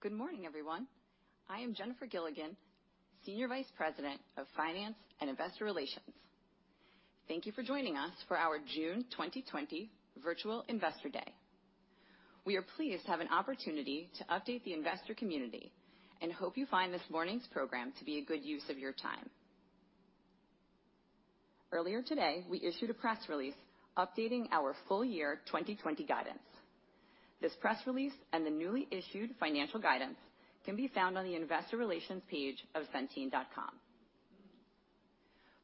Good morning, everyone. I am Jennifer Gilligan, Senior Vice President of Finance and Investor Relations. Thank you for joining us for our June 2020 virtual Investor Day. We are pleased to have an opportunity to update the investor community and hope you find this morning's program to be a good use of your time. Earlier today, we issued a press release updating our full year 2020 guidance. This press release and the newly issued financial guidance can be found on the investor relations page of centene.com.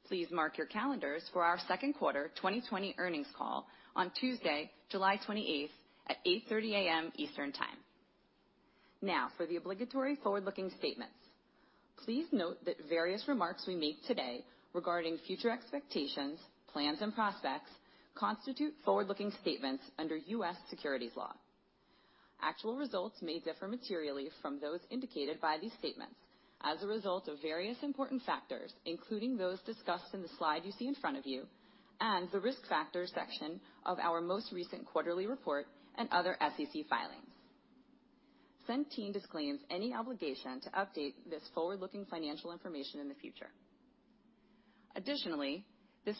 Please mark your calendars for our Q2 2020 earnings call on Tuesday, July 28th at 8:30 A.M. Eastern Time. For the obligatory forward-looking statements. Please note that various remarks we make today regarding future expectations, plans, and prospects constitute forward-looking statements under U.S. securities law. Actual results may differ materially from those indicated by these statements as a result of various important factors, including those discussed in the slide you see in front of you and the risk factors section of our most recent quarterly report and other SEC filings. Centene disclaims any obligation to update this forward-looking financial information in the future. Additionally, in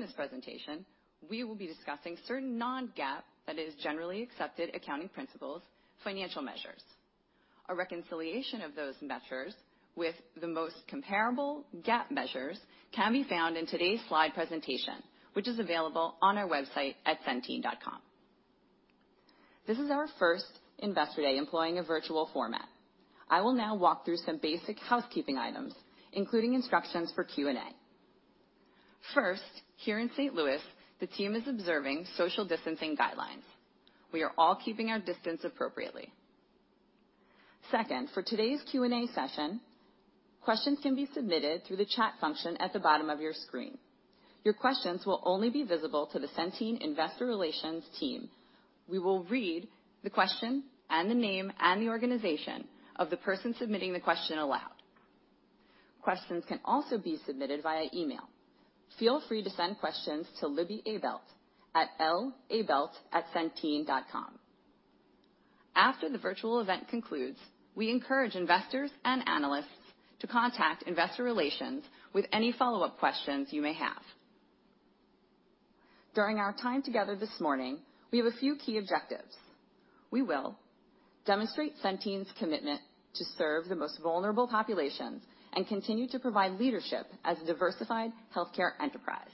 this presentation, we will be discussing certain non-GAAP, that is generally accepted accounting principles, financial measures. A reconciliation of those measures with the most comparable GAAP measures can be found in today's slide presentation, which is available on our website at centene.com. This is our first Investor Day employing a virtual format. I will now walk through some basic housekeeping items, including instructions for Q&A. First, here in St. Louis, the team is observing social distancing guidelines. We are all keeping our distance appropriately. Second, for today's Q&A session, questions can be submitted through the chat function at the bottom of your screen. Your questions will only be visible to the Centene Investor Relations team. We will read the question and the name and the organization of the person submitting the question aloud. Questions can also be submitted via email. Feel free to send questions to Libby Abelt at labelt@centene.com. After the virtual event concludes, we encourage investors and analysts to contact investor relations with any follow-up questions you may have. During our time together this morning, we have a few key objectives. We will demonstrate Centene's commitment to serve the most vulnerable populations and continue to provide leadership as a diversified healthcare enterprise,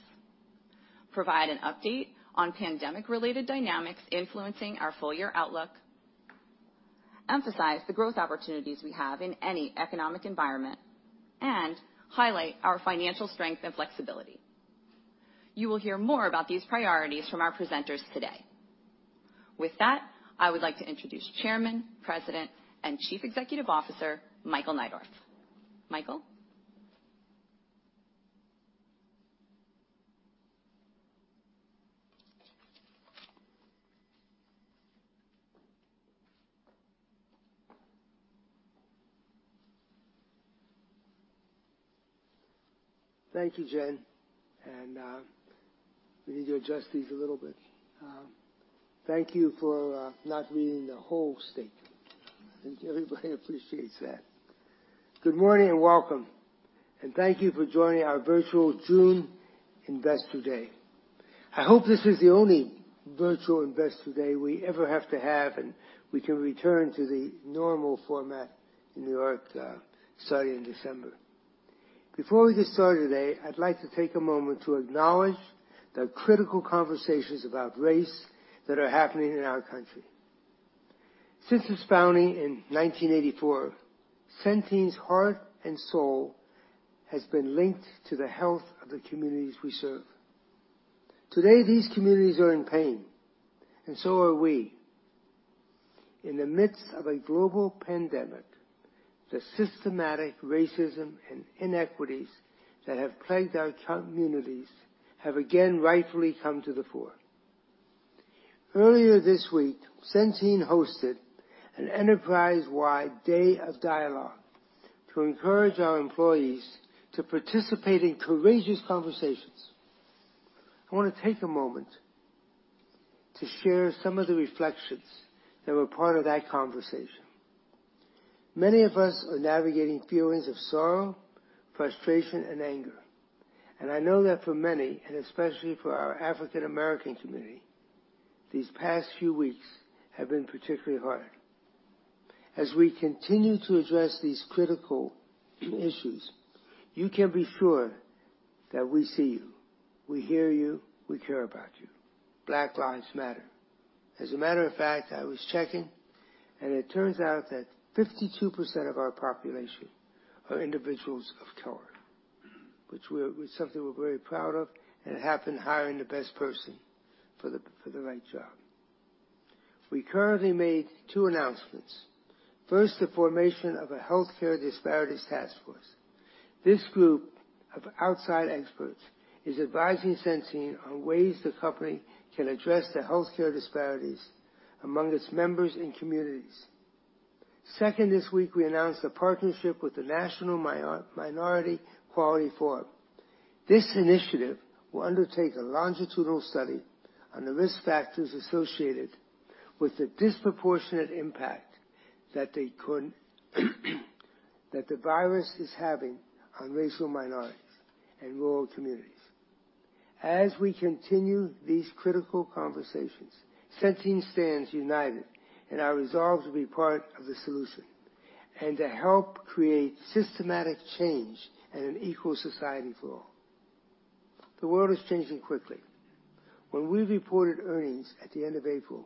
provide an update on pandemic-related dynamics influencing our full-year outlook, emphasize the growth opportunities we have in any economic environment, and highlight our financial strength and flexibility. You will hear more about these priorities from our presenters today. With that, I would like to introduce Chairman, President, and Chief Executive Officer, Michael Neidorff. Michael? Thank you, Jen. We need to adjust these a little bit. Thank you for not reading the whole statement. I think everybody appreciates that. Good morning and welcome, and thank you for joining our virtual June Investor Day. I hope this is the only virtual Investor Day we ever have to have, and we can return to the normal format in New York, starting in December. Before we get started today, I'd like to take a moment to acknowledge the critical conversations about race that are happening in our country. Since its founding in 1984, Centene's heart and soul has been linked to the health of the communities we serve. Today, these communities are in pain, and so are we. In the midst of a global pandemic, the systematic racism and inequities that have plagued our communities have again rightfully come to the fore. Earlier this week, Centene hosted an enterprise-wide day of dialogue to encourage our employees to participate in courageous conversations. I want to take a moment to share some of the reflections that were part of that conversation. Many of us are navigating feelings of sorrow, frustration, and anger, and I know that for many, and especially for our African American community, these past few weeks have been particularly hard. As we continue to address these critical issues, you can be sure that we see you, we hear you, we care about you. Black Lives Matter. As a matter of fact, I was checking, and it turns out that 52% of our population are individuals of color, which is something we're very proud of and it happened hiring the best person for the right job. We currently made two announcements. First, the formation of a Healthcare Disparities Task Force. This group of outside experts is advising Centene on ways the company can address the healthcare disparities among its members and communities. Second, this week we announced a partnership with the National Minority Quality Forum. This initiative will undertake a longitudinal study on the risk factors associated with the disproportionate impact that the virus is having on racial minorities and rural communities. As we continue these critical conversations, Centene stands united in our resolve to be part of the solution and to help create systematic change and an equal society for all. The world is changing quickly. When we reported earnings at the end of April,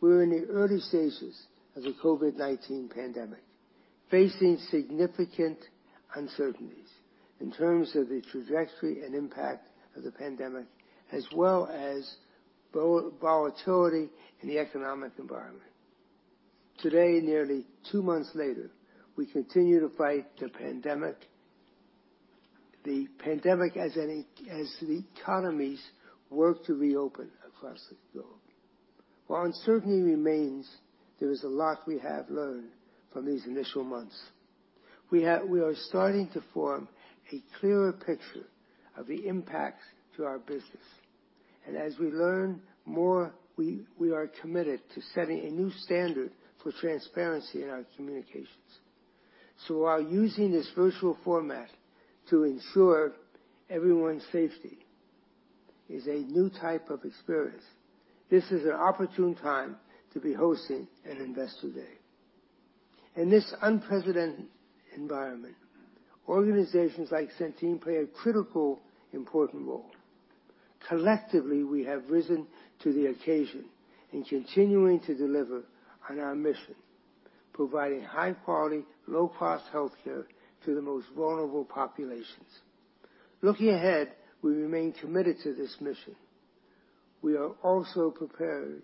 we were in the early stages of the COVID-19 pandemic, facing significant uncertainties in terms of the trajectory and impact of the pandemic, as well as volatility in the economic environment. Today, nearly two months later, we continue to fight the pandemic as the economies work to reopen across the globe. While uncertainty remains, there is a lot we have learned from these initial months. We are starting to form a clearer picture of the impacts to our business. As we learn more, we are committed to setting a new standard for transparency in our communications. While using this virtual format to ensure everyone's safety is a new type of experience, this is an opportune time to be hosting an Investor Day. In this unprecedented environment, organizations like Centene play a critical, important role. Collectively, we have risen to the occasion in continuing to deliver on our mission, providing high-quality, low-cost healthcare to the most vulnerable populations. Looking ahead, we remain committed to this mission. We are also prepared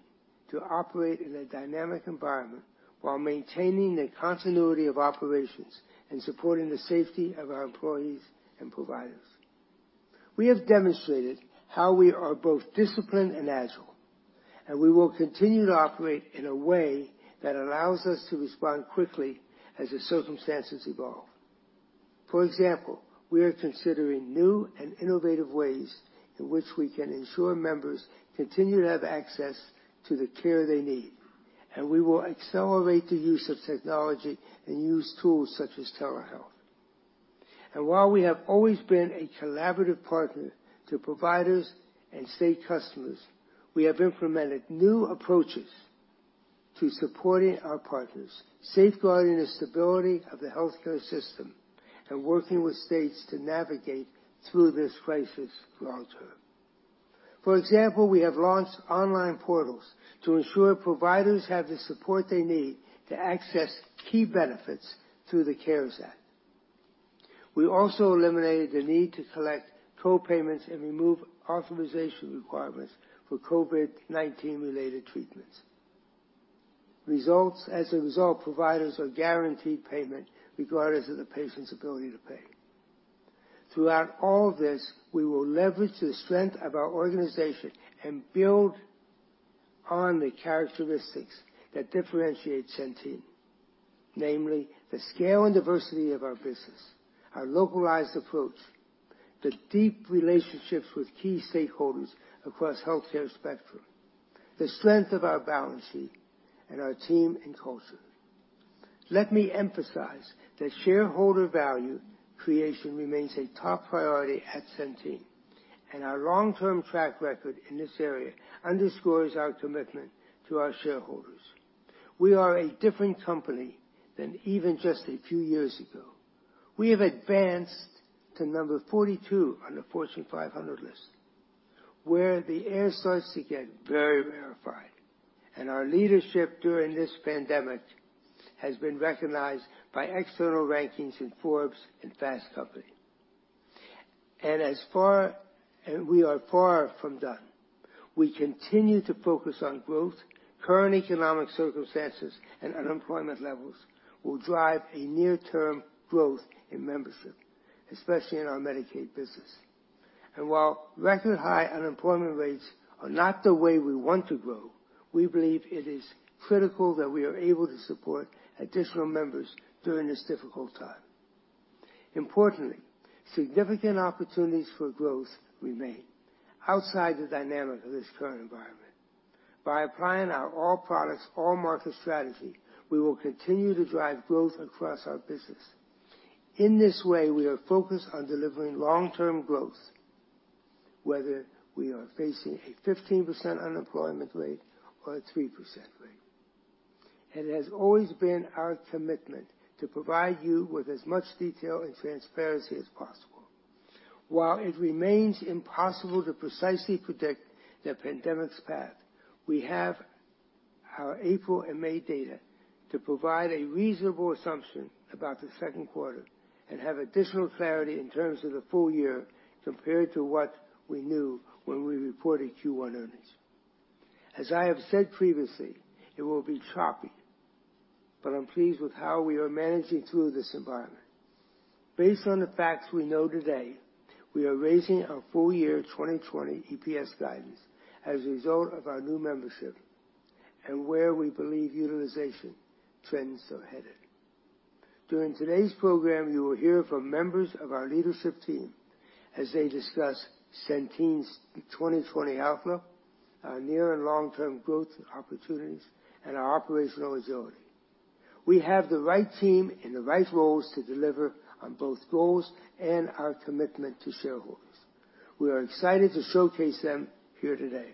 to operate in a dynamic environment while maintaining the continuity of operations and supporting the safety of our employees and providers. We have demonstrated how we are both disciplined and agile, and we will continue to operate in a way that allows us to respond quickly as the circumstances evolve. For example, we are considering new and innovative ways in which we can ensure members continue to have access to the care they need, and we will accelerate the use of technology and use tools such as telehealth. While we have always been a collaborative partner to providers and state customers, we have implemented new approaches to supporting our partners, safeguarding the stability of the healthcare system, and working with states to navigate through this crisis long-term. For example, we have launched online portals to ensure providers have the support they need to access key benefits through the CARES Act. We also eliminated the need to collect co-payments and remove authorization requirements for COVID-19-related treatments. As a result, providers are guaranteed payment regardless of the patient's ability to pay. Throughout all this, we will leverage the strength of our organization and build on the characteristics that differentiate Centene. Namely, the scale and diversity of our business, our localized approach, the deep relationships with key stakeholders across healthcare spectrum, the strength of our balance sheet, and our team and culture. Let me emphasize that shareholder value creation remains a top priority at Centene, and our long-term track record in this area underscores our commitment to our shareholders. We are a different company than even just a few years ago. We have advanced to number 42 on the Fortune 500 list, where the air starts to get very rarefied, our leadership during this pandemic has been recognized by external rankings in Forbes and Fast Company. We are far from done. We continue to focus on growth. Current economic circumstances and unemployment levels will drive a near-term growth in membership, especially in our Medicaid business. While record high unemployment rates are not the way we want to grow, we believe it is critical that we are able to support additional members during this difficult time. Importantly, significant opportunities for growth remain outside the dynamic of this current environment. By applying our all products, all market strategy, we will continue to drive growth across our business. In this way, we are focused on delivering long-term growth, whether we are facing a 15% unemployment rate or a three percent rate. It has always been our commitment to provide you with as much detail and transparency as possible. While it remains impossible to precisely predict the pandemic's path, we have our April and May data to provide a reasonable assumption about the Q2 and have additional clarity in terms of the full year compared to what we knew when we reported Q1 earnings. As I have said previously, it will be choppy, but I'm pleased with how we are managing through this environment. Based on the facts we know today, we are raising our full year 2020 EPS guidance as a result of our new membership and where we believe utilization trends are headed. During today's program, you will hear from members of our leadership team as they discuss Centene's 2020 outlook, our near and long-term growth opportunities, and our operational agility. We have the right team and the right roles to deliver on both goals and our commitment to shareholders. We are excited to showcase them here today.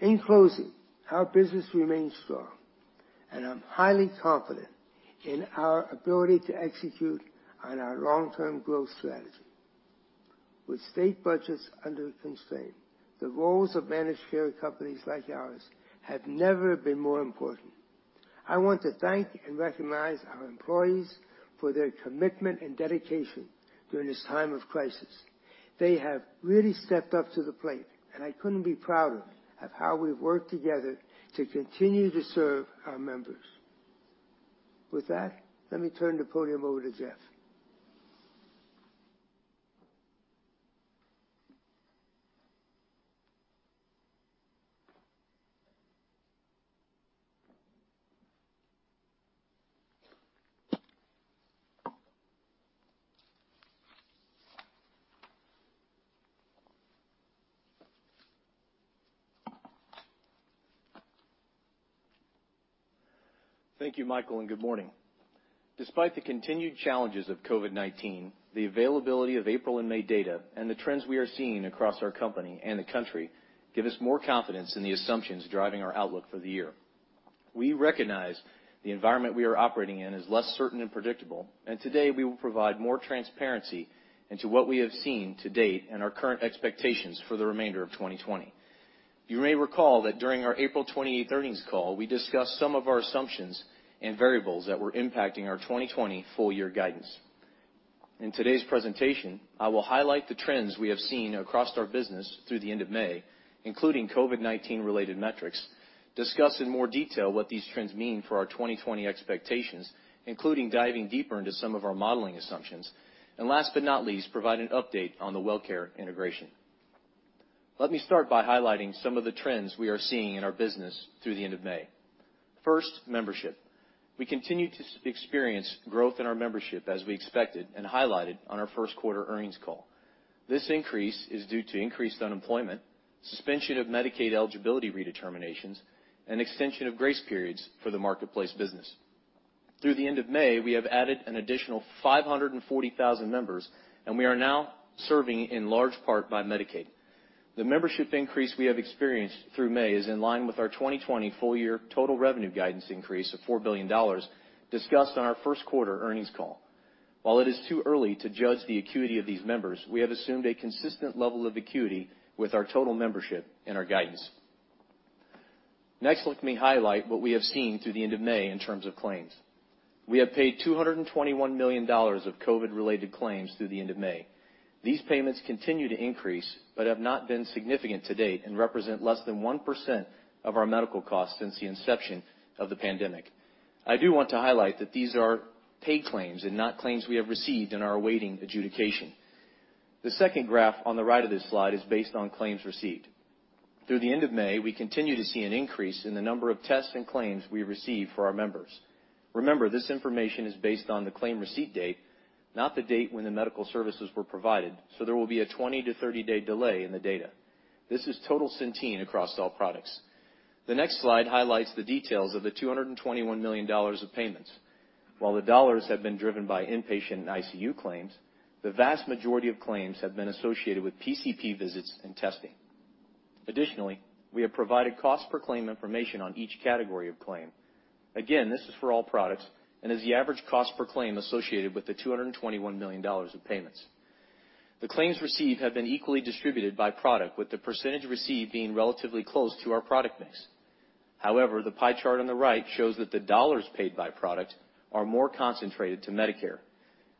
In closing, our business remains strong, and I'm highly confident in our ability to execute on our long-term growth strategy. With state budgets under constraint, the roles of managed care companies like ours have never been more important. I want to thank and recognize our employees for their commitment and dedication during this time of crisis. They have really stepped up to the plate, and I couldn't be prouder of how we've worked together to continue to serve our members. With that, let me turn the podium over to Jeff. Thank you, Michael, and good morning. Despite the continued challenges of COVID-19, the availability of April and May data and the trends we are seeing across our company and the country give us more confidence in the assumptions driving our outlook for the year. We recognize the environment we are operating in is less certain and predictable, and today we will provide more transparency into what we have seen to date and our current expectations for the remainder of 2020. You may recall that during our April 28th earnings call, we discussed some of our assumptions and variables that were impacting our 2020 full year guidance. In today's presentation, I will highlight the trends we have seen across our business through the end of May, including COVID-19 related metrics, discuss in more detail what these trends mean for our 2020 expectations, including diving deeper into some of our modeling assumptions. Last but not least, provide an update on the WellCare integration. Let me start by highlighting some of the trends we are seeing in our business through the end of May. First, membership. We continue to experience growth in our membership as we expected and highlighted on our Q1 earnings call. This increase is due to increased unemployment, suspension of Medicaid eligibility redeterminations, and extension of grace periods for the Marketplace business. Through the end of May, we have added an additional 540,000 members, and we are now serving in large part by Medicaid. The membership increase we have experienced through May is in line with our 2020 full year total revenue guidance increase of $4 billion discussed on our Q1 earnings call. While it is too early to judge the acuity of these members, we have assumed a consistent level of acuity with our total membership and our guidance. Let me highlight what we have seen through the end of May in terms of claims. We have paid $221 million of COVID-19 related claims through the end of May. These payments continue to increase, but have not been significant to date, and represent less than one percent of our medical costs since the inception of the pandemic. I do want to highlight that these are paid claims and not claims we have received and are awaiting adjudication. The second graph on the right of this slide is based on claims received. Through the end of May, we continue to see an increase in the number of tests and claims we receive for our members. Remember, this information is based on the claim receipt date, not the date when the medical services were provided, so there will be a 20 - 30-day delay in the data. This is total Centene across all products. The next slide highlights the details of the $221 million of payments. While the dollars have been driven by inpatient and ICU claims, the vast majority of claims have been associated with PCP visits and testing. Additionally, we have provided cost per claim information on each category of claim. Again, this is for all products and is the average cost per claim associated with the $221 million of payments. The claims received have been equally distributed by product, with the percentage received being relatively close to our product mix. The pie chart on the right shows that the dollars paid by product are more concentrated to Medicare.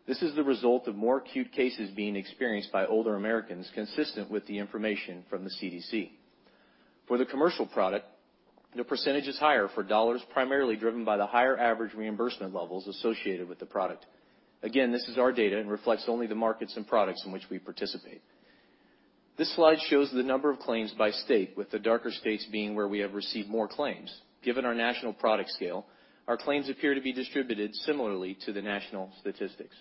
This is the result of more acute cases being experienced by older Americans, consistent with the information from the CDC. For the commercial product, the percentage is higher for dollars, primarily driven by the higher average reimbursement levels associated with the product. Again, this is our data and reflects only the markets and products in which we participate. This slide shows the number of claims by state, with the darker states being where we have received more claims. Given our national product scale, our claims appear to be distributed similarly to the national statistics.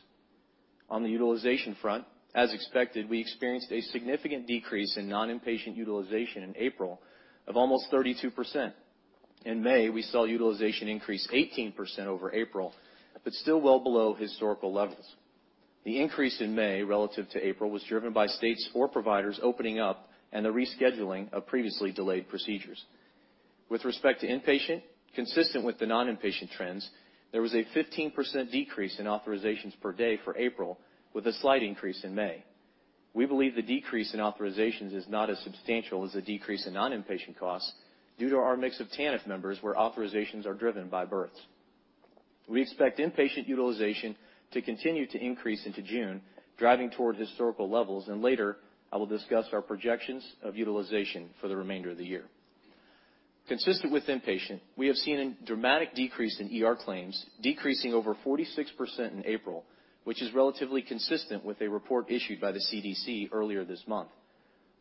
On the utilization front, as expected, we experienced a significant decrease in non-impatient utilization in April of almost 32%. In May, we saw utilization increase 18% over April, but still well below historical levels. The increase in May relative to April was driven by states or providers opening up and the rescheduling of previously delayed procedures. With respect to inpatient, consistent with the non-inpatient trends, there was a 15% decrease in authorizations per day for April with a slight increase in May. We believe the decrease in authorizations is not as substantial as the decrease in non-inpatient costs due to our mix of TANF members, where authorizations are driven by births. We expect inpatient utilization to continue to increase into June, driving toward historical levels, and later I will discuss our projections of utilization for the remainder of the year. Consistent with inpatient, we have seen a dramatic decrease in ER claims, decreasing over 46% in April, which is relatively consistent with a report issued by the CDC earlier this month.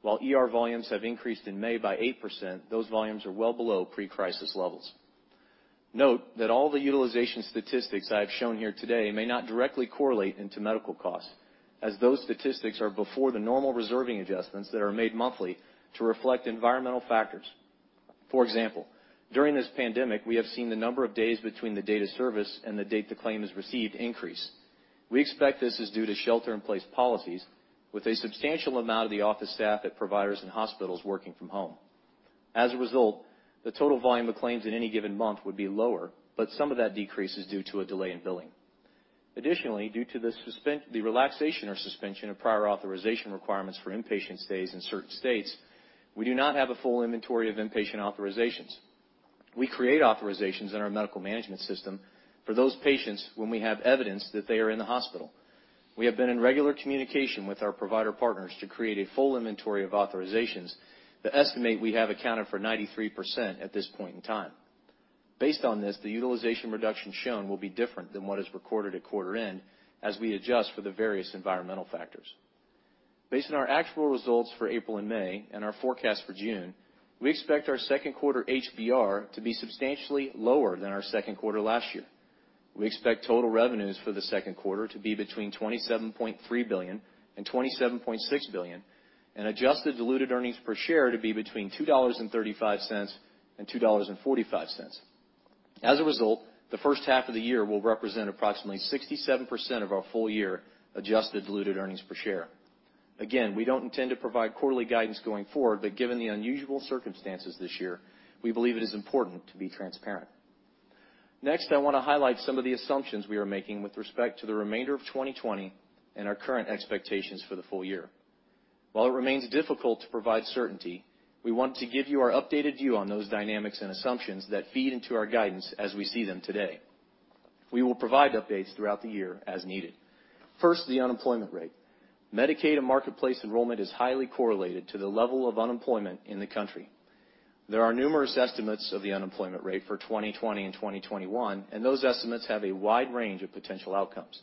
While ER volumes have increased in May by eight percent, those volumes are well below pre-crisis levels. Note that all the utilization statistics I have shown here today may not directly correlate into medical costs, as those statistics are before the normal reserving adjustments that are made monthly to reflect environmental factors. For example, during this pandemic, we have seen the number of days between the date of service and the date the claim is received increase. We expect this is due to shelter-in-place policies with a substantial amount of the office staff at providers and hospitals working from home. As a result, the total volume of claims in any given month would be lower, but some of that decrease is due to a delay in billing. Additionally, due to the relaxation or suspension of prior authorization requirements for inpatient stays in certain states, we do not have a full inventory of inpatient authorizations. We create authorizations in our medical management system for those patients when we have evidence that they are in the hospital. We have been in regular communication with our provider partners to create a full inventory of authorizations. The estimate we have accounted for 93% at this point in time. Based on this, the utilization reduction shown will be different than what is recorded at quarter end, as we adjust for the various environmental factors. Based on our actual results for April and May and our forecast for June, we expect our Q2 HBR to be substantially lower than our Q2 last year. We expect total revenues for the Q2 to be between $27.3 billion and $27.6 billion, and adjusted diluted earnings per share to be between $2.35 and $2.45. As a result, the first half of the year will represent approximately 67% of our full-year adjusted diluted earnings per share. Again, we don't intend to provide quarterly guidance going forward, but given the unusual circumstances this year, we believe it is important to be transparent. Next, I want to highlight some of the assumptions we are making with respect to the remainder of 2020 and our current expectations for the full year. While it remains difficult to provide certainty, we want to give you our updated view on those dynamics and assumptions that feed into our guidance as we see them today. We will provide updates throughout the year as needed. First, the unemployment rate. Medicaid and marketplace enrollment is highly correlated to the level of unemployment in the country. There are numerous estimates of the unemployment rate for 2020 and 2021, and those estimates have a wide range of potential outcomes.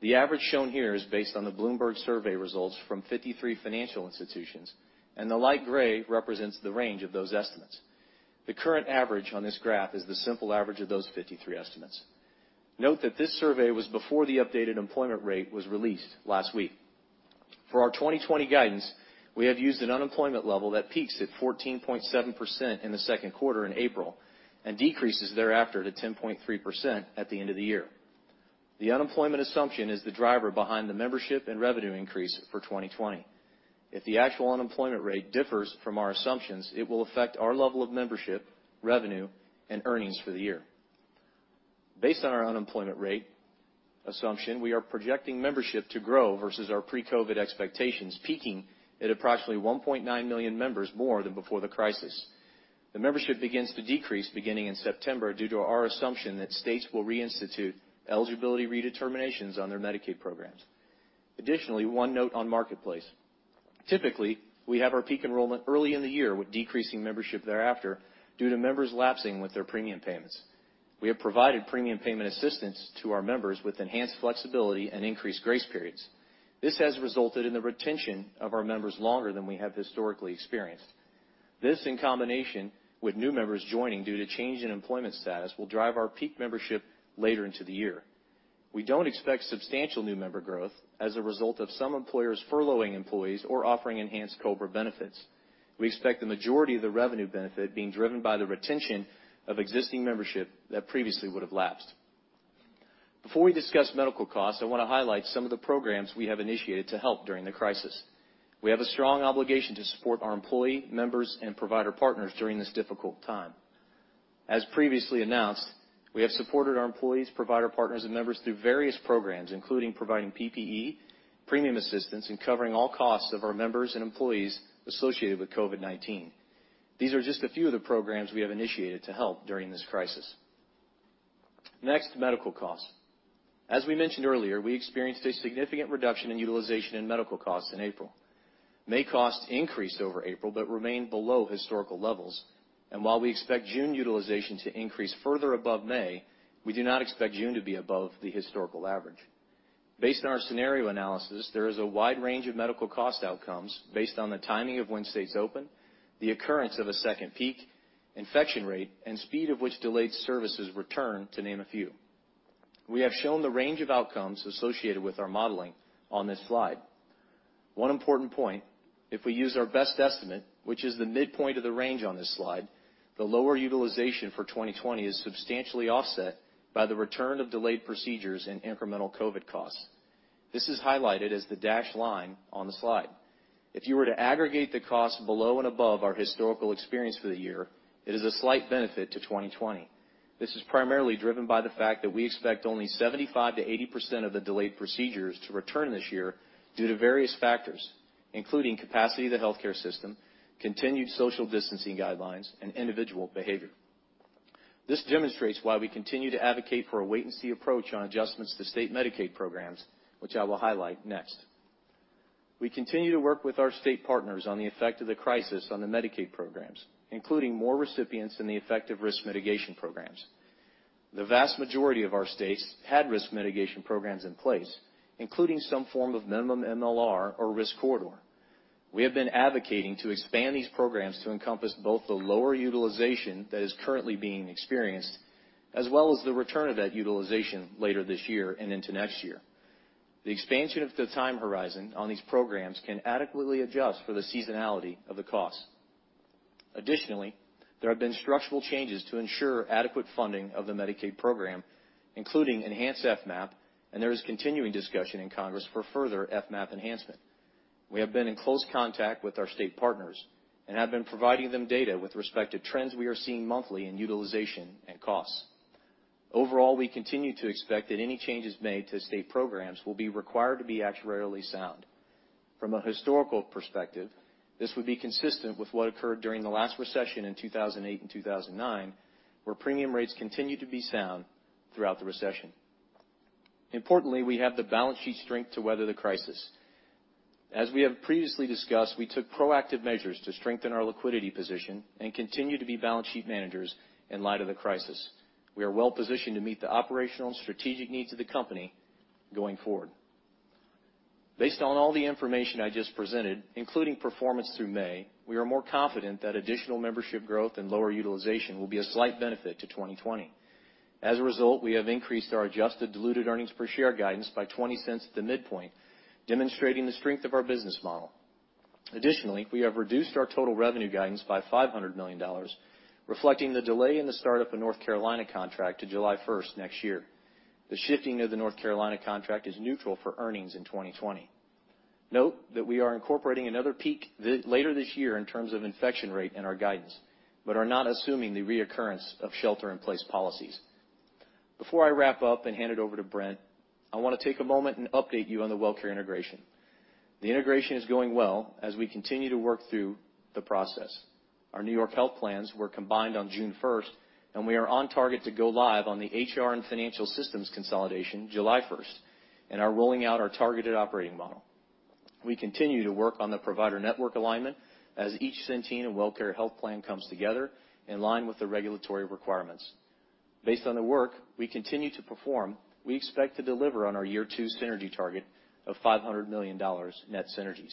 The average shown here is based on the Bloomberg survey results from 53 financial institutions, and the light gray represents the range of those estimates. The current average on this graph is the simple average of those 53 estimates. Note that this survey was before the updated employment rate was released last week. For our 2020 guidance, we have used an unemployment level that peaks at 14.7% in the Q2 in April and decreases thereafter to 10.3% at the end of the year. The unemployment assumption is the driver behind the membership and revenue increase for 2020. If the actual unemployment rate differs from our assumptions, it will affect our level of membership, revenue, and earnings for the year. Based on our unemployment rate assumption, we are projecting membership to grow versus our pre-COVID expectations, peaking at approximately 1.9 million members more than before the crisis. The membership begins to decrease beginning in September, due to our assumption that states will reinstitute eligibility redeterminations on their Medicaid programs. Additionally, one note on Marketplace. Typically, we have our peak enrollment early in the year, with decreasing membership thereafter due to members lapsing with their premium payments. We have provided premium payment assistance to our members with enhanced flexibility and increased grace periods. This has resulted in the retention of our members longer than we have historically experienced. This, in combination with new members joining due to change in employment status, will drive our peak membership later into the year. We don't expect substantial new member growth as a result of some employers furloughing employees or offering enhanced COBRA benefits. We expect the majority of the revenue benefit being driven by the retention of existing membership that previously would have lapsed. Before we discuss medical costs, I want to highlight some of the programs we have initiated to help during the crisis. We have a strong obligation to support our employee, members, and provider partners during this difficult time. As previously announced, we have supported our employees, provider partners, and members through various programs, including providing PPE, premium assistance, and covering all costs of our members and employees associated with COVID-19. These are just a few of the programs we have initiated to help during this crisis. Next, medical costs. As we mentioned earlier, we experienced a significant reduction in utilization and medical costs in April. May costs increased over April but remained below historical levels. While we expect June utilization to increase further above May, we do not expect June to be above the historical average. Based on our scenario analysis, there is a wide range of medical cost outcomes based on the timing of when states open, the occurrence of a second peak, infection rate, and speed of which delayed services return, to name a few. We have shown the range of outcomes associated with our modeling on this slide. One important point, if we use our best estimate, which is the midpoint of the range on this slide, the lower utilization for 2020 is substantially offset by the return of delayed procedures and incremental COVID costs. This is highlighted as the dashed line on the slide. If you were to aggregate the cost below and above our historical experience for the year, it is a slight benefit to 2020. This is primarily driven by the fact that we expect only 75%-80% of the delayed procedures to return this year due to various factors, including capacity of the healthcare system, continued social distancing guidelines, and individual behavior. This demonstrates why we continue to advocate for a wait-and-see approach on adjustments to state Medicaid programs, which I will highlight next. We continue to work with our state partners on the effect of the crisis on the Medicaid programs, including more recipients in the effective risk mitigation programs. The vast majority of our states had risk mitigation programs in place, including some form of minimum MLR or risk corridor. We have been advocating to expand these programs to encompass both the lower utilization that is currently being experienced, as well as the return of that utilization later this year and into next year. The expansion of the time horizon on these programs can adequately adjust for the seasonality of the cost. Additionally, there have been structural changes to ensure adequate funding of the Medicaid program, including enhanced FMAP, and there is continuing discussion in Congress for further FMAP enhancement. We have been in close contact with our state partners and have been providing them data with respect to trends we are seeing monthly in utilization and costs. Overall, we continue to expect that any changes made to state programs will be required to be actuarially sound. From a historical perspective, this would be consistent with what occurred during the last recession in 2008 and 2009, where premium rates continued to be sound throughout the recession. Importantly, we have the balance sheet strength to weather the crisis. As we have previously discussed, we took proactive measures to strengthen our liquidity position and continue to be balance sheet managers in light of the crisis. We are well positioned to meet the operational and strategic needs of the company going forward. Based on all the information I just presented, including performance through May, we are more confident that additional membership growth and lower utilization will be a slight benefit to 2020. As a result, we have increased our adjusted diluted earnings per share guidance by $0.20 at the midpoint, demonstrating the strength of our business model. Additionally, we have reduced our total revenue guidance by $500 million, reflecting the delay in the start of the North Carolina contract to July 1st next year. The shifting of the North Carolina contract is neutral for earnings in 2020. Note that we are incorporating another peak later this year in terms of infection rate in our guidance but are not assuming the reoccurrence of shelter-in-place policies. Before I wrap up and hand it over to Brent, I want to take a moment and update you on the WellCare integration. The integration is going well as we continue to work through the process. Our New York health plans were combined on June 1st, and we are on target to go live on the HR and financial systems consolidation July 1st and are rolling out our targeted operating model. We continue to work on the provider network alignment as each Centene and WellCare health plan comes together in line with the regulatory requirements. Based on the work we continue to perform, we expect to deliver on our year two synergy target of $500 million net synergies.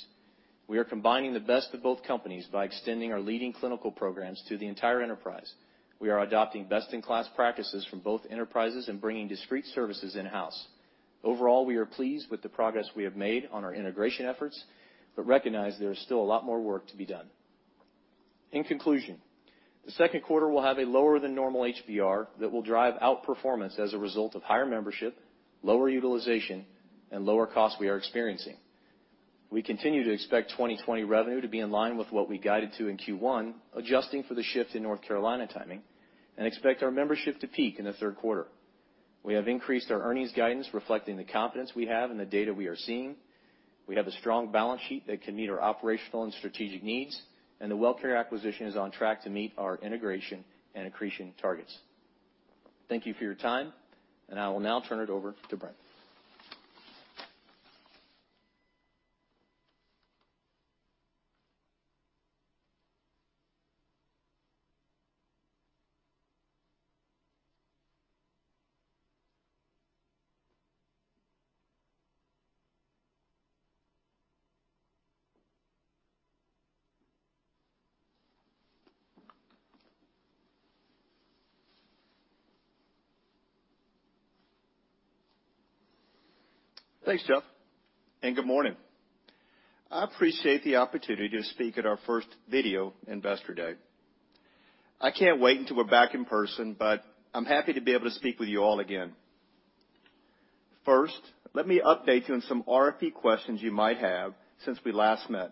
We are combining the best of both companies by extending our leading clinical programs to the entire enterprise. We are adopting best-in-class practices from both enterprises and bringing discrete services in-house. Overall, we are pleased with the progress we have made on our integration efforts but recognize there is still a lot more work to be done. In conclusion, the Q2 will have a lower than normal HBR that will drive outperformance as a result of higher membership, lower utilization, and lower costs we are experiencing. We continue to expect 2020 revenue to be in line with what we guided to in Q1, adjusting for the shift in North Carolina timing, and expect our membership to peak in the Q3. We have increased our earnings guidance reflecting the confidence we have and the data we are seeing. We have a strong balance sheet that can meet our operational and strategic needs, and the WellCare acquisition is on track to meet our integration and accretion targets. Thank you for your time, and I will now turn it over to Brent. Thanks, Jeff, and good morning. I appreciate the opportunity to speak at our first video Investor Day. I can't wait until we're back in person, but I'm happy to be able to speak with you all again. First, let me update you on some RFP questions you might have since we last met.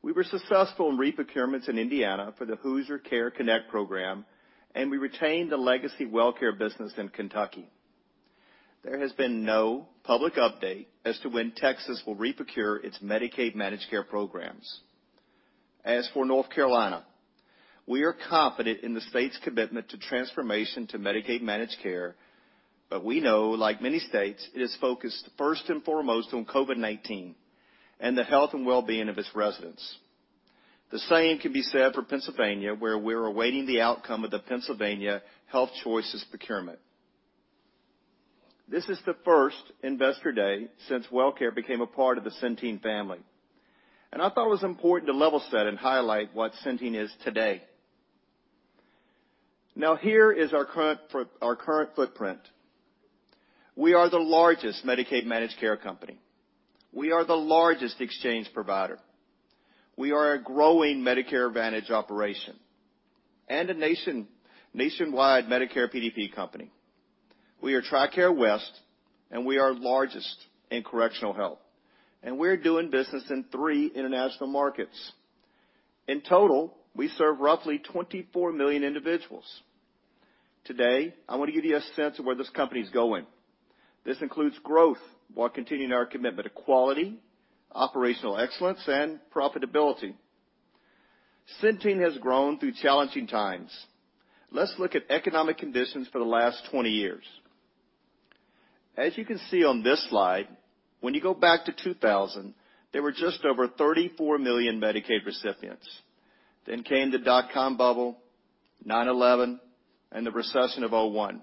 We were successful in reprocurements in Indiana for the Hoosier Care Connect program, and we retained the legacy WellCare business in Kentucky. There has been no public update as to when Texas will reprocure its Medicaid managed care programs. As for North Carolina, we are confident in the state's commitment to transformation to Medicaid managed care, but we know, like many states, it is focused first and foremost on COVID-19 and the health and wellbeing of its residents. The same can be said for Pennsylvania, where we're awaiting the outcome of the Pennsylvania Health Choices procurement. This is the first Investor Day since WellCare became a part of the Centene family, and I thought it was important to level set and highlight what Centene is today. Now, here is our current footprint. We are the largest Medicaid managed care company. We are the largest exchange provider. We are a growing Medicare Advantage operation and a nationwide Medicare PDP company. We are TRICARE West, and we are largest in correctional health, and we're doing business in three international markets. In total, we serve roughly 24 million individuals. Today, I want to give you a sense of where this company is going. This includes growth while continuing our commitment to quality, operational excellence, and profitability. Centene has grown through challenging times. Let's look at economic conditions for the last 20 years. As you can see on this slide, when you go back to 2000, there were just over 34 million Medicaid recipients. Came the dot com bubble, 9/11, and the recession of 2001,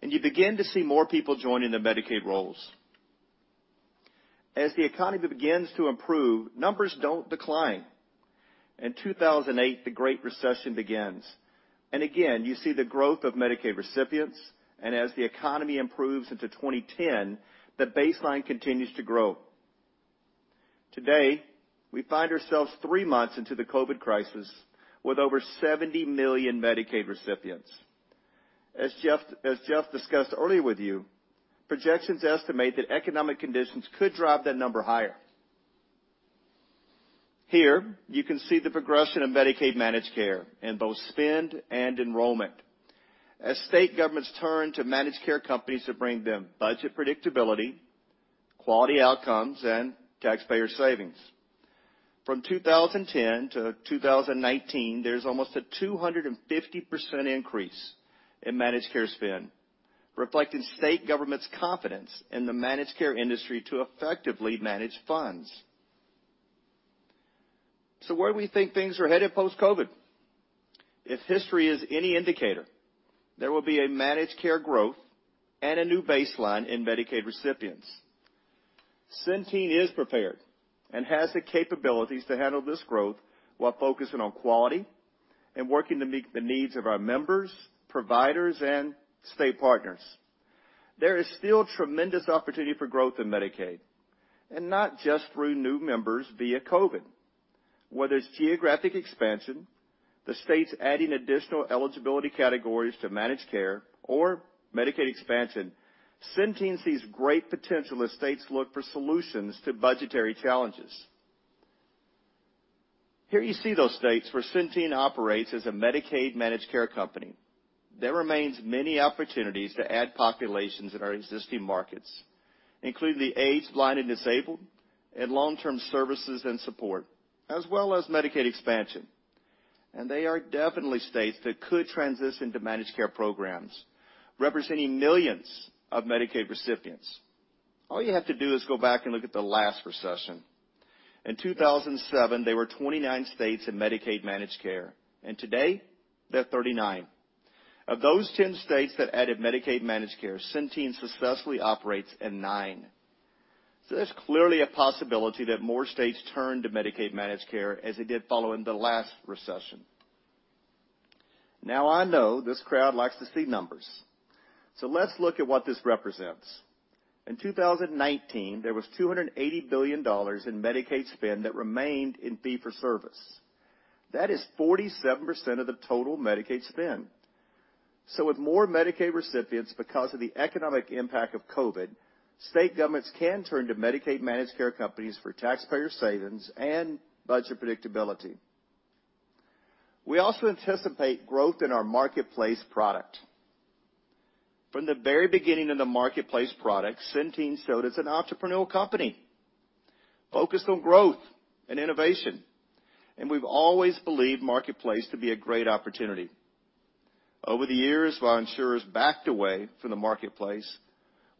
and you begin to see more people joining the Medicaid rolls. As the economy begins to improve, numbers don't decline. In 2008, the Great Recession begins, and again, you see the growth of Medicaid recipients, and as the economy improves into 2010, the baseline continues to grow. Today, we find ourselves three months into the COVID crisis with over 70 million Medicaid recipients. As Jeff discussed earlier with you, projections estimate that economic conditions could drive that number higher. Here, you can see the progression of Medicaid managed care in both spend and enrollment. As state governments turn to managed care companies to bring them budget predictability, quality outcomes, and taxpayer savings. From 2010 - 2019, there's almost a 250% increase in managed care spend, reflecting state governments' confidence in the managed care industry to effectively manage funds. Where do we think things are headed post-COVID? If history is any indicator, there will be a managed care growth and a new baseline in Medicaid recipients. Centene is prepared and has the capabilities to handle this growth while focusing on quality and working to meet the needs of our members, providers, and state partners. There is still tremendous opportunity for growth in Medicaid, and not just through new members via COVID. Whether it's geographic expansion, the states adding additional eligibility categories to managed care or Medicaid expansion, Centene sees great potential as states look for solutions to budgetary challenges. Here you see those states where Centene operates as a Medicaid managed care company. There remains many opportunities to add populations in our existing markets, including the aged, blind, and disabled, and long-term services and support, as well as Medicaid expansion. They are definitely states that could transition to managed care programs, representing millions of Medicaid recipients. All you have to do is go back and look at the last recession. In 2007, there were 29 states in Medicaid managed care, and today there are 39. Of those 10 states that added Medicaid managed care, Centene successfully operates in nine. There's clearly a possibility that more states turn to Medicaid managed care as they did following the last recession. Now I know this crowd likes to see numbers. Let's look at what this represents. In 2019, there was $280 billion in Medicaid spend that remained in fee for service. That is 47% of the total Medicaid spend. With more Medicaid recipients because of the economic impact of COVID, state governments can turn to Medicaid managed care companies for taxpayer savings and budget predictability. We also anticipate growth in our marketplace product. From the very beginning of the marketplace product, Centene showed as an entrepreneurial company focused on growth and innovation, and we've always believed marketplace to be a great opportunity. Over the years, while insurers backed away from the marketplace,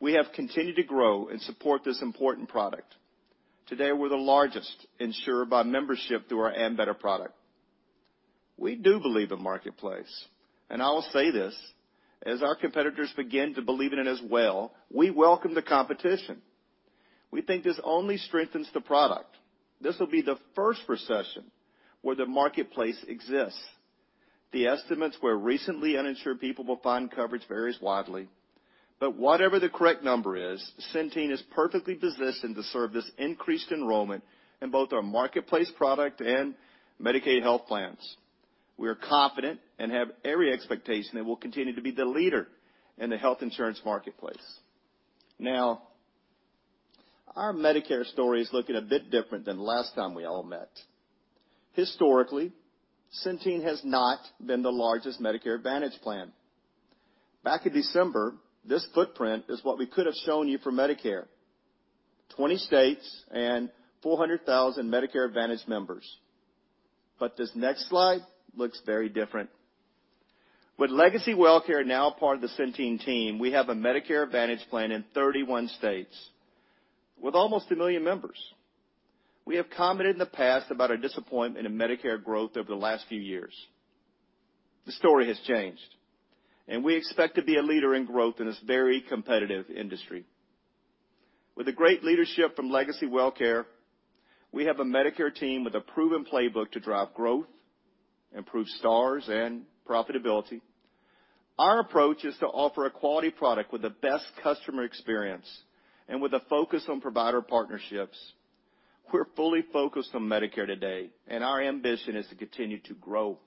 we have continued to grow and support this important product. Today, we're the largest insurer by membership through our Ambetter product. We do believe in marketplace, and I will say this, as our competitors begin to believe in it as well, we welcome the competition. We think this only strengthens the product. This will be the first recession where the marketplace exists. The estimates where recently uninsured people will find coverage varies widely. whatever the correct number is, Centene is perfectly positioned to serve this increased enrollment in both our marketplace product and Medicaid health plans. We are confident and have every expectation that we'll continue to be the leader in the health insurance marketplace. Now, our Medicare story is looking a bit different than last time we all met. Historically, Centene has not been the largest Medicare Advantage plan. Back in December, this footprint is what we could have shown you for Medicare, 20 states and 400,000 Medicare Advantage members. This next slide looks very different. With Legacy WellCare now part of the Centene team, we have a Medicare Advantage plan in 31 states with almost 1,000,000 members. We have commented in the past about our disappointment in Medicare growth over the last few years. The story has changed, and we expect to be a leader in growth in this very competitive industry. With the great leadership from Legacy WellCare, we have a Medicare team with a proven playbook to drive growth, improve stars, and profitability. Our approach is to offer a quality product with the best customer experience and with a focus on provider partnerships. We're fully focused on Medicare today, and our ambition is to continue to grow.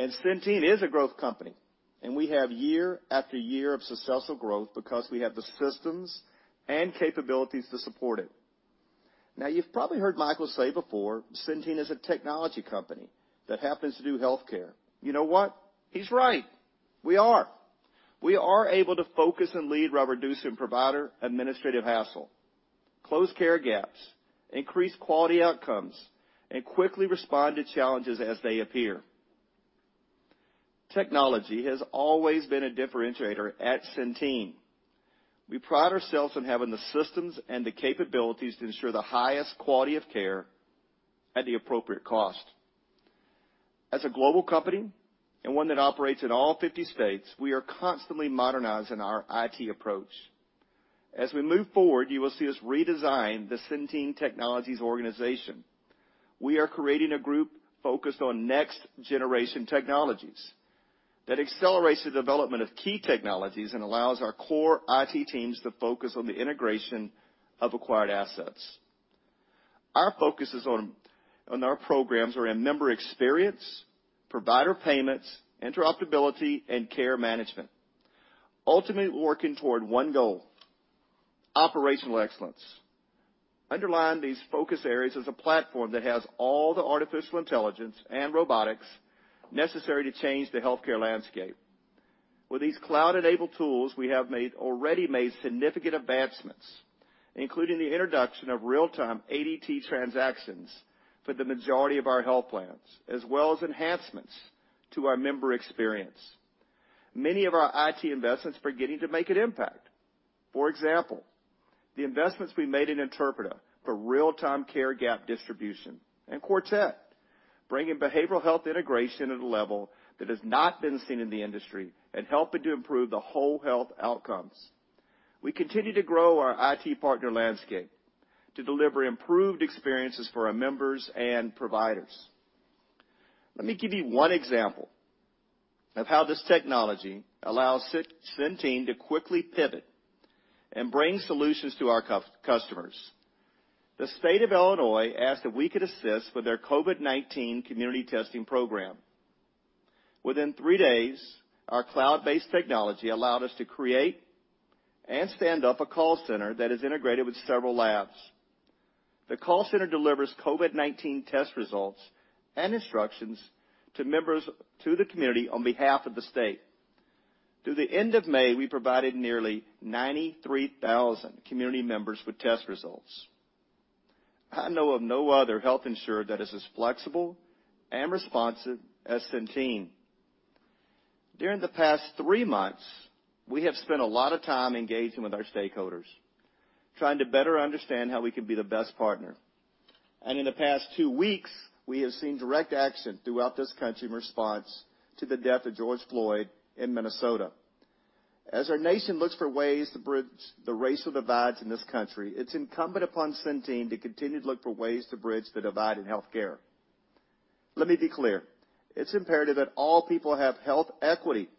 Centene is a growth company, and we have year after year of successful growth because we have the systems and capabilities to support it. Now, you've probably heard Michael say before, Centene is a technology company that happens to do healthcare. You know what? He's right. We are. We are able to focus and lead while reducing provider administrative hassle, close care gaps, increase quality outcomes, and quickly respond to challenges as they appear. Technology has always been a differentiator at Centene. We pride ourselves on having the systems and the capabilities to ensure the highest quality of care at the appropriate cost. As a global company, and one that operates in all 50 states, we are constantly modernizing our IT approach. As we move forward, you will see us redesign the Centene Technologies organization. We are creating a group focused on next-generation technologies that accelerates the development of key technologies and allows our core IT teams to focus on the integration of acquired assets. Our focuses on our programs are in member experience, provider payments, interoperability, and care management, ultimately working toward one goal: operational excellence. Underlying these focus areas is a platform that has all the artificial intelligence and robotics necessary to change the healthcare landscape. With these cloud-enabled tools, we have already made significant advancements, including the introduction of real-time ADT transactions for the majority of our health plans, as well as enhancements to our member experience. Many of our IT investments are beginning to make an impact. For example, the investments we made in Interpreta for real-time care gap distribution, and Quartet, bringing behavioral health integration at a level that has not been seen in the industry and helping to improve the whole health outcomes. We continue to grow our IT partner landscape to deliver improved experiences for our members and providers. Let me give you one example of how this technology allows Centene to quickly pivot and bring solutions to our customers. The state of Illinois asked if we could assist with their COVID-19 community testing program. Within three days, our cloud-based technology allowed us to create and stand up a call center that is integrated with several labs. The call center delivers COVID-19 test results and instructions to the community on behalf of the state. Through the end of May, we provided nearly 93,000 community members with test results. I know of no other health insurer that is as flexible and responsive as Centene. During the past three months, we have spent a lot of time engaging with our stakeholders, trying to better understand how we can be the best partner. In the past two weeks, we have seen direct action throughout this country in response to the death of George Floyd in Minnesota. As our nation looks for ways to bridge the racial divides in this country, it's incumbent upon Centene to continue to look for ways to bridge the divide in healthcare. Let me be clear. It's imperative that all people have health equity.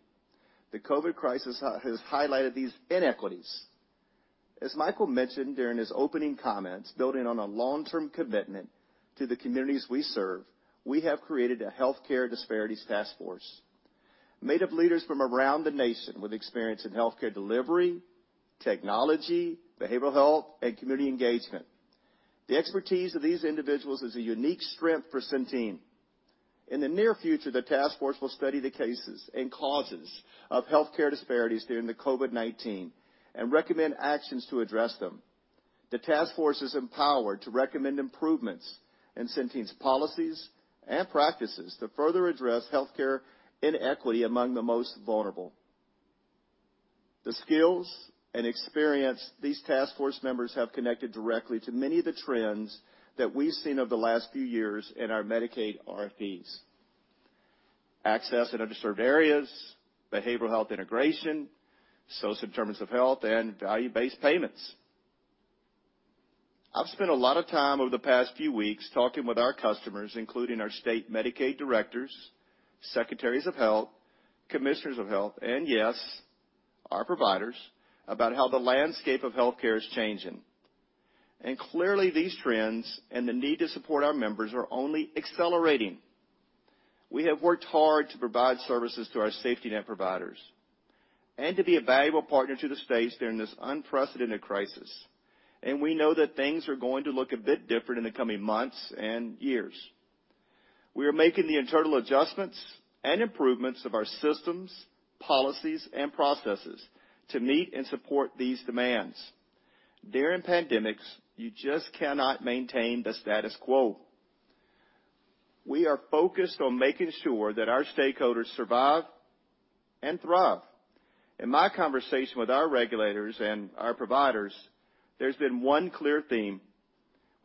The COVID crisis has highlighted these inequities. As Michael mentioned during his opening comments, building on a long-term commitment to the communities we serve, we have created a healthcare disparities task force made of leaders from around the nation with experience in healthcare delivery, technology, behavioral health, and community engagement. The expertise of these individuals is a unique strength for Centene. In the near future, the task force will study the cases and causes of healthcare disparities during the COVID-19 and recommend actions to address them. The task force is empowered to recommend improvements in Centene's policies and practices to further address healthcare inequity among the most vulnerable. The skills and experience these task force members have connected directly to many of the trends that we've seen over the last few years in our Medicaid RFPs. Access in underserved areas, behavioral health integration, social determinants of health, and value-based payments. I've spent a lot of time over the past few weeks talking with our customers, including our state Medicaid directors, secretaries of health, commissioners of health, and yes, our providers, about how the landscape of healthcare is changing. Clearly, these trends and the need to support our members are only accelerating. We have worked hard to provide services to our safety net providers and to be a valuable partner to the states during this unprecedented crisis, and we know that things are going to look a bit different in the coming months and years. We are making the internal adjustments and improvements of our systems, policies, and processes to meet and support these demands. During pandemics, you just cannot maintain the status quo. We are focused on making sure that our stakeholders survive and thrive. In my conversation with our regulators and our providers, there's been one clear theme.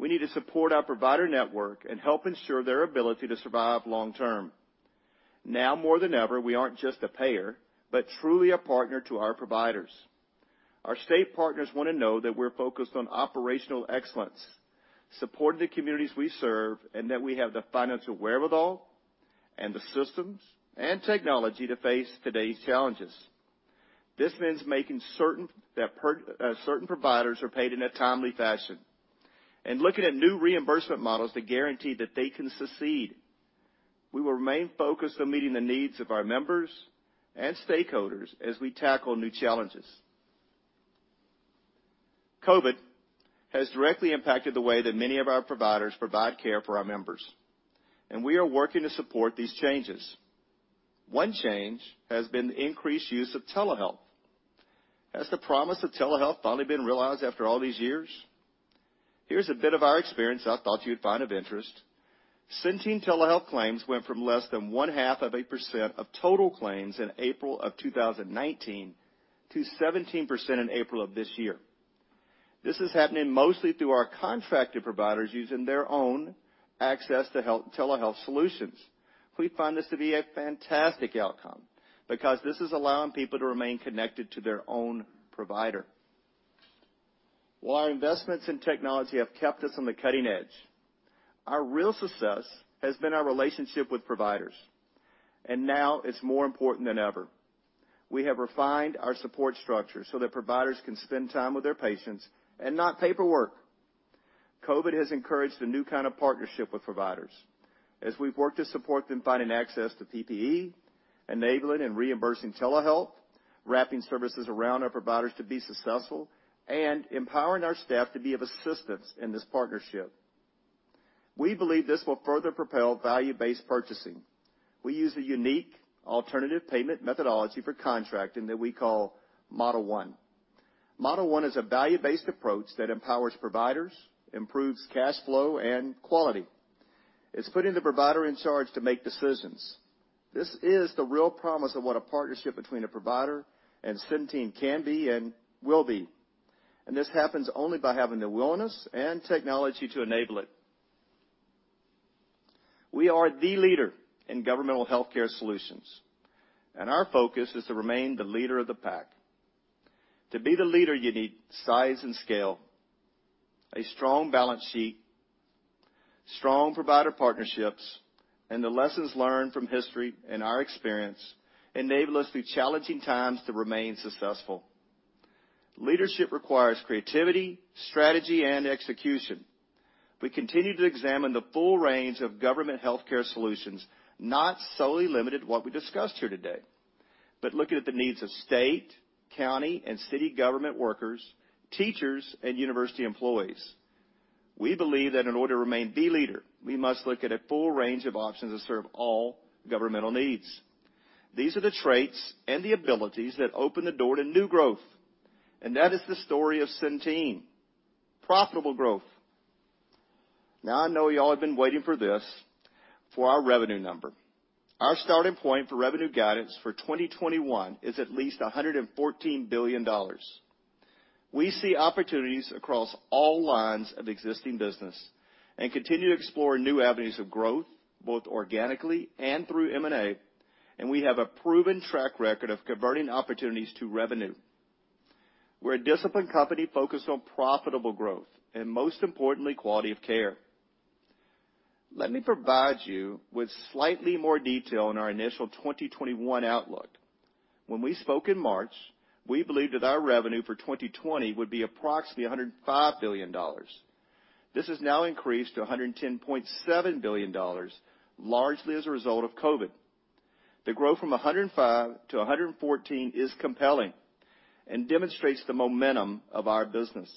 We need to support our provider network and help ensure their ability to survive long term. Now more than ever, we aren't just a payer, but truly a partner to our providers. Our state partners want to know that we're focused on operational excellence, supporting the communities we serve, and that we have the financial wherewithal and the systems and technology to face today's challenges. This means making certain that certain providers are paid in a timely fashion and looking at new reimbursement models to guarantee that they can succeed. We will remain focused on meeting the needs of our members and stakeholders as we tackle new challenges. COVID has directly impacted the way that many of our providers provide care for our members, and we are working to support these changes. One change has been the increased use of telehealth. Has the promise of telehealth finally been realized after all these years? Here's a bit of our experience I thought you'd find of interest. Centene telehealth claims went from less than one-half of a percent of total claims in April of 2019 t- 17% in April of this year. This is happening mostly through our contracted providers using their own access to telehealth solutions. We find this to be a fantastic outcome because this is allowing people to remain connected to their own provider. While our investments in technology have kept us on the cutting edge, our real success has been our relationship with providers, and now it's more important than ever. We have refined our support structure so that providers can spend time with their patients and not paperwork. COVID has encouraged a new kind of partnership with providers as we've worked to support them finding access to PPE, enabling and reimbursing telehealth, wrapping services around our providers to be successful, and empowering our staff to be of assistance in this partnership. We believe this will further propel value-based purchasing. We use a unique alternative payment methodology for contracting that we call Model One. Model One is a value-based approach that empowers providers, improves cash flow, and quality. It's putting the provider in charge to make decisions. This is the real promise of what a partnership between a provider and Centene can be and will be. This happens only by having the willingness and technology to enable it. We are the leader in governmental healthcare solutions, and our focus is to remain the leader of the pack. To be the leader, you need size and scale, a strong balance sheet, strong provider partnerships. The lessons learned from history and our experience enable us through challenging times to remain successful. Leadership requires creativity, strategy, and execution. We continue to examine the full range of government healthcare solutions, not solely limited to what we discussed here today, but looking at the needs of state, county, and city government workers, teachers, and university employees. We believe that in order to remain the leader, we must look at a full range of options to serve all governmental needs. These are the traits and the abilities that open the door to new growth, and that is the story of Centene. Profitable growth. Now, I know you all have been waiting for this, for our revenue number. Our starting point for revenue guidance for 2021 is at least $114 billion. We see opportunities across all lines of existing business and continue to explore new avenues of growth, both organically and through M&A, and we have a proven track record of converting opportunities to revenue. We're a disciplined company focused on profitable growth and, most importantly, quality of care. Let me provide you with slightly more detail on our initial 2021 outlook. When we spoke in March, we believed that our revenue for 2020 would be approximately $105 billion. This has now increased to $110.7 billion, largely as a result of COVID. The growth from 105 to 114 is compelling and demonstrates the momentum of our business.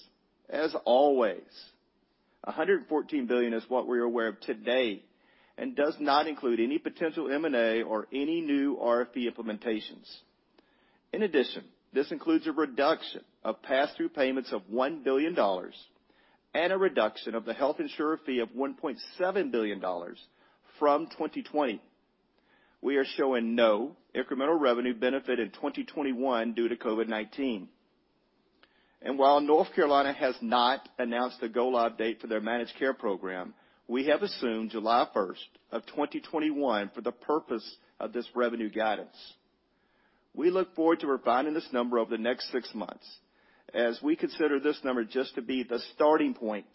As always, 114 billion is what we are aware of today and does not include any potential M&A or any new RFP implementations. In addition, this includes a reduction of pass-through payments of $1 billion and a reduction of the health insurer fee of $1.7 billion from 2020. We are showing no incremental revenue benefit in 2021 due to COVID-19. While North Carolina has not announced the go-live date for their managed care program, we have assumed July 1st of 2021 for the purpose of this revenue guidance. We look forward to refining this number over the next six months as we consider this number just to be the starting point.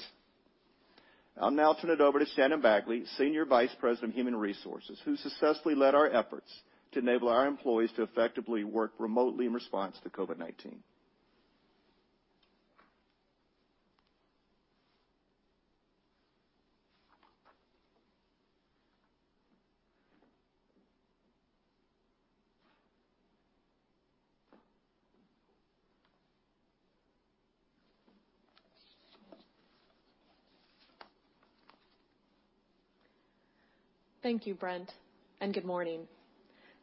I'll now turn it over to Shannon Bagley, Senior Vice President of Human Resources, who successfully led our efforts to enable our employees to effectively work remotely in response to COVID-19. Thank you, Brent, and good morning.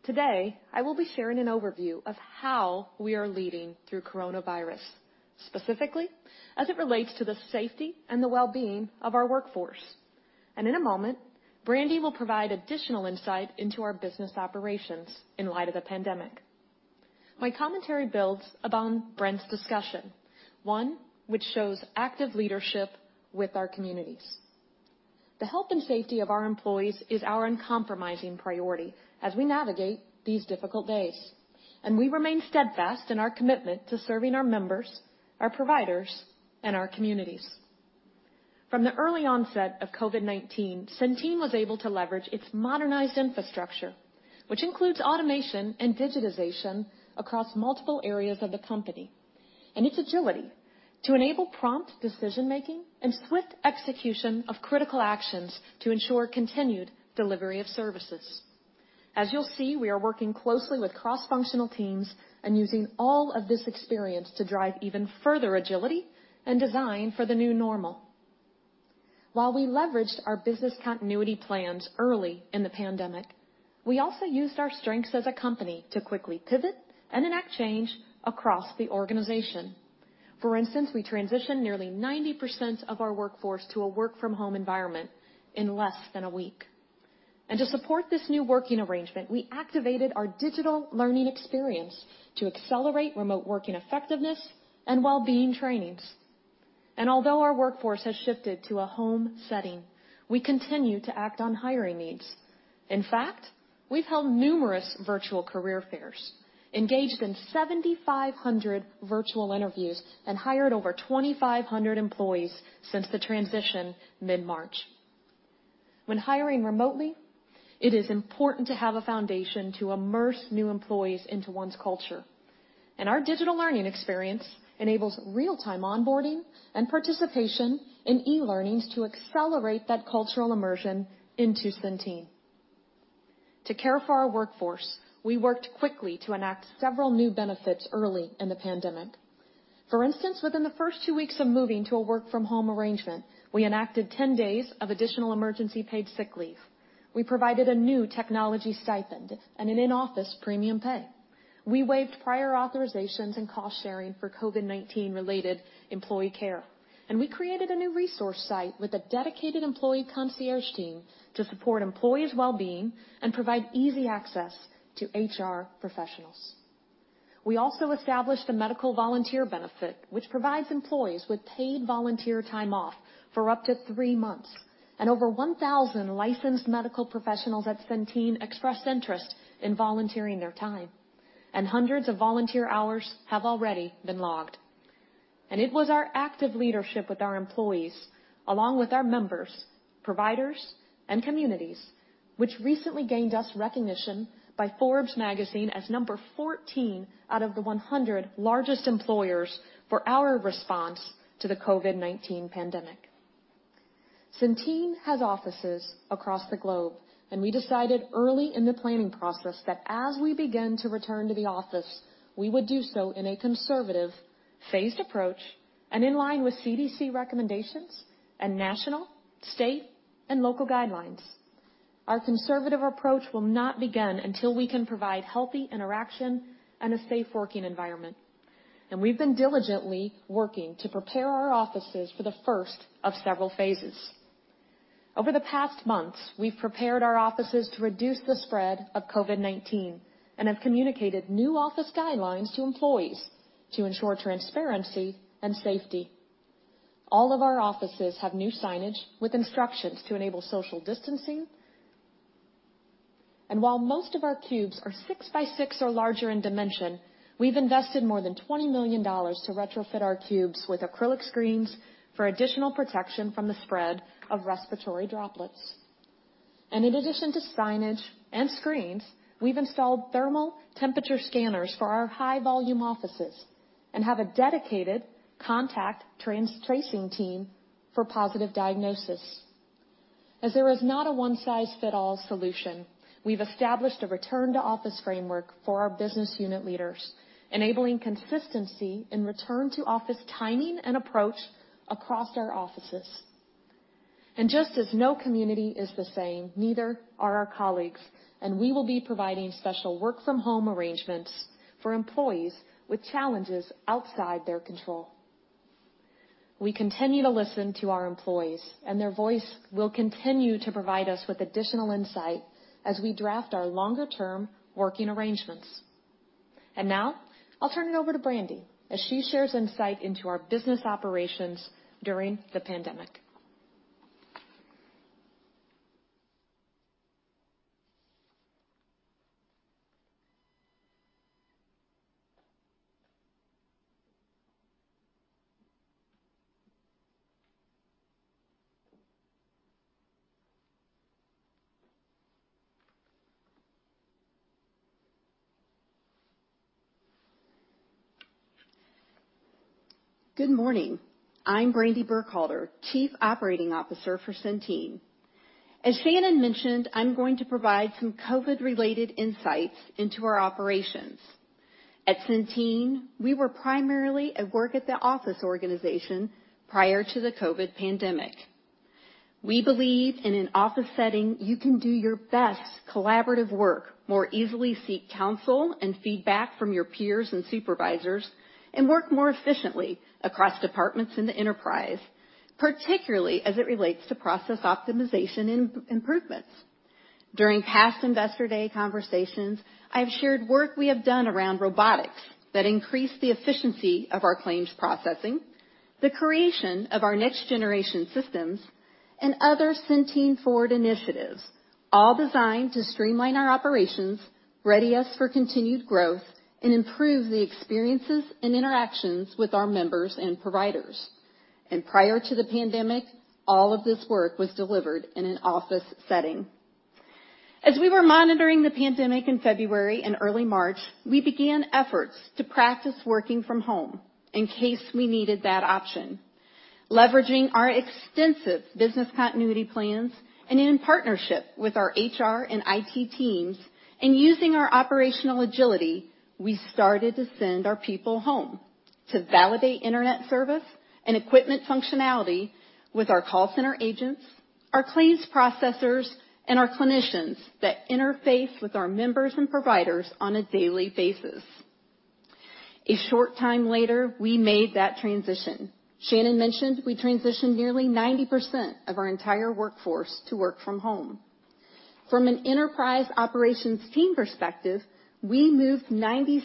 Today, I will be sharing an overview of how we are leading through coronavirus, specifically as it relates to the safety and the wellbeing of our workforce. In a moment, Brandy will provide additional insight into our business operations in light of the pandemic. My commentary builds upon Brent's discussion, one which shows active leadership with our communities. The health and safety of our employees is our uncompromising priority as we navigate these difficult days, and we remain steadfast in our commitment to serving our members, our providers, and our communities. From the early onset of COVID-19, Centene was able to leverage its modernized infrastructure, which includes automation and digitization across multiple areas of the company, and its agility to enable prompt decision-making and swift execution of critical actions to ensure continued delivery of services. As you'll see, we are working closely with cross-functional teams and using all of this experience to drive even further agility and design for the new normal. While we leveraged our business continuity plans early in the pandemic, we also used our strengths as a company to quickly pivot and enact change across the organization. For instance, we transitioned nearly 90% of our workforce to a work from home environment in less than a week. to support this new working arrangement, we activated our digital learning experience to accelerate remote working effectiveness and wellbeing trainings. although our workforce has shifted to a home setting, we continue to act on hiring needs. In fact, we've held numerous virtual career fairs, engaged in 7,500 virtual interviews, and hired over 2,500 employees since the transition mid-March. When hiring remotely, it is important to have a foundation to immerse new employees into one's culture, and our digital learning experience enables real-time onboarding and participation in e-learnings to accelerate that cultural immersion into Centene. To care for our workforce, we worked quickly to enact several new benefits early in the pandemic. For instance, within the first two weeks of moving to a work from home arrangement, we enacted 10 days of additional emergency paid sick leave. We provided a new technology stipend and an in-office premium pay. We waived prior authorizations and cost-sharing for COVID-19 related employee care, and we created a new resource site with a dedicated employee concierge team to support employees' wellbeing and provide easy access to HR professionals. We also established a medical volunteer benefit, which provides employees with paid volunteer time off for up to three months. Over 1,000 licensed medical professionals at Centene expressed interest in volunteering their time, and hundreds of volunteer hours have already been logged. It was our active leadership with our employees, along with our members, providers, and communities, which recently gained us recognition by Forbes magazine as number 14 out of the 100 largest employers for our response to the COVID-19 pandemic. Centene has offices across the globe, and we decided early in the planning process that as we begin to return to the office, we would do so in a conservative, phased approach and in line with CDC recommendations and national, state, and local guidelines. Our conservative approach will not begin until we can provide healthy interaction and a safe working environment. We've been diligently working to prepare our offices for the first of several phases. Over the past months, we've prepared our offices to reduce the spread of COVID-19 and have communicated new office guidelines to employees to ensure transparency and safety. All of our offices have new signage with instructions to enable social distancing. While most of our cubes are six by six or larger in dimension, we've invested more than $20 million to retrofit our cubes with acrylic screens for additional protection from the spread of respiratory droplets. In addition to signage and screens, we've installed thermal temperature scanners for our high volume offices and have a dedicated contact tracing team for positive diagnosis. As there is not a one size fit all solution, we've established a return to office framework for our business unit leaders, enabling consistency in return to office timing and approach across our offices. Just as no community is the same, neither are our colleagues, and we will be providing special work from home arrangements for employees with challenges outside their control. We continue to listen to our employees, and their voice will continue to provide us with additional insight as we draft our longer-term working arrangements. Now I'll turn it over to Brandy as she shares insight into our business operations during the pandemic. Good morning. I'm Brandy Burkhalter, Chief Operating Officer for Centene. As Shannon mentioned, I'm going to provide some COVID-related insights into our operations. At Centene, we were primarily a work at the office organization prior to the COVID pandemic. We believe in an office setting, you can do your best collaborative work, more easily seek counsel and feedback from your peers and supervisors, and work more efficiently across departments in the enterprise, particularly as it relates to process optimization improvements. During past Investor Day conversations, I've shared work we have done around robotics that increase the efficiency of our claims processing, the creation of our next generation systems, and other Centene Forward initiatives, all designed to streamline our operations, ready us for continued growth, and improve the experiences and interactions with our members and providers. Prior to the pandemic, all of this work was delivered in an office setting. As we were monitoring the pandemic in February and early March, we began efforts to practice working from home in case we needed that option. Leveraging our extensive business continuity plans and in partnership with our HR and IT teams and using our operational agility, we started to send our people home to validate internet service and equipment functionality with our call center agents, our claims processors, and our clinicians that interface with our members and providers on a daily basis. A short time later, we made that transition. Shannon mentioned we transitioned nearly 90% of our entire workforce to work from home. From an enterprise operations team perspective, we moved 96%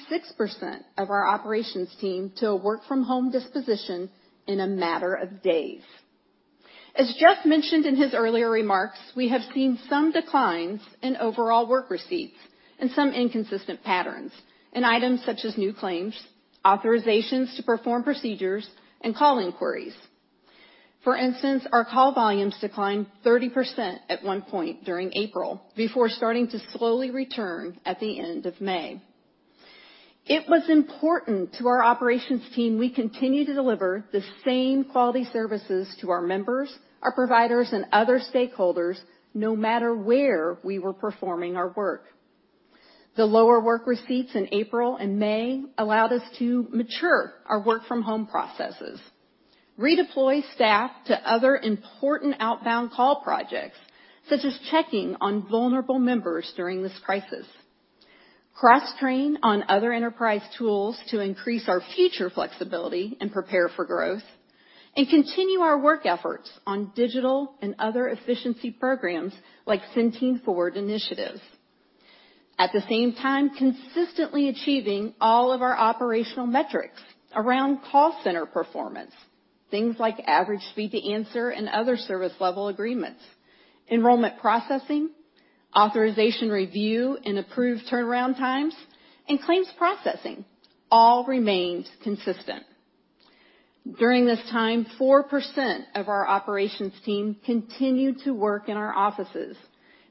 of our operations team to a work from home disposition in a matter of days. As Jeff mentioned in his earlier remarks, we have seen some declines in overall work receipts and some inconsistent patterns in items such as new claims, authorizations to perform procedures, and call inquiries. For instance, our call volumes declined 30% at one point during April before starting to slowly return at the end of May. It was important to our operations team we continue to deliver the same quality services to our members, our providers, and other stakeholders, no matter where we were performing our work. The lower work receipts in April and May allowed us to mature our work from home processes, redeploy staff to other important outbound call projects, such as checking on vulnerable members during this crisis, cross-train on other enterprise tools to increase our future flexibility and prepare for growth, and continue our work efforts on digital and other efficiency programs like Centene Forward initiatives. At the same time, consistently achieving all of our operational metrics around call center performance. Things like average speed to answer and other service level agreements, enrollment processing, authorization review, and approved turnaround times, and claims processing all remained consistent. During this time, four percent of our operations team continued to work in our offices,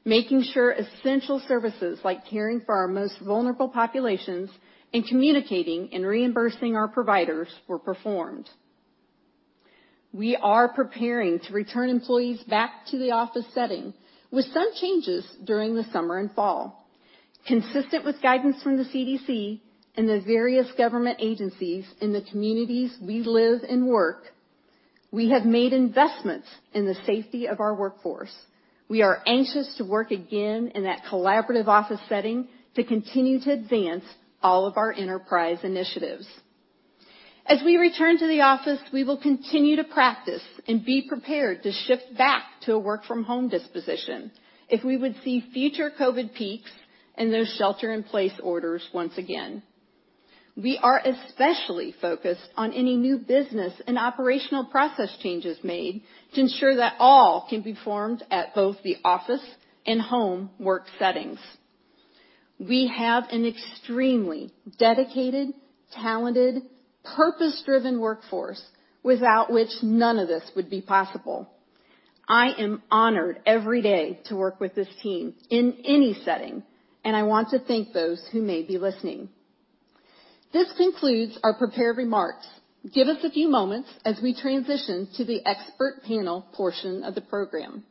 making sure essential services like caring for our most vulnerable populations and communicating and reimbursing our providers were performed. We are preparing to return employees back to the office setting with some changes during the summer and fall. Consistent with guidance from the CDC and the various government agencies in the communities we live and work, we have made investments in the safety of our workforce. We are anxious to work again in that collaborative office setting to continue to advance all of our enterprise initiatives. As we return to the office, we will continue to practice and be prepared to shift back to a work from home disposition if we would see future COVID peaks and those shelter-in-place orders once again. We are especially focused on any new business and operational process changes made to ensure that all can be performed at both the office and home work settings. We have an extremely dedicated, talented, purpose-driven workforce without which none of this would be possible. I am honored every day to work with this team in any setting, and I want to thank those who may be listening. This concludes our prepared remarks. Give us a few moments as we transition to the expert panel portion of the program.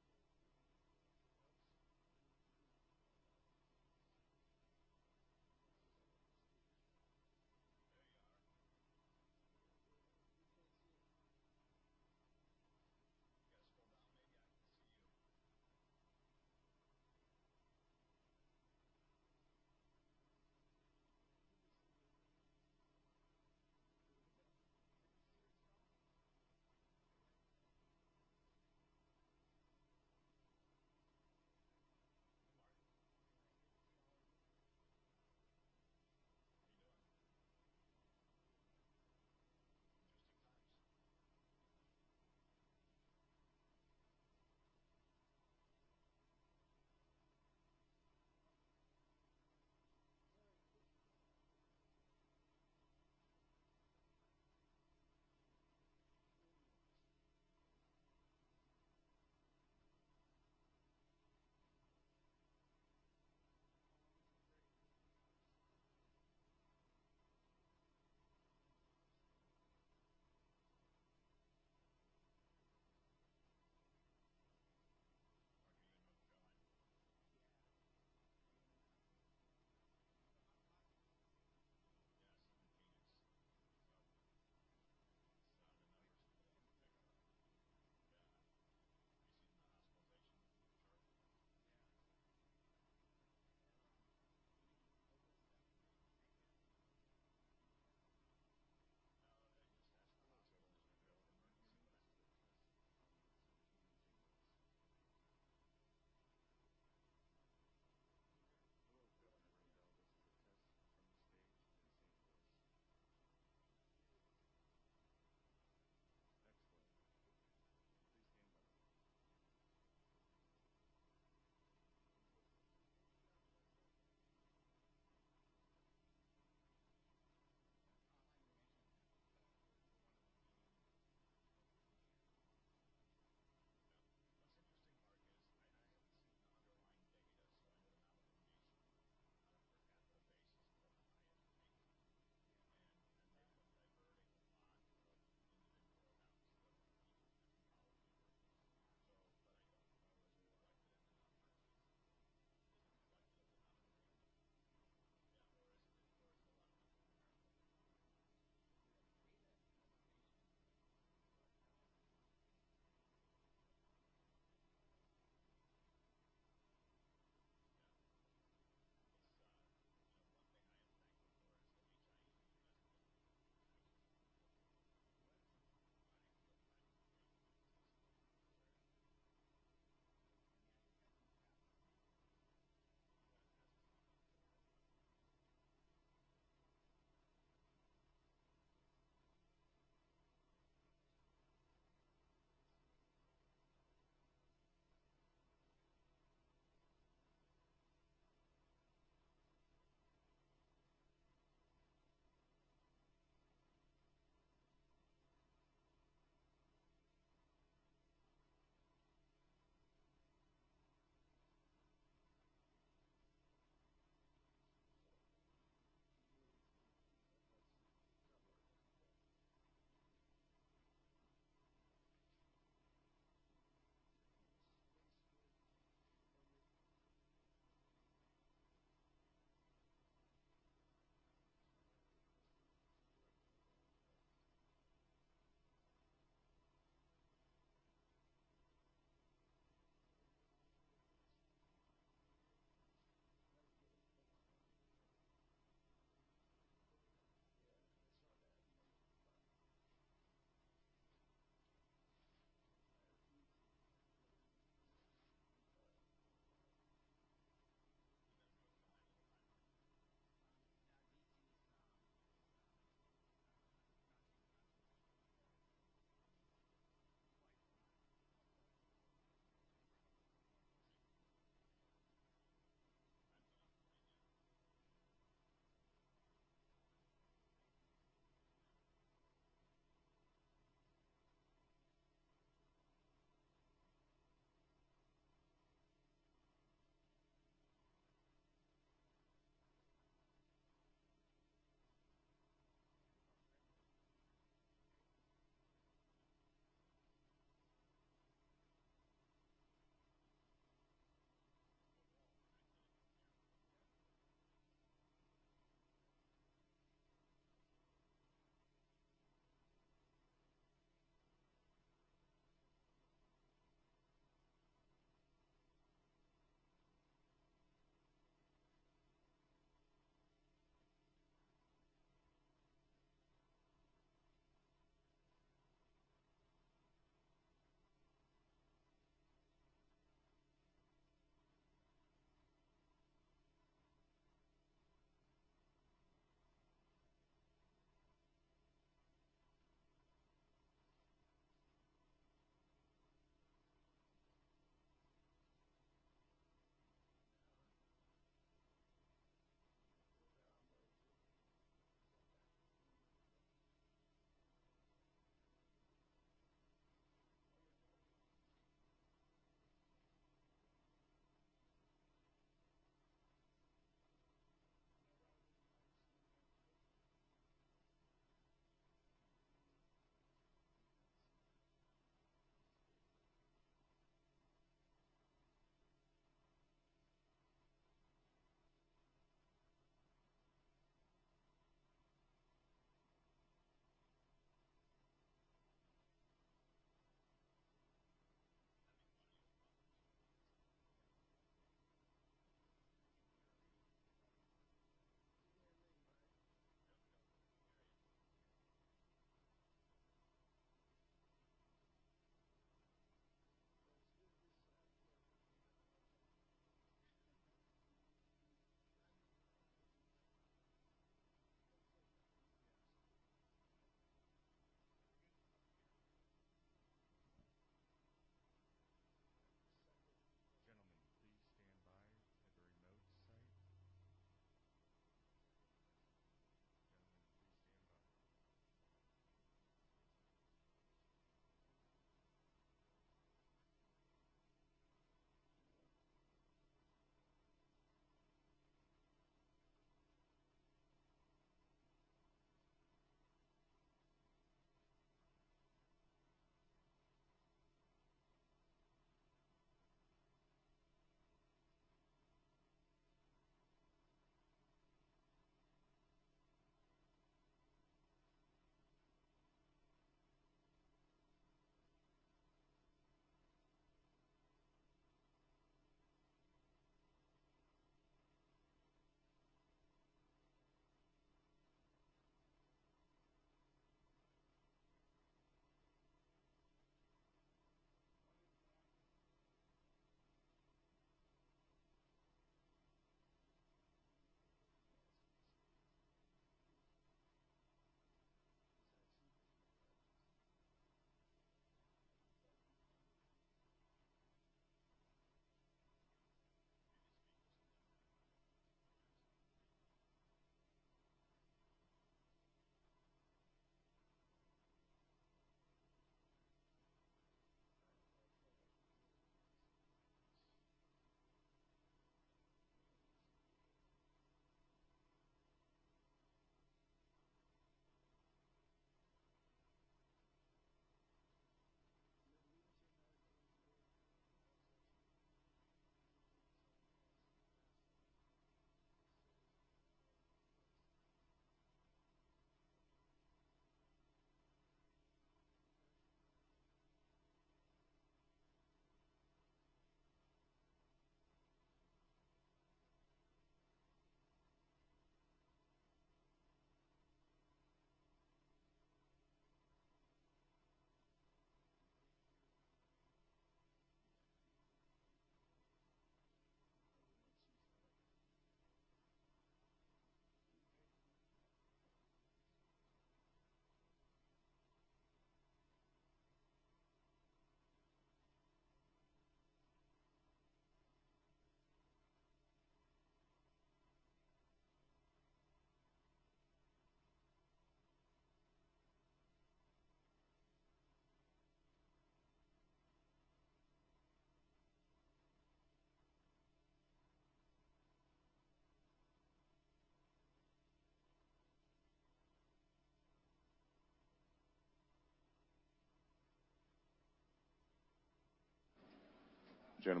Good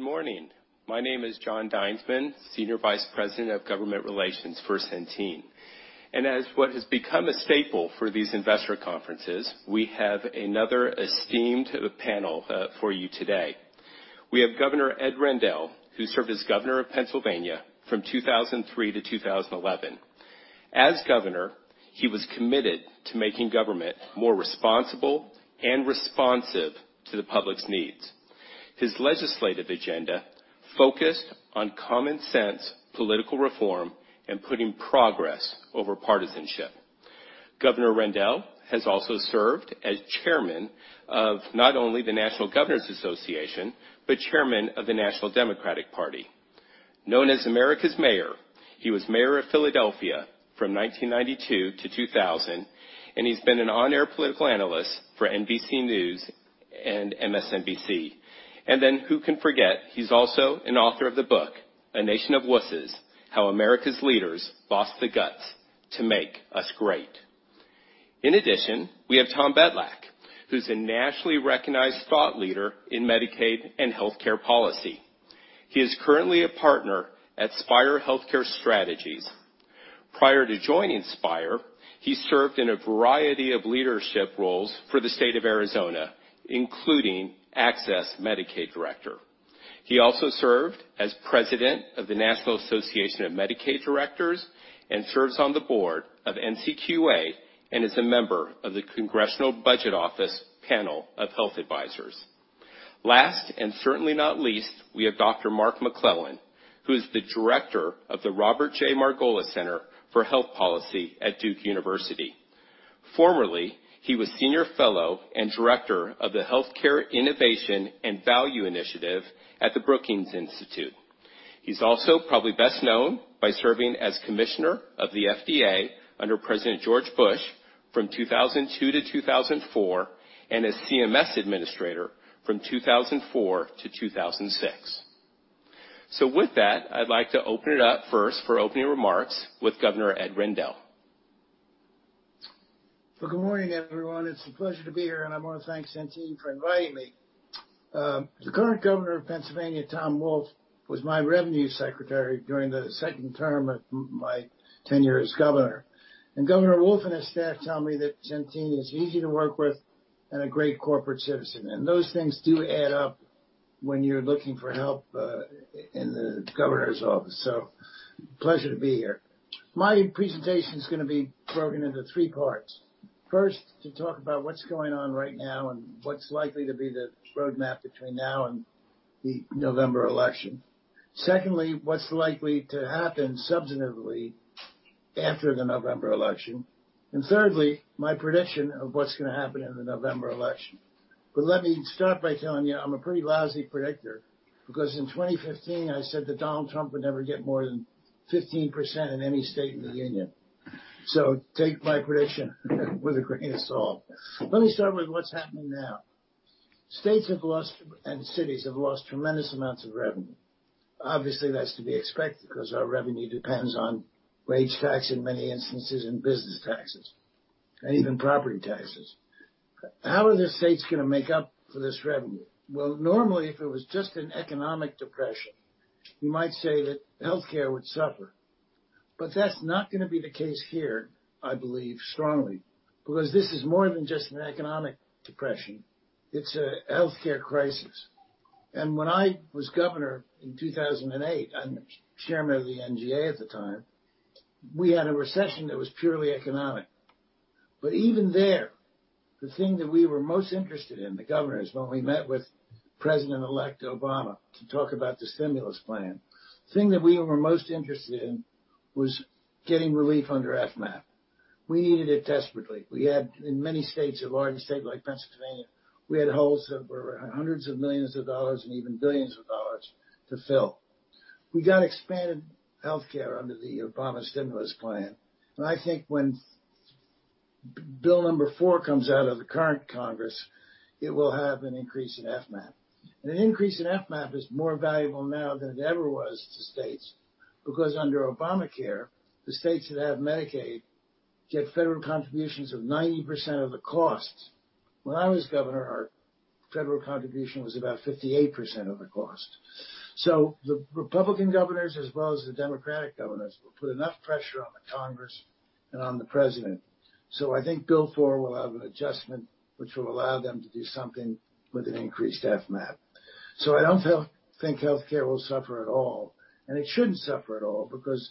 morning. My name is John Dinesman, Senior Vice President of Government Relations for Centene. As what has become a staple for these investor conferences, we have another esteemed panel for you today. We have Governor Ed Rendell, who served as governor of Pennsylvania from 2003 to 2011. As governor, he was committed to making government more responsible and responsive to the public's needs. His legislative agenda focused on common sense, political reform, and putting progress over partisanship. Governor Rendell has also served as chairman of not only the National Governors Association, but chairman of the National Democratic Party. Known as America's Mayor, he was mayor of Philadelphia from 1992 to 2000, and he's been an on-air political analyst for NBC News and MSNBC. who can forget, he's also an author of the book, "A Nation of Wusses: How America's Leaders Lost the Guts to Make Us Great." In addition, we have Tom Betlach, who's a nationally recognized thought leader in Medicaid and healthcare policy. He is currently a partner at Speire Healthcare Strategies. Prior to joining Speire, he served in a variety of leadership roles for the state of Arizona, including AHCCCS Medicaid Director. He also served as president of the National Association of Medicaid Directors and serves on the board of NCQA and is a member of the Congressional Budget Office panel of health advisors. Last, and certainly not least, we have Dr. Mark McClellan, who is the director of the Robert J. Margolis Center for Health Policy at Duke University. Formerly, he was senior fellow and director of the Healthcare Innovation and Value Initiative at the Brookings Institution. He's also probably best known by serving as commissioner of the FDA under President George Bush from 2002 - 2004, and as CMS administrator from 2004 - 2006. With that, I'd like to open it up first for opening remarks with Governor Ed Rendell. Well, good morning, everyone. It's a pleasure to be here, and I want to thank Centene for inviting me. The current governor of Pennsylvania, Tom Wolf, was my revenue secretary during the second term of my tenure as governor. Governor Wolf and his staff tell me that Centene is easy to work with and a great corporate citizen. Those things do add up when you're looking for help in the governor's office. Pleasure to be here. My presentation's going to be broken into three parts. First, to talk about what's going on right now and what's likely to be the roadmap between now and the November election. Secondly, what's likely to happen substantively after the November election. Thirdly, my prediction of what's going to happen in the November election. Let me start by telling you I'm a pretty lousy predictor, because in 2015, I said that Donald Trump would never get more than 15% in any state in the union. Take my prediction with a grain of salt. Let me start with what's happening now. States have lost, and cities have lost tremendous amounts of revenue. Obviously, that's to be expected because our revenue depends on wage tax in many instances, and business taxes, and even property taxes. How are the states going to make up for this revenue? Well, normally, if it was just an economic depression, you might say that healthcare would suffer. That's not going to be the case here, I believe strongly, because this is more than just an economic depression. It's a healthcare crisis. When I was governor in 2008, and chairman of the NGA at the time, we had a recession that was purely economic. Even there, the thing that we were most interested in, the governors, when we met with President-elect Obama to talk about the stimulus plan, the thing that we were most interested in was getting relief under FMAP. We needed it desperately. In many states, a large state like Pennsylvania, we had holes that were hundreds of millions of dollars and even billions of dollars to fill. We got expanded healthcare under the Obama stimulus plan, and I think when bill number four comes out of the current Congress, it will have an increase in FMAP. An increase in FMAP is more valuable now than it ever was to states, because under Obamacare, the states that have Medicaid get federal contributions of 90% of the cost. When I was governor, our federal contribution was about 58% of the cost. The Republican governors, as well as the Democratic governors, will put enough pressure on the Congress and on the president. I think bill four will have an adjustment, which will allow them to do something with an increased FMAP. I don't think healthcare will suffer at all, and it shouldn't suffer at all because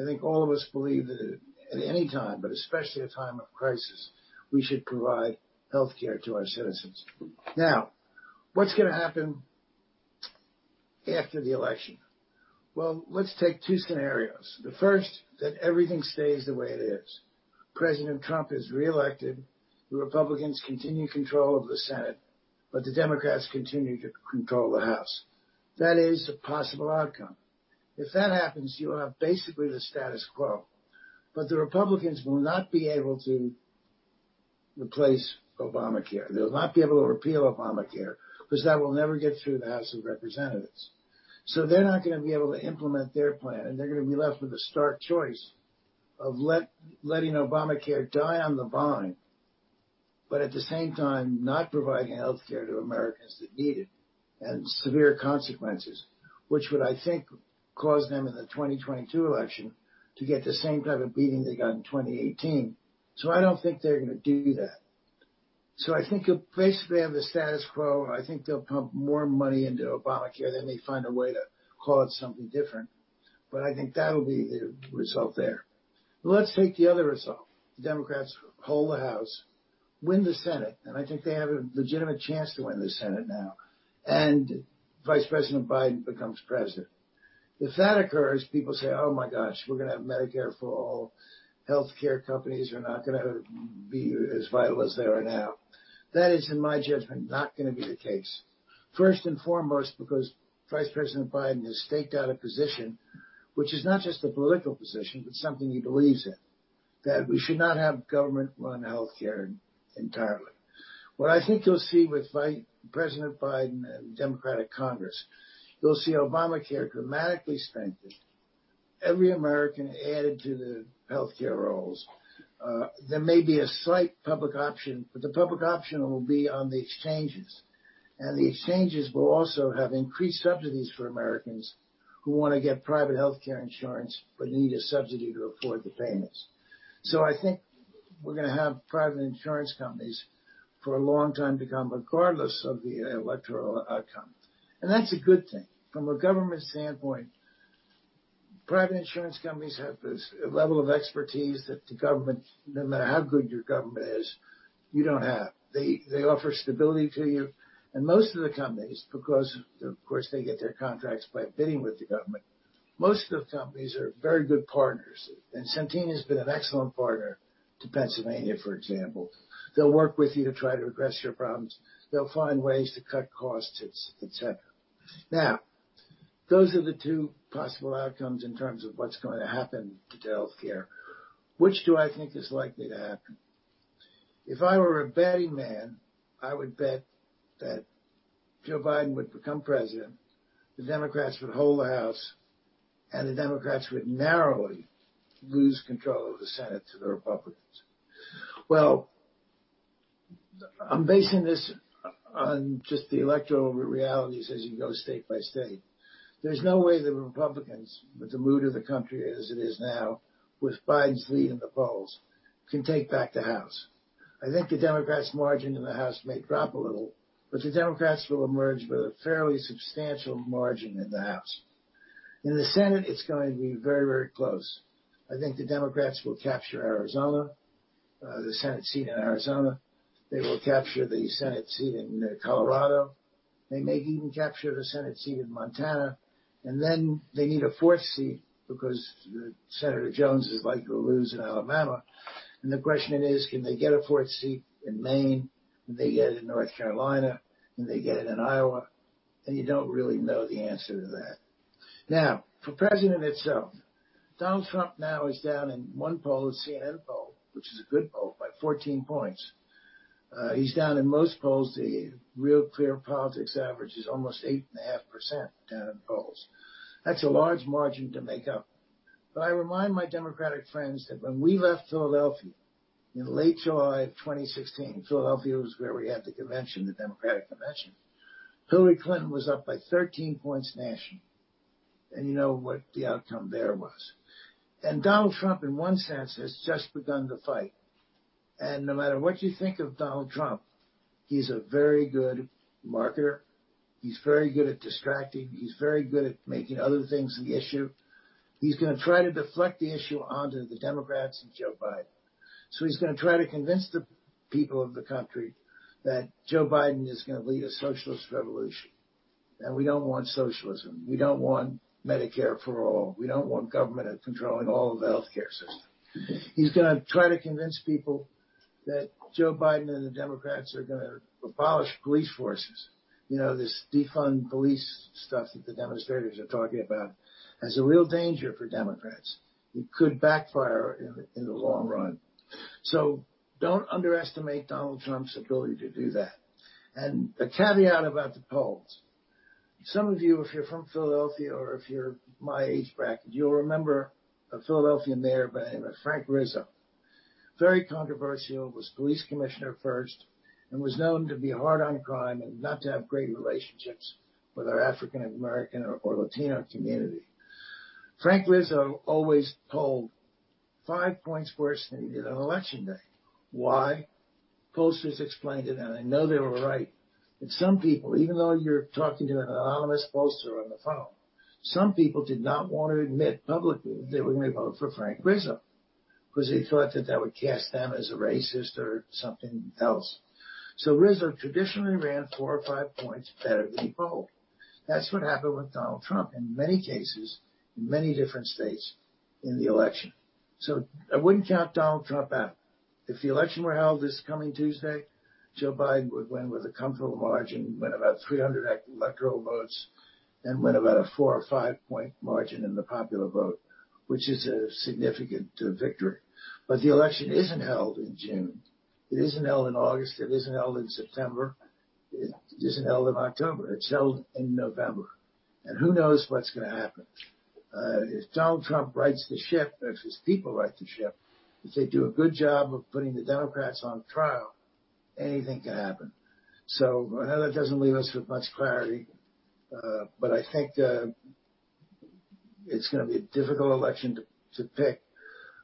I think all of us believe that at any time, but especially a time of crisis, we should provide healthcare to our citizens. Now, what's going to happen after the election? Well, let's take two scenarios. The first, that everything stays the way it is. President Trump is reelected. The Republicans continue control of the Senate, but the Democrats continue to control the House. That is a possible outcome. If that happens, you will have basically the status quo, but the Republicans will not be able to replace Obamacare. They'll not be able to repeal Obamacare, because that will never get through the House of Representatives. they're not going to be able to implement their plan, and they're going to be left with a stark choice of letting Obamacare die on the vine, but at the same time, not providing healthcare to Americans that need it, and severe consequences. would, I think, cause them in the 2022 election to get the same type of beating they got in 2018. I don't think they're going to do that. I think you'll basically have the status quo. I think they'll pump more money into Obamacare, then they find a way to call it something different. I think that'll be the result there. Let's take the other result. The Democrats hold the House, win the Senate, and I think they have a legitimate chance to win the Senate now, and Vice President Biden becomes president. If that occurs, people say, "Oh my gosh, we're going to have Medicare for all. Healthcare companies are not going to be as vital as they are now." That is, in my judgment, not going to be the case. First and foremost, because Vice President Biden has staked out a position, which is not just a political position, but something he believes in, that we should not have government-run healthcare entirely. What I think you'll see with Vice President Biden and a Democratic Congress, you'll see Obamacare dramatically strengthened, every American added to the healthcare rolls. There may be a slight public option, but the public option will be on the exchanges, and the exchanges will also have increased subsidies for Americans who want to get private healthcare insurance but need a subsidy to afford the payments. I think we're going to have private insurance companies for a long time to come, regardless of the electoral outcome. That's a good thing. From a government standpoint, private insurance companies have this level of expertise that the government, no matter how good your government is, you don't have. They offer stability to you and most of the companies, because, of course, they get their contracts by bidding with the government. Most of the companies are very good partners, and Centene has been an excellent partner to Pennsylvania, for example. They'll work with you to try to address your problems. They'll find ways to cut costs, et cetera. Those are the two possible outcomes in terms of what's going to happen to healthcare. Which do I think is likely to happen? If I were a betting man, I would bet that Joe Biden would become President, the Democrats would hold the House, and the Democrats would narrowly lose control of the Senate to the Republicans. I'm basing this on just the electoral realities as you go state by state. There's no way the Republicans, with the mood of the country as it is now, with Biden's lead in the polls, can take back the House. I think the Democrats' margin in the House may drop a little, but the Democrats will emerge with a fairly substantial margin in the House. In the Senate, it's going to be very close. I think the Democrats will capture Arizona, the Senate seat in Arizona. They will capture the Senate seat in Colorado. They may even capture the Senate seat in Montana. They need a fourth seat because Senator Jones is likely to lose in Alabama. The question is, can they get a fourth seat in Maine? Can they get it in North Carolina? Can they get it in Iowa? You don't really know the answer to that. Now, for president itself, Donald Trump now is down in one poll, the CNN poll, which is a good poll, by 14 points. He's down in most polls. The RealClearPolitics average is almost 8.5% down in polls. That's a large margin to make up. I remind my Democratic friends that when we left Philadelphia in late July of 2016, Philadelphia was where we had the Democratic convention. Hillary Clinton was up by 13 points nationally, and you know what the outcome there was. Donald Trump, in one sense, has just begun to fight. No matter what you think of Donald Trump, he's a very good marketer. He's very good at distracting. He's very good at making other things the issue. He's going to try to deflect the issue onto the Democrats and Joe Biden. He's going to try to convince the people of the country that Joe Biden is going to lead a socialist revolution, and we don't want socialism. We don't want Medicare for all. We don't want government controlling all of the healthcare system. He's going to try to convince people that Joe Biden and the Democrats are going to abolish police forces. This defund police stuff that the demonstrators are talking about is a real danger for Democrats. It could backfire in the long run. Don't underestimate Donald Trump's ability to do that. A caveat about the polls. Some of you, if you're from Philadelphia or if you're my age bracket, you'll remember a Philadelphia mayor by the name of Frank Rizzo. Very controversial, was police commissioner first, and was known to be hard on crime and not to have great relationships with our African American or Latino community. Frank Rizzo always polled five points worse than he did on election day. Why? Pollsters explained it, and I know they were right, that some people, even though you're talking to an anonymous pollster on the phone, some people did not want to admit publicly they were going to vote for Frank Rizzo because they thought that that would cast them as a racist or something else. Rizzo traditionally ran four or five points better than he polled. That's what happened with Donald Trump in many cases, in many different states in the election. I wouldn't count Donald Trump out. If the election were held this coming Tuesday, Joe Biden would win with a comfortable margin, win about 300 electoral votes, and win about a four or five-point margin in the popular vote, which is a significant victory. The election isn't held in June. It isn't held in August. It isn't held in September. It isn't held in October. It's held in November, and who knows what's going to happen. If Donald Trump rights the ship, or if his people right the ship, if they do a good job of putting the Democrats on trial, anything could happen. I know that doesn't leave us with much clarity. I think it's going to be a difficult election to pick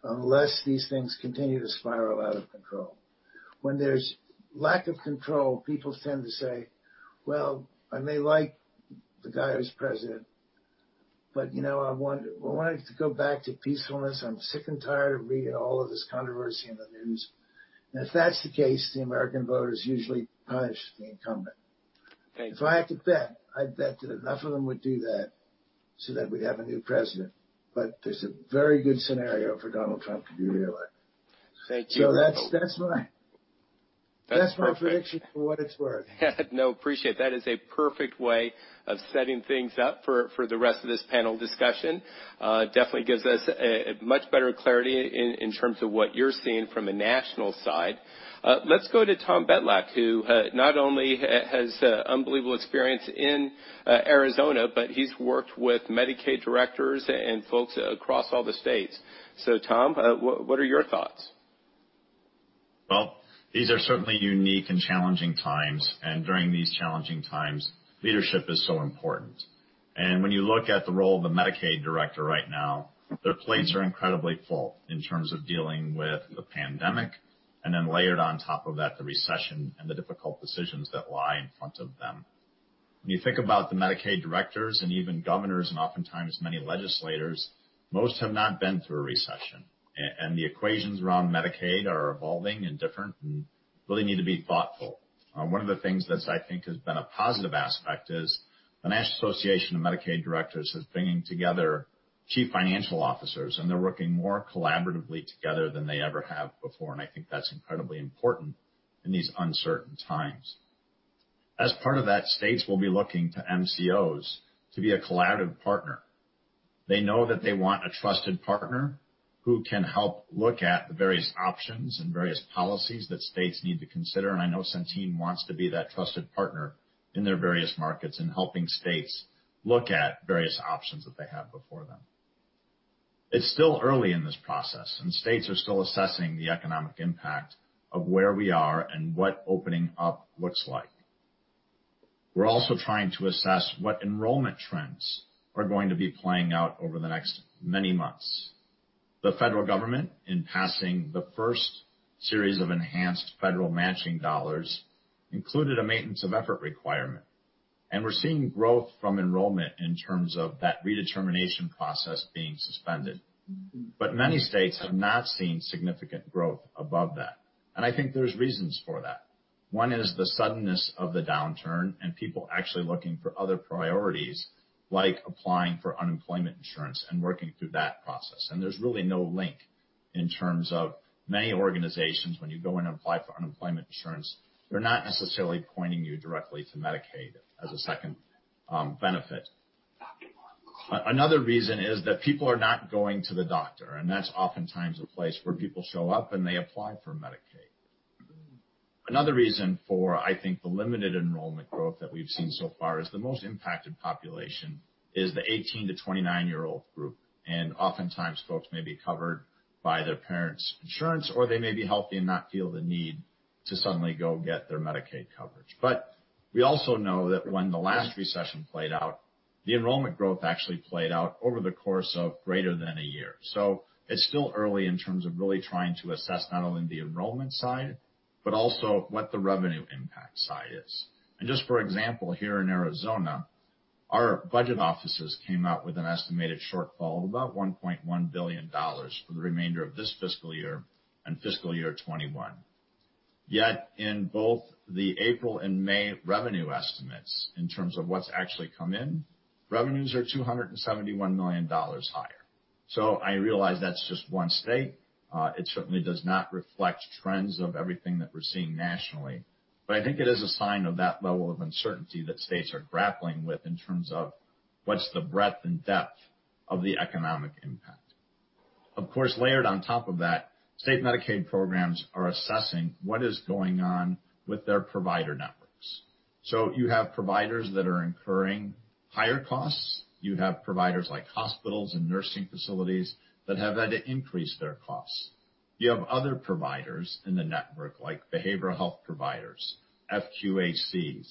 unless these things continue to spiral out of control. When there's lack of control, people tend to say, "Well, I may like the guy who's president, but I wanted to go back to peacefulness. I'm sick and tired of reading all of this controversy in the news." If that's the case, the American voters usually punish the incumbent. Okay. If I had to bet, I'd bet that enough of them would do that, so that we'd have a new president. There's a very good scenario for Donald Trump to be reelected. Thank you. So that's my- That's perfect prediction for what it's worth. No, appreciate it. That is a perfect way of setting things up for the rest of this panel discussion. Definitely gives us a much better clarity in terms of what you're seeing from a national side. Let's go to Tom Betlach, who not only has unbelievable experience in Arizona, but he's worked with Medicaid directors and folks across all the states. Tom, what are your thoughts? Well, these are certainly unique and challenging times, and during these challenging times, leadership is so important. When you look at the role of the Medicaid director right now, their plates are incredibly full in terms of dealing with the pandemic, and then layered on top of that, the recession and the difficult decisions that lie in front of them. When you think about the Medicaid directors and even governors, and oftentimes many legislators, most have not been through a recession. The equations around Medicaid are evolving and different, and really need to be thoughtful. One of the things that I think has been a positive aspect is the National Association of Medicaid Directors is bringing together chief financial officers, and they're working more collaboratively together than they ever have before, and I think that's incredibly important in these uncertain times. As part of that, states will be looking to MCOs to be a collaborative partner. They know that they want a trusted partner who can help look at the various options and various policies that states need to consider, and I know Centene wants to be that trusted partner in their various markets in helping states look at various options that they have before them. It's still early in this process, and states are still assessing the economic impact of where we are and what opening up looks like. We're also trying to assess what enrollment trends are going to be playing out over the next many months. The federal government, in passing the first series of enhanced federal matching dollars, included a maintenance of effort requirement, and we're seeing growth from enrollment in terms of that redetermination process being suspended. Many states have not seen significant growth above that, and I think there's reasons for that. One is the suddenness of the downturn and people actually looking for other priorities like applying for unemployment insurance and working through that process. There's really no link in terms of many organizations, when you go in and apply for unemployment insurance, they're not necessarily pointing you directly to Medicaid as a second benefit. Another reason is that people are not going to the doctor, and that's oftentimes a place where people show up, and they apply for Medicaid. Another reason for, I think, the limited enrollment growth that we've seen so far is the most impacted population is the 18 - 29 year old group, and oftentimes folks may be covered by their parents' insurance, or they may be healthy and not feel the need to suddenly go get their Medicaid coverage. We also know that when the last recession played out, the enrollment growth actually played out over the course of greater than a year. It's still early in terms of really trying to assess not only the enrollment side, but also what the revenue impact side is. Just for example, here in Arizona, our budget offices came out with an estimated shortfall of about $1.1 billion for the remainder of this fiscal year and fiscal year 2021. In both the April and May revenue estimates, in terms of what's actually come in, revenues are $271 million higher. I realize that's just one state. It certainly does not reflect trends of everything that we're seeing nationally. I think it is a sign of that level of uncertainty that states are grappling with in terms of what's the breadth and depth of the economic impact. Of course, layered on top of that, state Medicaid programs are assessing what is going on with their provider networks. You have providers that are incurring higher costs. You have providers like hospitals and nursing facilities that have had to increase their costs. You have other providers in the network, like behavioral health providers, FQHCs,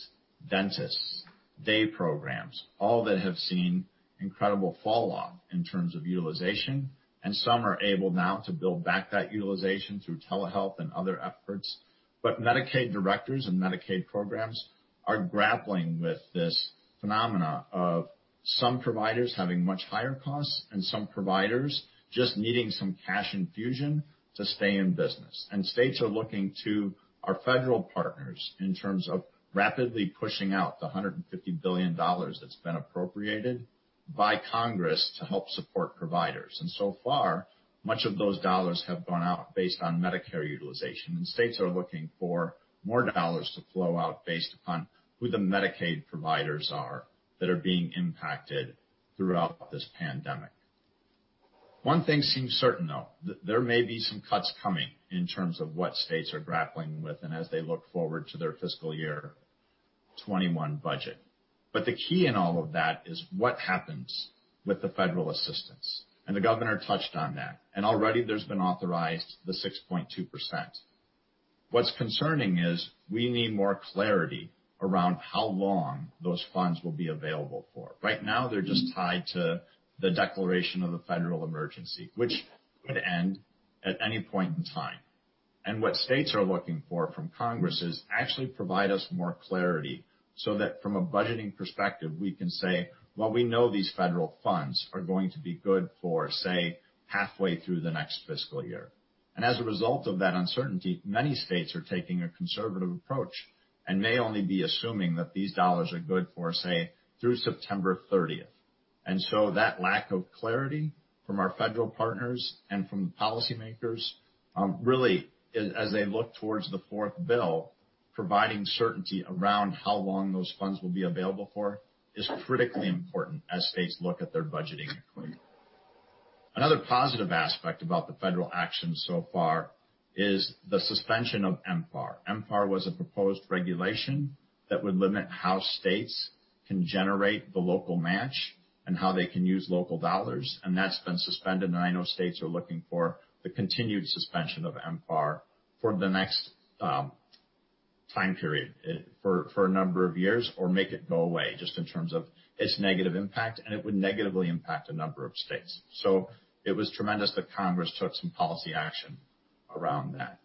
dentists, day programs, all that have seen incredible fall off in terms of utilization, and some are able now to build back that utilization through telehealth and other efforts. Medicaid directors and Medicaid programs are grappling with this phenomena of some providers having much higher costs and some providers just needing some cash infusion to stay in business. States are looking to our federal partners in terms of rapidly pushing out the $150 billion that's been appropriated by Congress to help support providers. Far, much of those dollars have gone out based on Medicare utilization, and states are looking for more dollars to flow out based upon who the Medicaid providers are that are being impacted throughout this pandemic. One thing seems certain, though, that there may be some cuts coming in terms of what states are grappling with and as they look forward to their fiscal year 2021 budget. The key in all of that is what happens with the federal assistance. The governor touched on that. Already there's been authorized the 6.2%. What's concerning is we need more clarity around how long those funds will be available for. Right now, they're just tied to the declaration of the federal emergency, which could end at any point in time. What states are looking for from Congress is actually provide us more clarity, so that from a budgeting perspective, we can say, "Well, we know these federal funds are going to be good for, say, halfway through the next fiscal year." As a result of that uncertainty, many states are taking a conservative approach and may only be assuming that these dollars are good for, say, through September 30th. That lack of clarity from our federal partners and from policymakers, really as they look towards the fourth bill, providing certainty around how long those funds will be available for is critically important as states look at their budgeting equation. Another positive aspect about the federal action so far is the suspension of MPAR. MPAR was a proposed regulation that would limit how states can generate the local match and how they can use local dollars, and that's been suspended. I know states are looking for the continued suspension of MPAR for the next time period, for a number of years, or make it go away, just in terms of its negative impact, and it would negatively impact a number of states. It was tremendous that Congress took some policy action around that.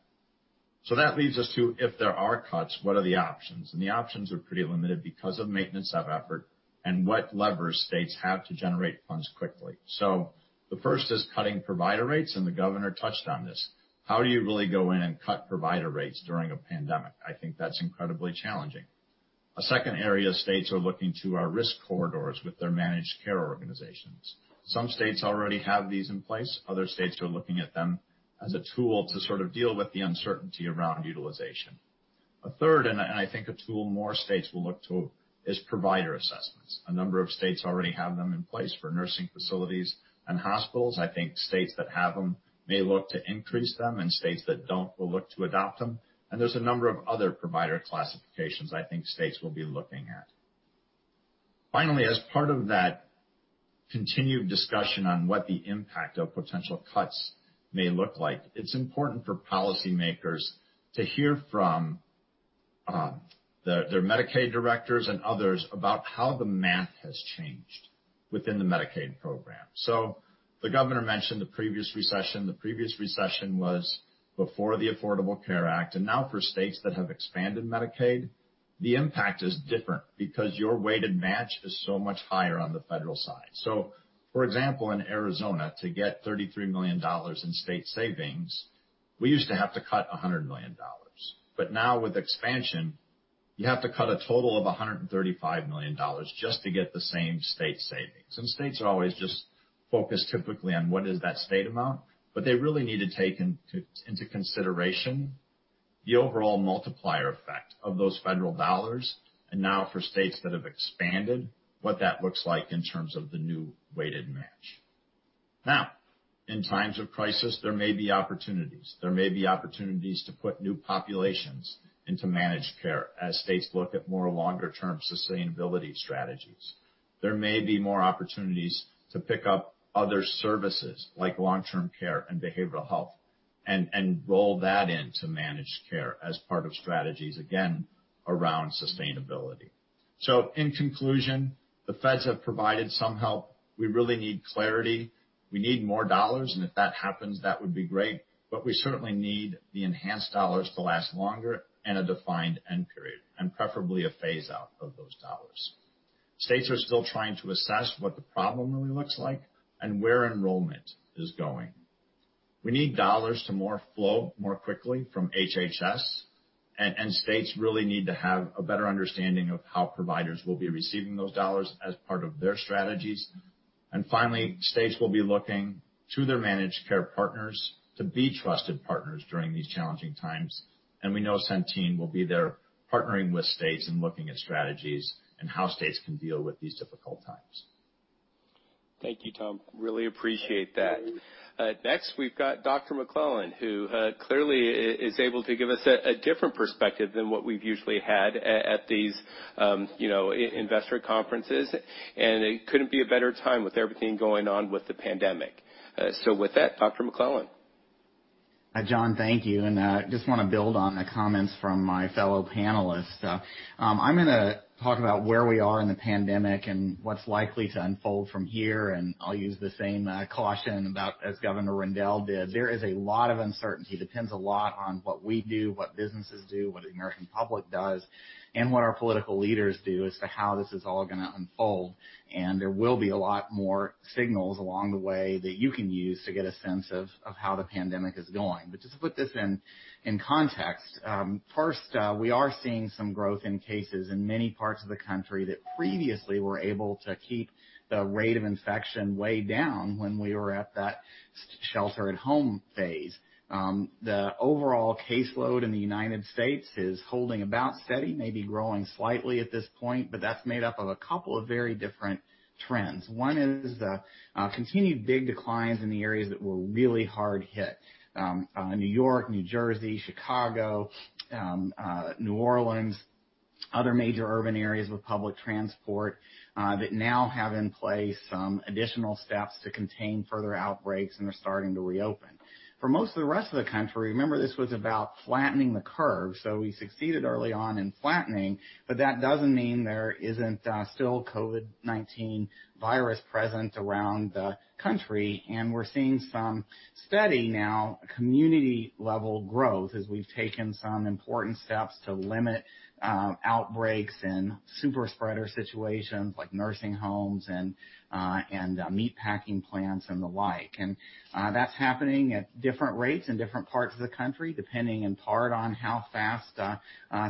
That leads us to, if there are cuts, what are the options? The options are pretty limited because of maintenance of effort and what levers states have to generate funds quickly. The first is cutting provider rates, and the governor touched on this. How do you really go in and cut provider rates during a pandemic? I think that's incredibly challenging. A second area states are looking to are risk corridors with their managed care organizations. Some states already have these in place. Other states are looking at them as a tool to sort of deal with the uncertainty around utilization. A third, and I think a tool more states will look to, is provider assessments. A number of states already have them in place for nursing facilities and hospitals. I think states that have them may look to increase them, and states that don't will look to adopt them. There's a number of other provider classifications I think states will be looking at. Finally, as part of that continued discussion on what the impact of potential cuts may look like, it's important for policymakers to hear from their Medicaid directors and others about how the math has changed within the Medicaid program. The governor mentioned the previous recession. The previous recession was before the Affordable Care Act, and now for states that have expanded Medicaid, the impact is different because your weighted match is so much higher on the federal side. For example, in Arizona, to get $33 million in state savings, we used to have to cut $100 million. Now with expansion, you have to cut a total of $135 million just to get the same state savings. Some states are always just focused typically on what is that state amount, but they really need to take into consideration the overall multiplier effect of those federal dollars, and now for states that have expanded what that looks like in terms of the new weighted match. Now, in times of crisis, there may be opportunities. There may be opportunities to put new populations into managed care as states look at more longer-term sustainability strategies. There may be more opportunities to pick up other services like long-term care and behavioral health, and roll that into managed care as part of strategies, again, around sustainability. In conclusion, the feds have provided some help. We really need clarity. We need more dollars, and if that happens, that would be great. We certainly need the enhanced dollars to last longer and a defined end period, and preferably a phase out of those dollars. States are still trying to assess what the problem really looks like and where enrollment is going. We need dollars to flow more quickly from HHS, and states really need to have a better understanding of how providers will be receiving those dollars as part of their strategies. Finally, states will be looking to their managed care partners to be trusted partners during these challenging times, and we know Centene will be there partnering with states and looking at strategies and how states can deal with these difficult times. Thank you, Tom. Really appreciate that. Next, we've got Dr. McClellan, who clearly is able to give us a different perspective than what we've usually had at these investor conferences, and it couldn't be a better time with everything going on with the pandemic. With that, Dr. McClellan. John, thank you, and I just want to build on the comments from my fellow panelists. I'm going to talk about where we are in the pandemic and what's likely to unfold from here, and I'll use the same caution about as Governor Rendell did. There is a lot of uncertainty. Depends a lot on what we do, what businesses do, what the American public does, and what our political leaders do as to how this is all going to unfold. There will be a lot more signals along the way that you can use to get a sense of how the pandemic is going. Just to put this in context, first, we are seeing some growth in cases in many parts of the country that previously were able to keep the rate of infection way down when we were at that shelter at home phase. The overall caseload in the United States is holding about steady, maybe growing slightly at this point, but that's made up of a couple of very different trends. One is the continued big declines in the areas that were really hard hit. New York, New Jersey, Chicago, New Orleans, other major urban areas with public transport that now have in place some additional steps to contain further outbreaks and are starting to reopen. For most of the rest of the country, remember, this was about flattening the curve, so we succeeded early on in flattening, but that doesn't mean there isn't still COVID-19 virus present around the country, and we're seeing some steady, now community-level growth as we've taken some important steps to limit outbreaks in super spreader situations like nursing homes and meat packing plants and the like. that's happening at different rates in different parts of the country, depending in part on how fast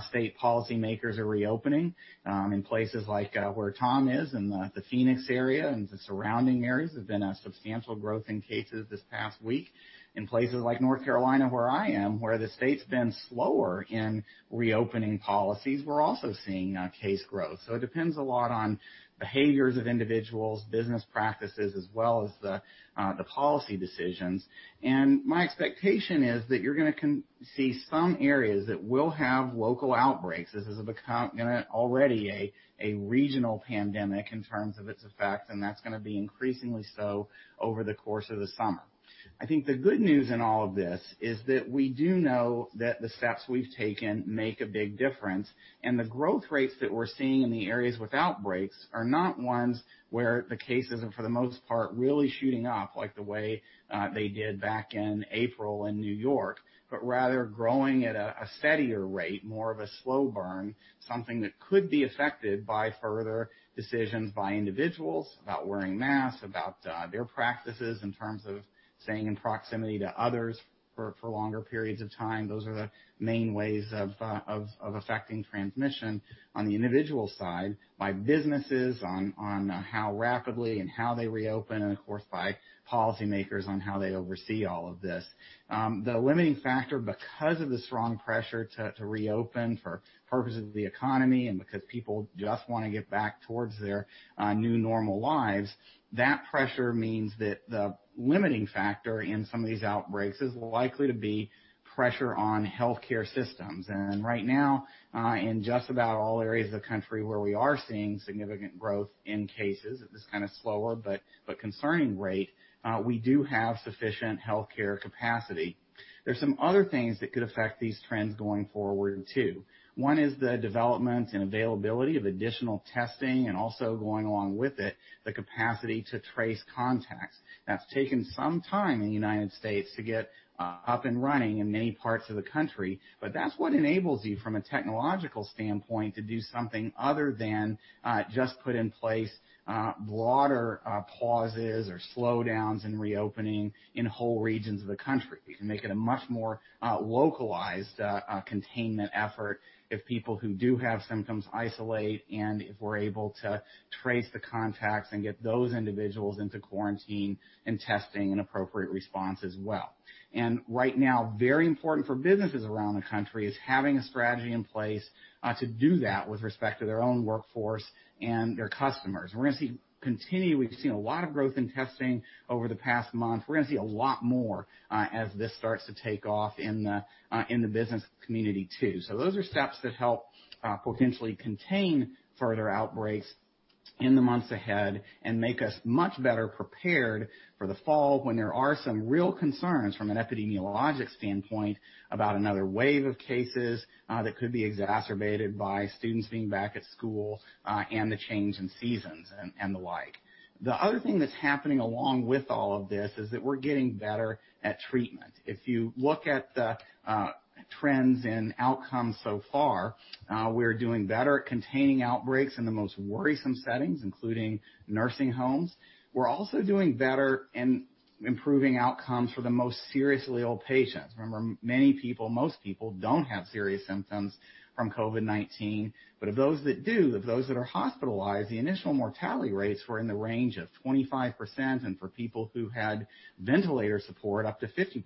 state policymakers are reopening. In places like where Tom is in the Phoenix area and the surrounding areas, there's been a substantial growth in cases this past week. In places like North Carolina, where I am, where the state's been slower in reopening policies, we're also seeing case growth. it depends a lot on behaviors of individuals, business practices, as well as the policy decisions. my expectation is that you're going to see some areas that will have local outbreaks. This has become already a regional pandemic in terms of its effect, and that's going to be increasingly so over the course of the summer. I think the good news in all of this is that we do know that the steps we've taken make a big difference, and the growth rates that we're seeing in the areas with outbreaks are not ones where the cases are, for the most part, really shooting up like the way they did back in April in New York, but rather growing at a steadier rate, more of a slow burn, something that could be affected by further decisions by individuals about wearing masks, about their practices in terms of staying in proximity to others for longer periods of time. Those are the main ways of affecting transmission on the individual side, by businesses on how rapidly and how they reopen, and of course, by policymakers on how they oversee all of this. The limiting factor, because of the strong pressure to reopen for purposes of the economy and because people just want to get back towards their new normal lives, that pressure means that the limiting factor in some of these outbreaks is likely to be pressure on healthcare systems. Right now, in just about all areas of the country where we are seeing significant growth in cases at this kind of slower but concerning rate, we do have sufficient healthcare capacity. There's some other things that could affect these trends going forward, too. One is the development and availability of additional testing and also going along with it, the capacity to trace contacts. That's taken some time in the United States to get up and running in many parts of the country. That's what enables you from a technological standpoint, to do something other than just put in place broader pauses or slowdowns in reopening in whole regions of the country. We can make it a much more localized containment effort if people who do have symptoms isolate, and if we're able to trace the contacts and get those individuals into quarantine and testing an appropriate response as well. Right now, very important for businesses around the country is having a strategy in place to do that with respect to their own workforce and their customers. We've seen a lot of growth in testing over the past month. We're going to see a lot more as this starts to take off in the business community too. Those are steps that help potentially contain further outbreaks in the months ahead and make us much better prepared for the fall when there are some real concerns from an epidemiologic standpoint about another wave of cases that could be exacerbated by students being back at school and the change in seasons and the like. The other thing that's happening along with all of this is that we're getting better at treatment. If you look at the trends in outcomes so far, we're doing better at containing outbreaks in the most worrisome settings, including nursing homes. We're also doing better in improving outcomes for the most seriously ill patients. Remember, many people, most people, don't have serious symptoms from COVID-19. Of those that do, of those that are hospitalized, the initial mortality rates were in the range of 25%, and for people who had ventilator support, up to 50%.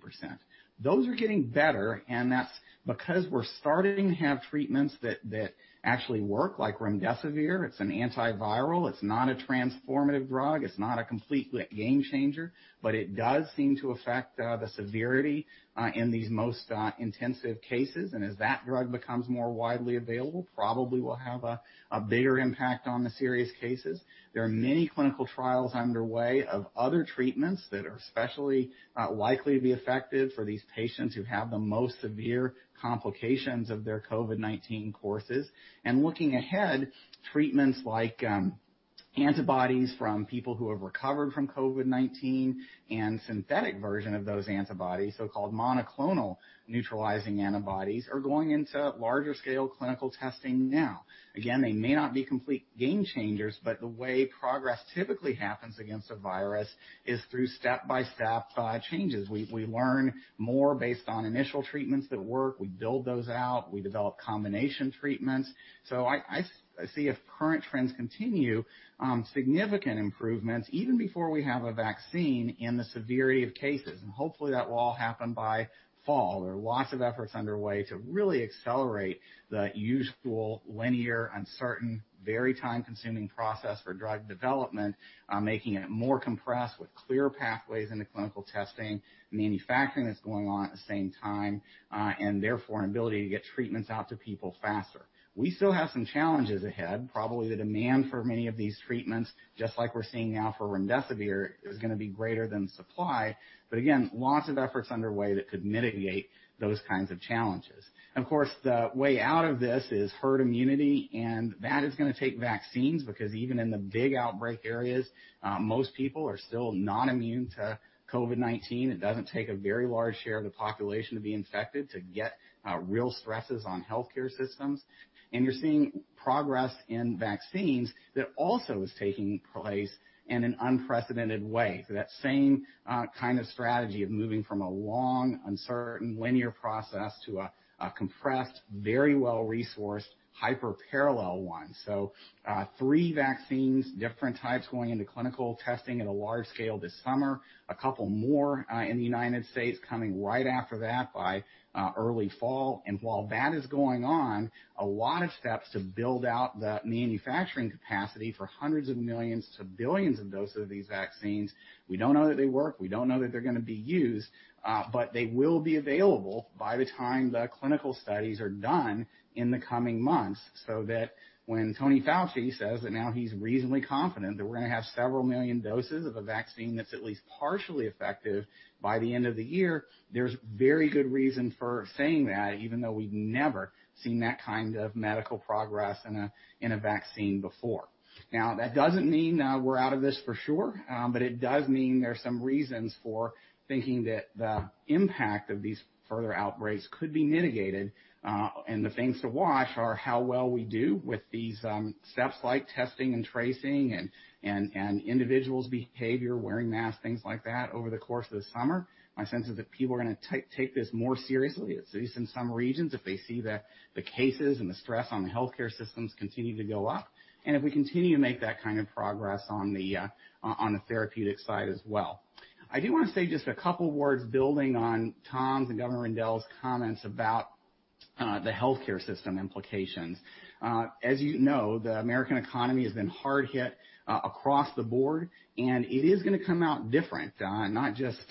Those are getting better, and that's because we're starting to have treatments that actually work, like remdesivir. It's an antiviral. It's not a transformative drug. It's not a complete game changer, but it does seem to affect the severity in these most intensive cases. As that drug becomes more widely available, probably will have a bigger impact on the serious cases. There are many clinical trials underway of other treatments that are especially likely to be effective for these patients who have the most severe complications of their COVID-19 courses. Looking ahead, treatments like antibodies from people who have recovered from COVID-19 and synthetic version of those antibodies, so-called monoclonal neutralizing antibodies, are going into larger scale clinical testing now. Again, they may not be complete game changers, but the way progress typically happens against a virus is through step-by-step changes. We learn more based on initial treatments that work. We build those out, we develop combination treatments. I see, if current trends continue, significant improvements even before we have a vaccine in the severity of cases, and hopefully that will all happen by fall. There are lots of efforts underway to really accelerate the usual linear, uncertain, very time-consuming process for drug development, making it more compressed with clear pathways into clinical testing, manufacturing that's going on at the same time, and therefore an ability to get treatments out to people faster. We still have some challenges ahead. Probably the demand for many of these treatments, just like we're seeing now for remdesivir, is going to be greater than supply. Again, lots of efforts underway that could mitigate those kinds of challenges. Of course, the way out of this is herd immunity, and that is going to take vaccines, because even in the big outbreak areas, most people are still not immune to COVID-19. It doesn't take a very large share of the population to be infected to get real stresses on healthcare systems. You're seeing progress in vaccines that also is taking place in an unprecedented way. That same kind of strategy of moving from a long, uncertain, linear process to a compressed, very well-resourced, hyper parallel one. Three vaccines, different types, going into clinical testing at a large scale this summer. A couple more in the United States coming right after that by early fall. While that is going on, a lot of steps to build out the manufacturing capacity for hundreds of millions to billions of doses of these vaccines. We don't know that they work. We don't know that they're going to be used. They will be available by the time the clinical studies are done in the coming months, so that when Tony Fauci says that now he's reasonably confident that we're going to have several million doses of a vaccine that's at least partially effective by the end of the year, there's very good reason for saying that, even though we've never seen that kind of medical progress in a vaccine before. Now, that doesn't mean we're out of this for sure. It does mean there are some reasons for thinking that the impact of these further outbreaks could be mitigated. The things to watch are how well we do with these steps like testing and tracing and individuals' behavior, wearing masks, things like that over the course of the summer. My sense is if people are going to take this more seriously, at least in some regions, if they see the cases and the stress on the healthcare systems continue to go up, and if we continue to make that kind of progress on the therapeutic side as well. I do want to say just a couple words building on Tom's and Governor Rendell's comments about the healthcare system implications. As you know, the American economy has been hard hit across the board, and it is going to come out different, not just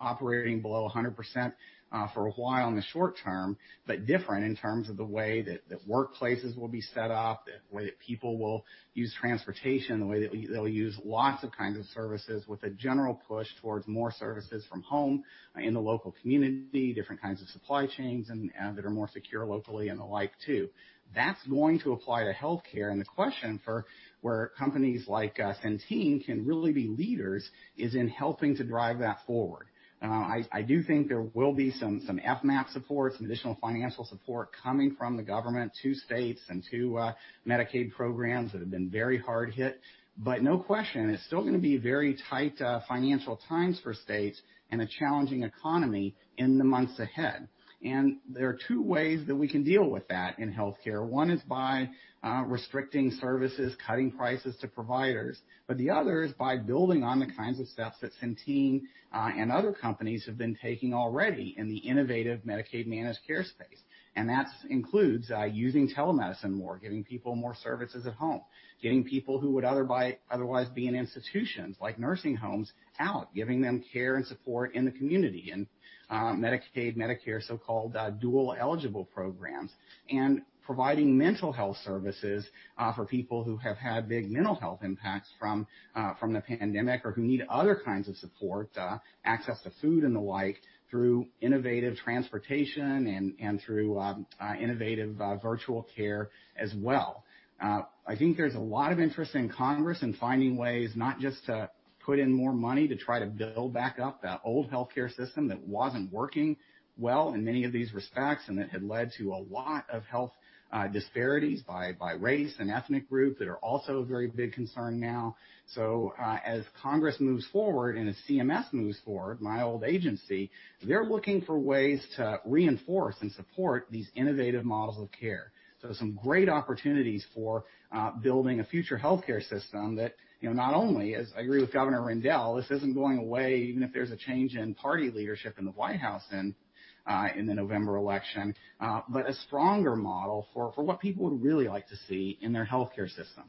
operating below 100% for a while in the short term, but different in terms of the way that workplaces will be set up, the way that people will use transportation, the way that they'll use lots of kinds of services with a general push towards more services from home in the local community, different kinds of supply chains, and that are more secure locally and the like, too. That's going to apply to healthcare, and the question for where companies like Centene can really be leaders is in helping to drive that forward. I do think there will be some FMAP support, some additional financial support coming from the government to states and to Medicaid programs that have been very hard hit. No question, it's still going to be very tight financial times for states and a challenging economy in the months ahead. There are two ways that we can deal with that in healthcare. One is by restricting services, cutting prices to providers, but the other is by building on the kinds of steps that Centene and other companies have been taking already in the innovative Medicaid managed care space. That includes using telemedicine more, giving people more services at home, getting people who would otherwise be in institutions like nursing homes out, giving them care and support in the community, and Medicaid, Medicare, so-called dual-eligible programs, and providing mental health services for people who have had big mental health impacts from the pandemic or who need other kinds of support, access to food and the like, through innovative transportation and through innovative virtual care as well. I think there's a lot of interest in Congress in finding ways not just to put in more money to try to build back up that old healthcare system that wasn't working well in many of these respects, and that had led to a lot of health disparities by race and ethnic group that are also a very big concern now. As Congress moves forward and as CMS moves forward, my old agency, they're looking for ways to reinforce and support these innovative models of care. Some great opportunities for building a future healthcare system that not only is, I agree with Governor Rendell, this isn't going away, even if there's a change in party leadership in the White House in the November election, but a stronger model for what people would really like to see in their healthcare system.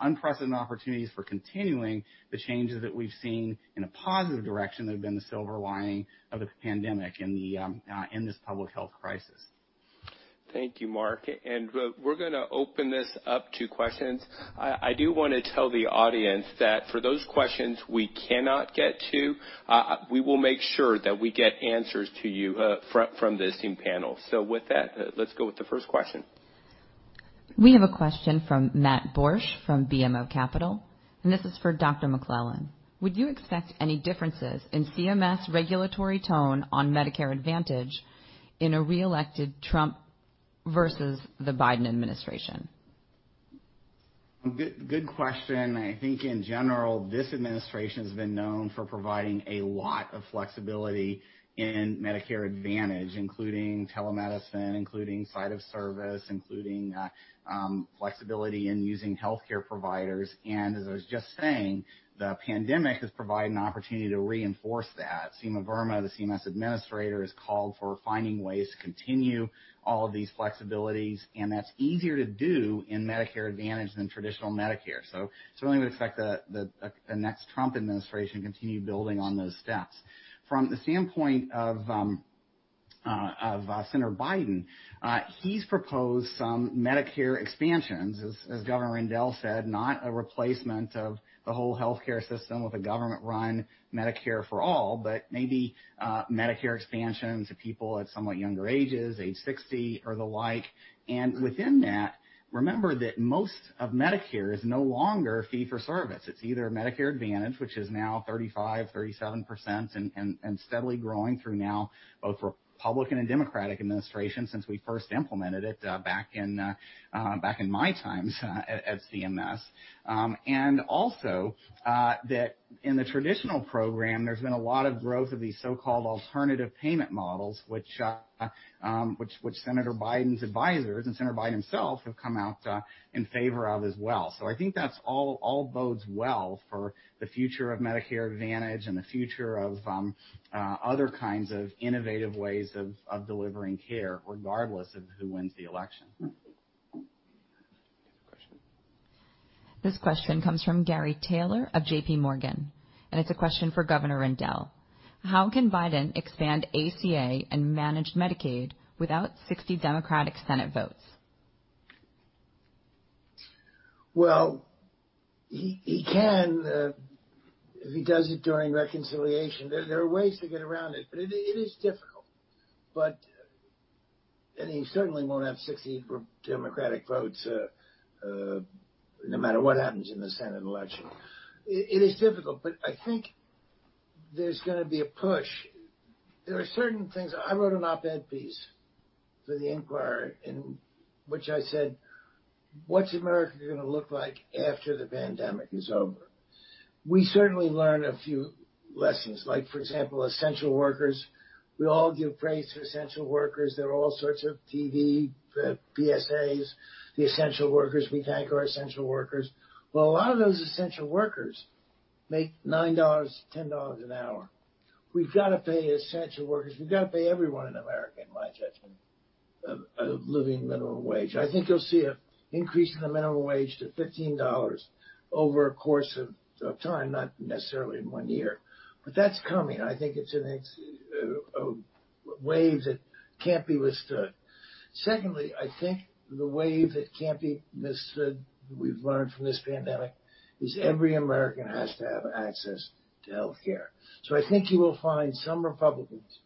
unprecedented opportunities for continuing the changes that we've seen in a positive direction that have been the silver lining of the pandemic in this public health crisis. Thank you, Mark, and we're going to open this up to questions. I do want to tell the audience that for those questions we cannot get to, we will make sure that we get answers to you from this same panel. With that, let's go with the first question. We have a question from Matt Borsch from BMO Capital, and this is for Dr. McClellan. Would you expect any differences in CMS regulatory tone on Medicare Advantage in a reelected Trump versus the Biden administration? Good question. I think in general, this administration has been known for providing a lot of flexibility in Medicare Advantage, including telemedicine, including site of service, including flexibility in using healthcare providers. As I was just saying, the pandemic has provided an opportunity to reinforce that. Seema Verma, the CMS administrator, has called for finding ways to continue all of these flexibilities, and that's easier to do in Medicare Advantage than traditional Medicare. Certainly would expect a next Trump administration continue building on those steps. From the standpoint of Senator Biden, he's proposed some Medicare expansions, as Governor Rendell said, not a replacement of the whole healthcare system with a government-run Medicare for all, but maybe Medicare expansions to people at somewhat younger ages, age 60 or the like. Within that, remember that most of Medicare is no longer fee-for-service. It's either Medicare Advantage, which is now 35, 37% and steadily growing through now, both Republican and Democratic administrations since we first implemented it back in my times at CMS. That in the traditional program, there's been a lot of growth of these so-called alternative payment models, which Senator Biden's advisors and Senator Biden himself have come out in favor of as well. I think that all bodes well for the future of Medicare Advantage and the future of other kinds of innovative ways of delivering care, regardless of who wins the election. Next question. This question comes from Gary Taylor of JPMorgan, and it's a question for Governor Rendell. How can Biden expand ACA and manage Medicaid without 60 Democratic Senate votes? Well, he can if he does it during reconciliation. There are ways to get around it, but it is difficult. He certainly won't have 60 Democratic votes, no matter what happens in the Senate election. It is difficult, but I think there's going to be a push. I wrote an op-ed piece for "The Inquirer" in which I said, "What's America going to look like after the pandemic is over?" We certainly learned a few lessons, like for example, essential workers. We all give praise to essential workers, there are all sorts of TV PSAs. The essential workers. We thank our essential workers. Well, a lot of those essential workers make $9, $10 an hour. We've got to pay essential workers. We've got to pay everyone in America, in my judgment, a living minimum wage. I think you'll see an increase in the minimum wage to $15 over a course of time, not necessarily in one year. That's coming. I think it's a wave that can't be withstood. Secondly, I think the wave that can't be withstood, we've learned from this pandemic, is every American has to have access to healthcare. I think you will find some Republicans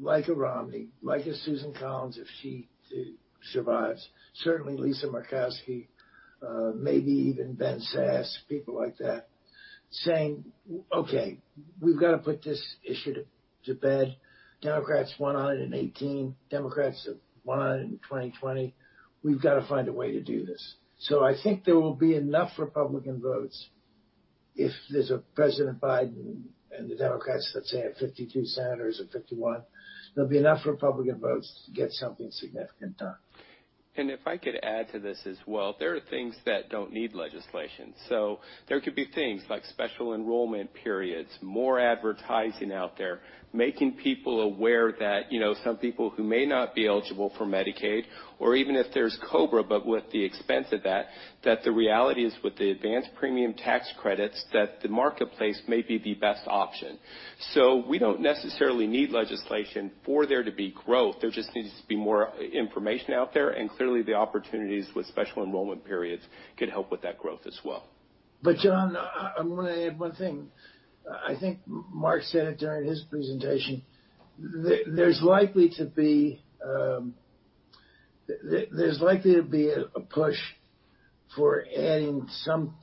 like a Romney, like a Susan Collins, if she survives. Certainly Lisa Murkowski, maybe even Ben Sasse, people like that, saying, "Okay, we've got to put this issue to bed. Democrats won 118. Democrats won in 2020. We've got to find a way to do this." I think there will be enough Republican votes if there's a President Biden and the Democrats, let's say, have 52 senators or 51, there'll be enough Republican votes to get something significant done. if I could add to this as well, there are things that don't need legislation. there could be things like special enrollment periods, more advertising out there, making people aware that some people who may not be eligible for Medicaid, or even if there's COBRA, but with the expense of that the reality is with the advanced premium tax credits, that the marketplace may be the best option. we don't necessarily need legislation for there to be growth. There just needs to be more information out there, and clearly the opportunities with special enrollment periods could help with that growth as well. John, I want to add one thing. I think Mark said it during his presentation. There's likely to be a push for adding some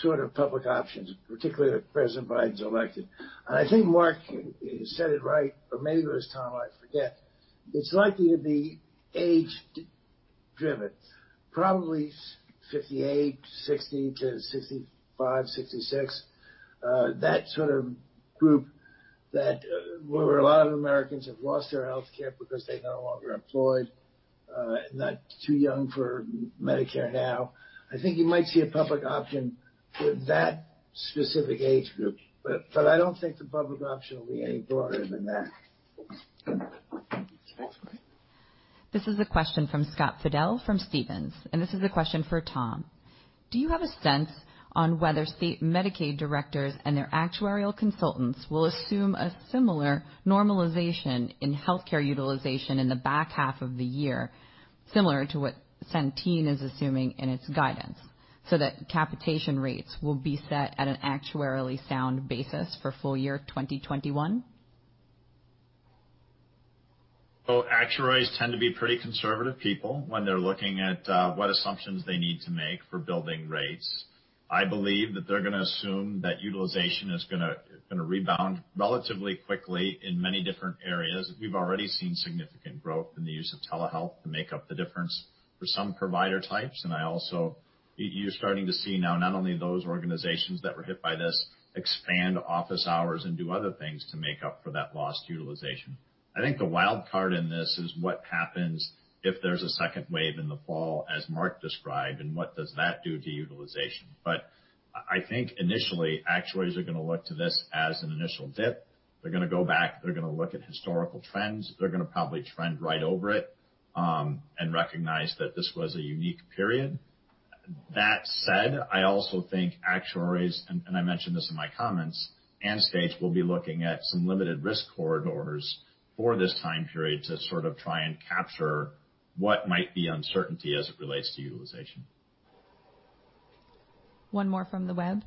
sort of public options, particularly if President Biden's elected. I think Mark said it right, or maybe it was Tom, I forget. It's likely to be age-driven, probably 58, 60 - 65, 66. That sort of group where a lot of Americans have lost their healthcare because they're no longer employed, and too young for Medicare now. I think you might see a public option for that specific age group. I don't think the public option will be any broader than that. This is a question from Scott Fidel from Stephens, and this is a question for Tom. Do you have a sense on whether state Medicaid directors and their actuarial consultants will assume a similar normalization in healthcare utilization in the back half of the year, similar to what Centene is assuming in its guidance, so that capitation rates will be set at an actuarially sound basis for full year 2021? Well, actuaries tend to be pretty conservative people when they're looking at what assumptions they need to make for building rates. I believe that they're going to assume that utilization is going to rebound relatively quickly in many different areas. We've already seen significant growth in the use of telehealth to make up the difference for some provider types. You're starting to see now not only those organizations that were hit by this expand office hours and do other things to make up for that lost utilization. I think the wild card in this is what happens if there's a second wave in the fall, as Mark described, and what does that do to utilization. I think initially, actuaries are going to look to this as an initial dip. They're going to go back, they're going to look at historical trends. They're going to probably trend right over it, and recognize that this was a unique period. That said, I also think actuaries, and I mentioned this in my comments, and states will be looking at some limited risk corridors for this time period to sort of try and capture what might be uncertainty as it relates to utilization. One more from the web.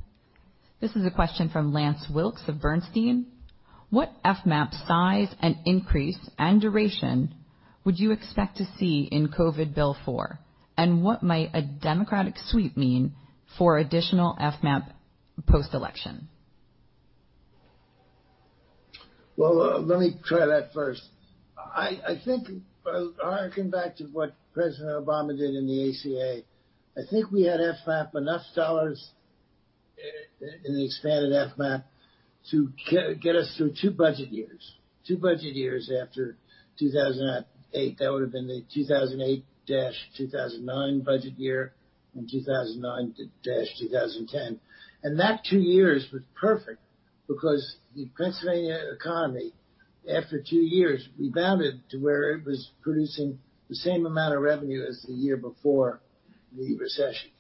This is a question from Lance Wilkes of Bernstein. What FMAP size, and increase, and duration would you expect to see in COVID Bill four, and what might a Democratic sweep mean for additional FMAP post-election? Well, let me try that first. I think harking back to what President Obama did in the ACA, I think we had FMAP, enough dollars in the expanded FMAP to get us through two budget years. Two budget years after 2008. That would have been the 2008-2009 budget year, and 2009-2010. That two years was perfect because the Pennsylvania economy, after two years, rebounded to where it was producing the same amount of revenue as the year before the recession.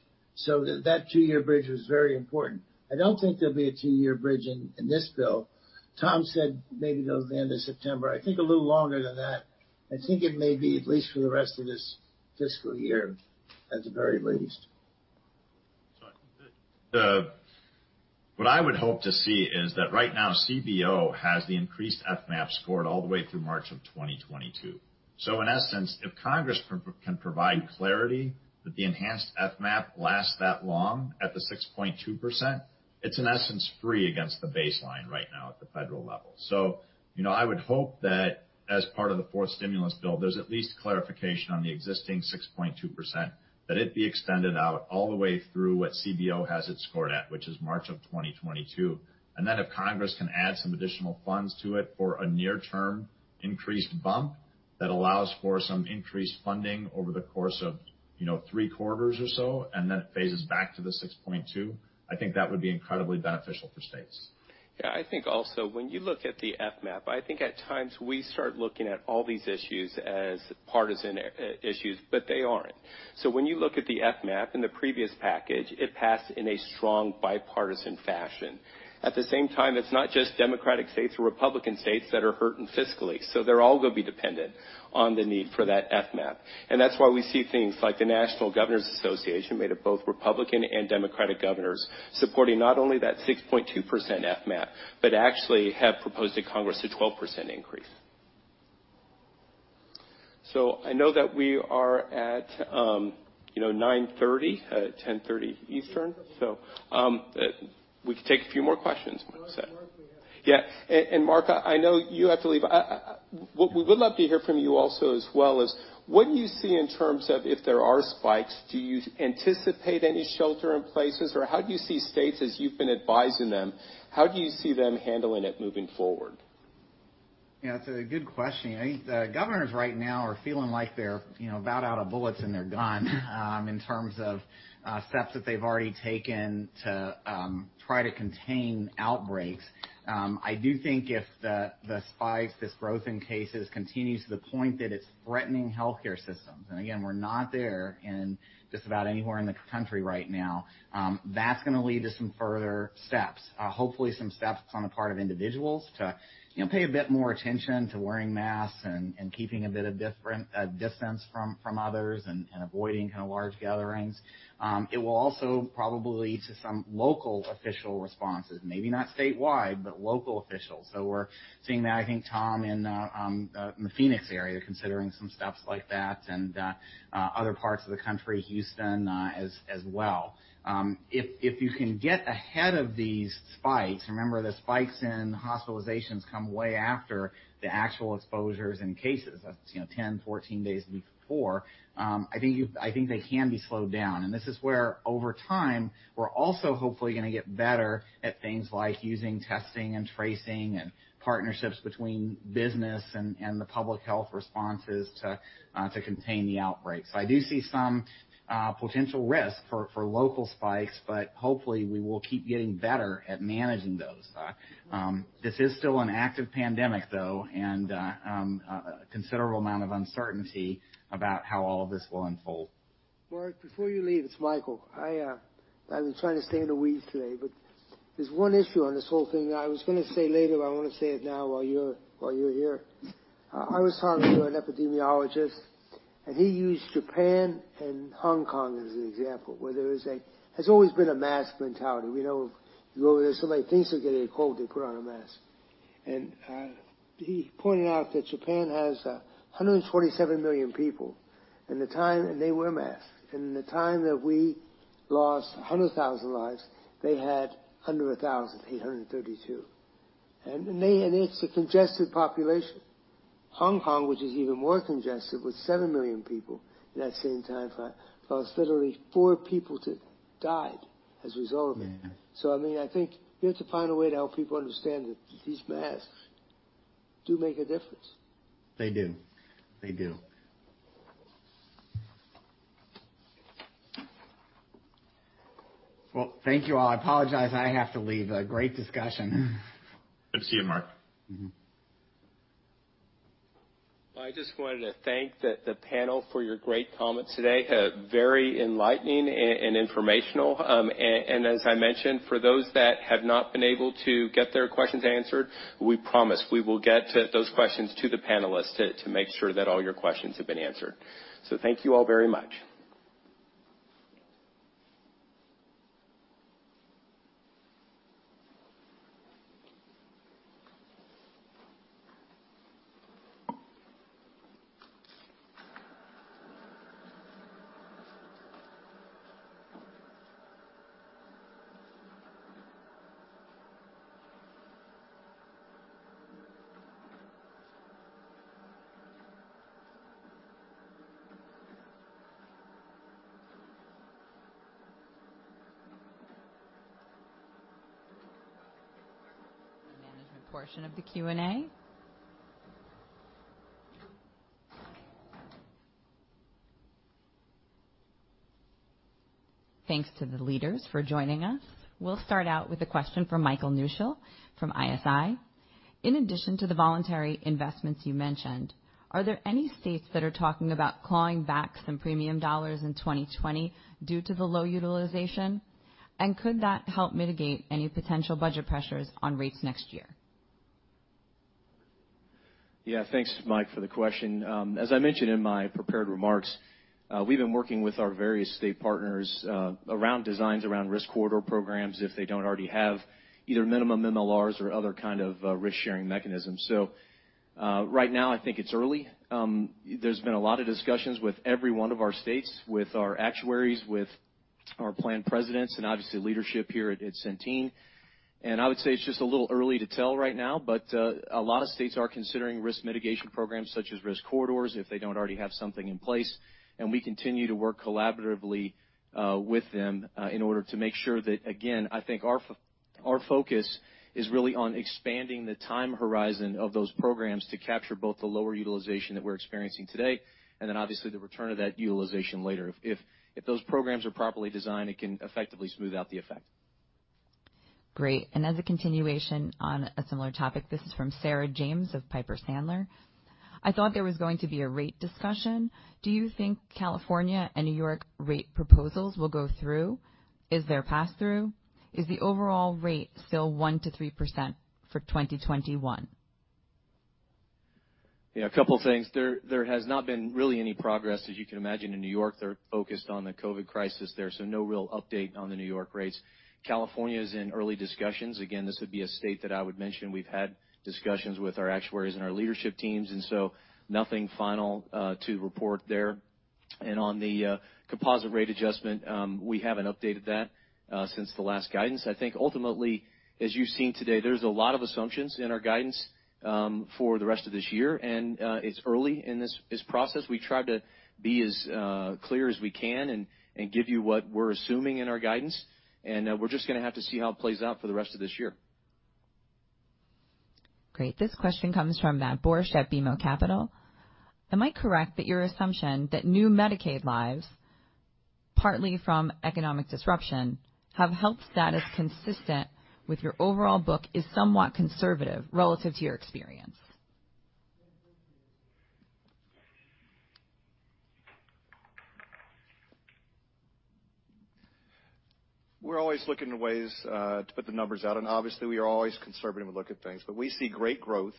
That two-year bridge was very important. I don't think there'll be a two-year bridge in this bill. Tom said maybe go to the end of September. I think a little longer than that. I think it may be at least for the rest of this fiscal year, at the very least. What I would hope to see is that right now, CBO has the increased FMAP scored all the way through March of 2022. In essence, if Congress can provide clarity that the enhanced FMAP lasts that long at the 6.2%, it's in essence free against the baseline right now at the federal level. I would hope that as part of the fourth stimulus bill, there's at least clarification on the existing 6.2%, that it be extended out all the way through what CBO has it scored at, which is March of 2022. If Congress can add some additional funds to it for a near term increased bump that allows for some increased funding over the course of Q3 or so, and then it phases back to the 6.2, I think that would be incredibly beneficial for states. Yeah. I think also when you look at the FMAP, I think at times we start looking at all these issues as partisan issues, but they aren't. When you look at the FMAP in the previous package, it passed in a strong bipartisan fashion. At the same time, it's not just Democratic states or Republican states that are hurting fiscally. They're all going to be dependent on the need for that FMAP. That's why we see things like the National Governors Association made of both Republican and Democratic governors supporting not only that 6.2% FMAP, but actually have proposed to Congress a 12% increase. I know that we are at 9:30, 10:30 Eastern. We can take a few more questions. Mark, we have- Yeah. Mark, I know you have to leave. What we would love to hear from you also as well is, what do you see in terms of if there are spikes, do you anticipate any shelter in places, or how do you see states as you've been advising them, how do you see them handling it moving forward? Yeah, it's a good question. I think the governors right now are feeling like they're about out of bullets in their gun, in terms of steps that they've already taken to try to contain outbreaks. I do think if the spikes, this growth in cases continues to the point that it's threatening healthcare systems, and again, we're not there in just about anywhere in the country right now, that's going to lead to some further steps. Hopefully some steps on the part of individuals to pay a bit more attention to wearing masks and keeping a bit of distance from others and avoiding large gatherings. It will also probably lead to some local official responses. Maybe not statewide, but local officials. we're seeing that, I think, Tom, in the Phoenix area, considering some steps like that, and other parts of the country, Houston, as well. If you can get ahead of these spikes, remember, the spikes in hospitalizations come way after the actual exposures in cases. That's 10, 14 days, a week before. I think they can be slowed down. This is where over time, we're also hopefully going to get better at things like using testing and tracing and partnerships between business and the public health responses to contain the outbreaks. I do see some potential risk for local spikes, but hopefully we will keep getting better at managing those. This is still an active pandemic, though, and a considerable amount of uncertainty about how all of this will unfold. Mark, before you leave, it's Michael. I've been trying to stay in the weeds today, but there's one issue on this whole thing that I was going to say later, but I want to say it now while you're here. I was talking to an epidemiologist, and he used Japan and Hong Kong as an example, where there has always been a mask mentality. We know if you go over there, somebody thinks they're getting a cold, they put on a mask. He pointed out that Japan has 127 million people, and they wear a mask. In the time that we lost 100,000 lives, they had under 1,000, 832. It's a congested population. Hong Kong, which is even more congested with seven million people, in that same time, lost literally four people that died as a result of it. Man. I think we have to find a way to help people understand that these masks do make a difference. They do. Well, thank you all. I apologize, I have to leave. A great discussion. Good to see you, Mark. I just wanted to thank the panel for your great comments today. Very enlightening and informational. As I mentioned, for those that have not been able to get their questions answered, we promise we will get those questions to the panelists to make sure that all your questions have been answered. Thank you all very much. The management portion of the Q&A. Thanks to the leaders for joining us. We'll start out with a question from Michael Newshel from ISI. In addition to the voluntary investments you mentioned, are there any states that are talking about clawing back some premium dollars in 2020 due to the low utilization? Could that help mitigate any potential budget pressures on rates next year? Yeah. Thanks, Mike, for the question. As I mentioned in my prepared remarks, we've been working with our various state partners around designs around risk corridor programs, if they don't already have either minimum MLRs or other kind of risk-sharing mechanisms. Right now, I think it's early. There's been a lot of discussions with every one of our states, with our actuaries, with our plan presidents, and obviously leadership here at Centene. I would say it's just a little early to tell right now, but a lot of states are considering risk mitigation programs such as risk corridors if they don't already have something in place. we continue to work collaboratively with them in order to make sure that, again, I think our focus is really on expanding the time horizon of those programs to capture both the lower utilization that we're experiencing today, and then obviously the return of that utilization later. If those programs are properly designed, it can effectively smooth out the effect. Great. As a continuation on a similar topic, this is from Sarah James of Piper Sandler. I thought there was going to be a rate discussion. Do you think California and New York rate proposals will go through? Is there pass-through? Is the overall rate still one percent - three percent for 2021? Yeah, a couple of things. There has not been really any progress. As you can imagine, in New York, they're focused on the COVID crisis there, so no real update on the New York rates. California's in early discussions. Again, this would be a state that I would mention we've had discussions with our actuaries and our leadership teams, and so nothing final to report there. On the composite rate adjustment, we haven't updated that since the last guidance. I think ultimately, as you've seen today, there's a lot of assumptions in our guidance for the rest of this year, and it's early in this process. We try to be as clear as we can and give you what we're assuming in our guidance, and we're just going to have to see how it plays out for the rest of this year. Great. This question comes from Matt Borsch at BMO Capital. Am I correct that your assumption that new Medicaid lives, partly from economic disruption, have health status consistent with your overall book is somewhat conservative relative to your experience? We're always looking at ways to put the numbers out, and obviously, we are always conservative in look at things. We see great growth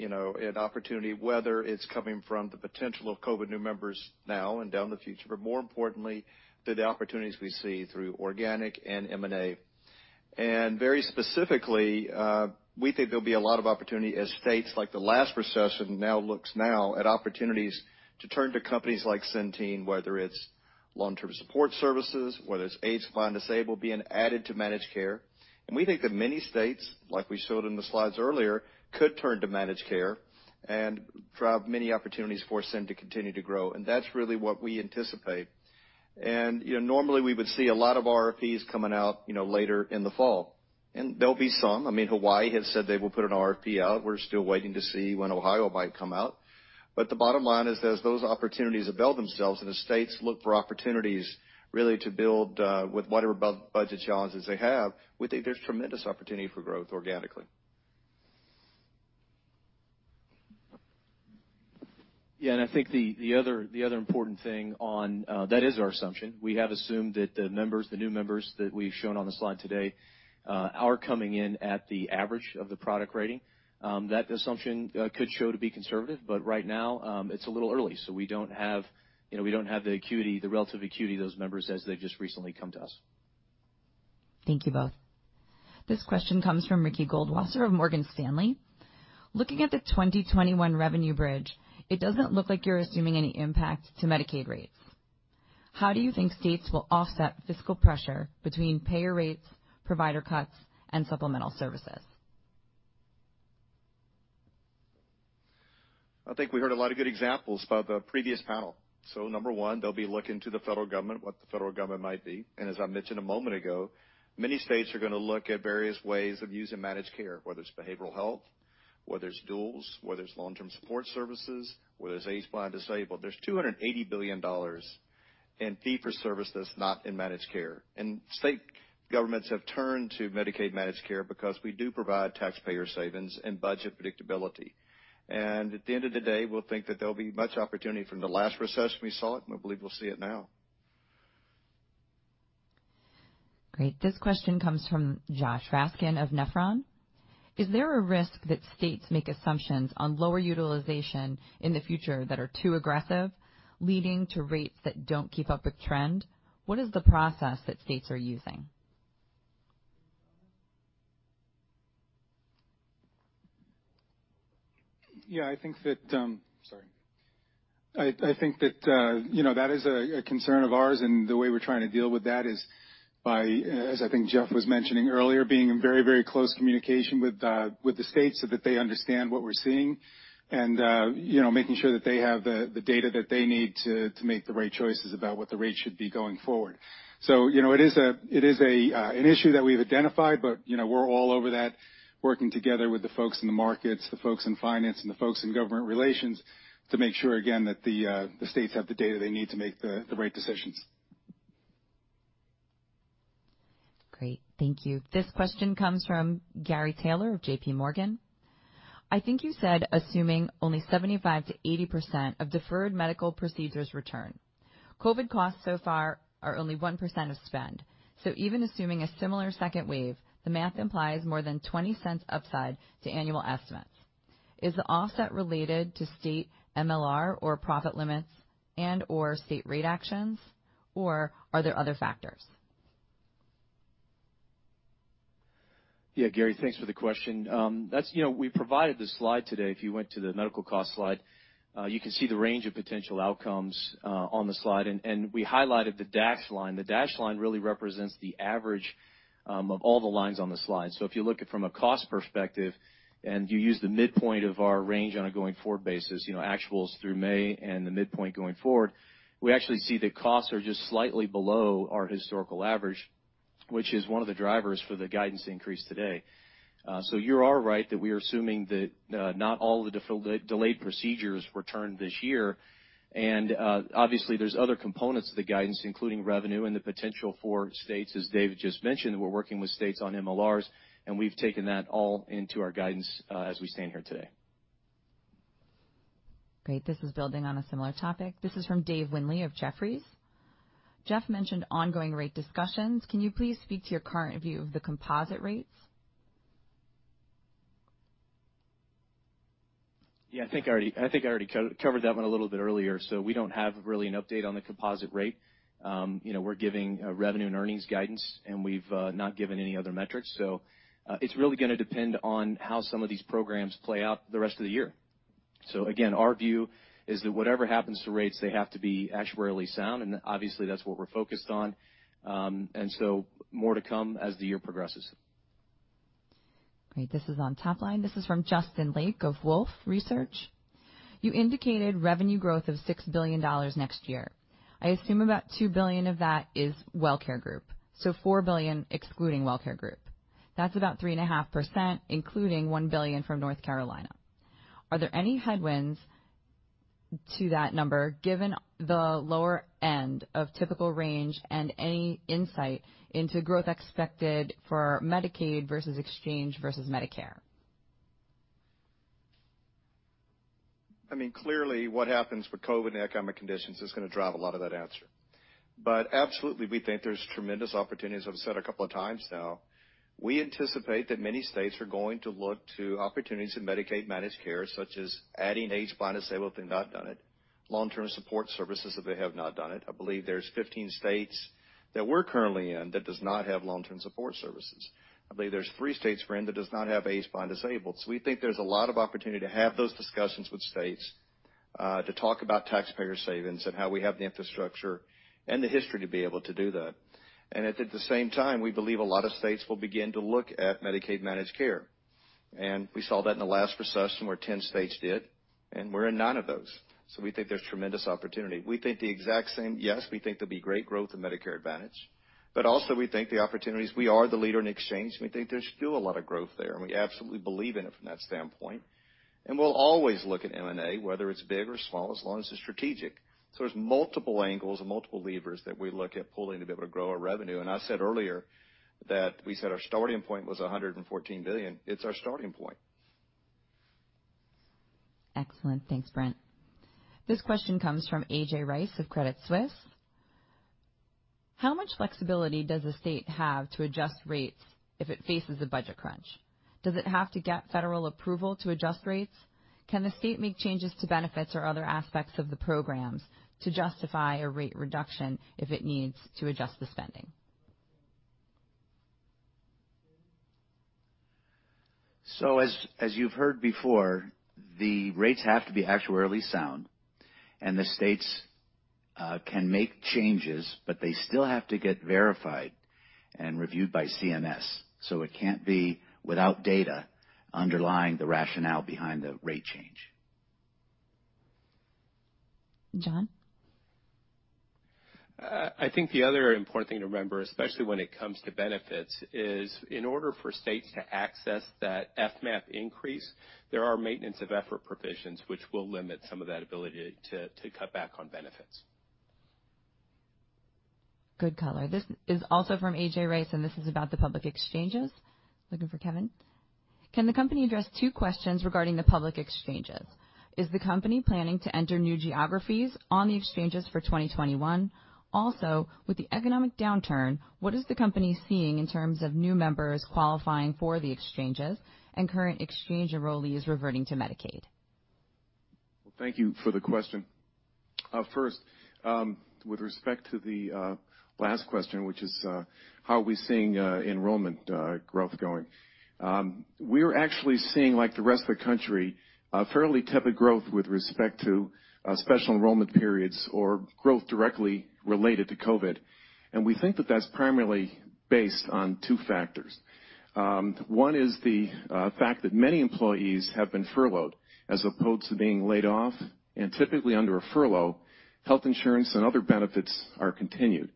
and opportunity, whether it's coming from the potential of COVID new members now and down the future, but more importantly, to the opportunities we see through organic and M&A. Very specifically, we think there'll be a lot of opportunity as states like the last recession now looks at opportunities to turn to companies like Centene, whether it's long-term support services, whether it's aged, blind, disabled being added to managed care. We think that many states, like we showed in the slides earlier, could turn to managed care and drive many opportunities for Centene to continue to grow. That's really what we anticipate. Normally, we would see a lot of RFPs coming out later in the fall. There'll be some. Hawaii has said they will put an RFP out. We're still waiting to see when Ohio might come out. The bottom line is, as those opportunities avail themselves and as states look for opportunities really to build with whatever budget challenges they have, we think there's tremendous opportunity for growth organically. Yeah, I think the other important thing that is our assumption. We have assumed that the new members that we've shown on the slide today are coming in at the average of the product rating. That assumption could show to be conservative, but right now it's a little early, so we don't have the relative acuity of those members as they've just recently come to us. Thank you both. This question comes from Ricky Goldwasser of Morgan Stanley. Looking at the 2021 revenue bridge, it doesn't look like you're assuming any impact to Medicaid rates. How do you think states will offset fiscal pressure between payer rates, provider cuts, and supplemental services? I think we heard a lot of good examples by the previous panel. Number one, they'll be looking to the federal government, what the federal government might be. As I mentioned a moment ago, many states are going to look at various ways of using managed care, whether it's behavioral health, whether it's duals, whether it's long-term support services, whether it's AIDS, blind, disabled. There's $280 billion in fee for service that's not in managed care. State governments have turned to Medicaid managed care because we do provide taxpayer savings and budget predictability. At the end of the day, we'll think that there'll be much opportunity. From the last recession, we saw it, and we believe we'll see it now. Great. This question comes from Josh Raskin of Nephron. Is there a risk that states make assumptions on lower utilization in the future that are too aggressive, leading to rates that don't keep up with trend? What is the process that states are using? Yeah. I think that is a concern of ours, and the way we're trying to deal with that is by, as I think Jeff was mentioning earlier, being in very close communication with the state so that they understand what we're seeing and making sure that they have the data that they need to make the right choices about what the rate should be going forward. It is an issue that we've identified, but we're all over that, working together with the folks in the markets, the folks in finance, and the folks in government relations to make sure, again, that the states have the data they need to make the right decisions. Great. Thank you. This question comes from Gary Taylor of JPMorgan. I think you said assuming only 75%-80% of deferred medical procedures return. COVID costs so far are only one percent of spend. Even assuming a similar second wave, the math implies more than $0.20 upside to annual estimates. Is the offset related to state MLR or profit limits and/or state rate actions, or are there other factors? Yeah, Gary, thanks for the question. We provided this slide today. If you went to the medical cost slide, you can see the range of potential outcomes on the slide, and we highlighted the dashed line. The dashed line really represents the average of all the lines on the slide. If you look at it from a cost perspective and you use the midpoint of our range on a going-forward basis, actuals through May and the midpoint going forward, we actually see that costs are just slightly below our historical average, which is one of the drivers for the guidance increase today. Obviously, there's other components to the guidance, including revenue and the potential for states, as David just mentioned. We're working with states on MLRs, and we've taken that all into our guidance as we stand here today. Great. This is building on a similar topic. This is from Dave Windley of Jefferies. Jeff mentioned ongoing rate discussions. Can you please speak to your current view of the composite rates? Yeah, I think I already covered that one a little bit earlier. We don't have really an update on the composite rate. We're giving revenue and earnings guidance, and we've not given any other metrics. It's really going to depend on how some of these programs play out the rest of the year. Again, our view is that whatever happens to rates, they have to be actuarially sound, and obviously that's what we're focused on. More to come as the year progresses. Great. This is on top line. This is from Justin Lake of Wolfe Research. You indicated revenue growth of $6 billion next year. I assume about $2 billion of that is WellCare Group, so $4 billion excluding WellCare Group. That's about 3.5%, including $1 billion from North Carolina. Are there any headwinds to that number given the lower end of typical range, and any insight into growth expected for Medicaid versus exchange versus Medicare? Clearly, what happens with COVID and the economic conditions is going to drive a lot of that answer. Absolutely, we think there's tremendous opportunities. I've said a couple of times now, we anticipate that many states are going to look to opportunities in Medicaid managed care, such as adding age blind, disabled, if they've not done it, long-term support services if they have not done it. I believe there's 15 states that we're currently in that does not have long-term support services. I believe there's three states, Brent, that does not have age blind disabled. We think there's a lot of opportunity to have those discussions with states, to talk about taxpayer savings and how we have the infrastructure and the history to be able to do that. At the same time, we believe a lot of states will begin to look at Medicaid managed care. we saw that in the last recession where 10 states did, and we're in nine of those. we think there's tremendous opportunity. Yes, we think there'll be great growth in Medicare Advantage, but also we think the opportunities, we are the leader in exchange, and we think there's still a lot of growth there, and we absolutely believe in it from that standpoint. we'll always look at M&A, whether it's big or small, as long as it's strategic. there's multiple angles and multiple levers that we look at pulling to be able to grow our revenue. I said earlier that we said our starting point was $114 billion. It's our starting point. Excellent. Thanks, Brent. This question comes from A.J. Rice of Credit Suisse. How much flexibility does a state have to adjust rates if it faces a budget crunch? Does it have to get federal approval to adjust rates? Can the state make changes to benefits or other aspects of the programs to justify a rate reduction if it needs to adjust the spending? as you've heard before, the rates have to be actuarially sound and the states can make changes, but they still have to get verified and reviewed by CMS, so it can't be without data underlying the rationale behind the rate change. John? I think the other important thing to remember, especially when it comes to benefits, is in order for states to access that FMAP increase, there are maintenance of effort provisions which will limit some of that ability to cut back on benefits. Good color. This is also from A.J. Rice, and this is about the public exchanges. Looking for Kevin. Can the company address two questions regarding the public exchanges? Is the company planning to enter new geographies on the exchanges for 2021? Also, with the economic downturn, what is the company seeing in terms of new members qualifying for the exchanges and current exchange enrollees reverting to Medicaid? Thank you for the question. First, with respect to the last question, which is how are we seeing enrollment growth going? We're actually seeing, like the rest of the country, fairly tepid growth with respect to special enrollment periods or growth directly related to COVID, and we think that that's primarily based on two factors. One is the fact that many employees have been furloughed as opposed to being laid off, and typically under a furlough, health insurance and other benefits are continued.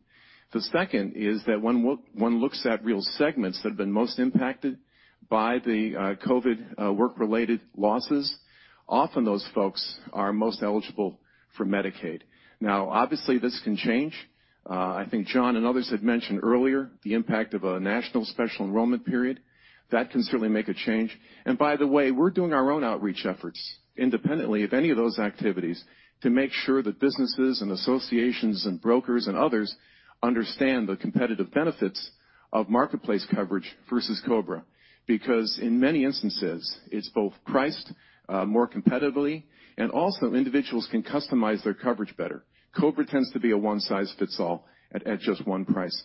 The second is that when one looks at real segments that have been most impacted by the COVID work-related losses, often those folks are most eligible for Medicaid. Now, obviously, this can change. I think John and others had mentioned earlier the impact of a national special enrollment period. That can certainly make a change. by the way, we're doing our own outreach efforts independently of any of those activities to make sure that businesses and associations and brokers and others understand the competitive benefits of marketplace coverage versus COBRA, because in many instances, it's both priced more competitively and also individuals can customize their coverage better. COBRA tends to be a one size fits all at just one price.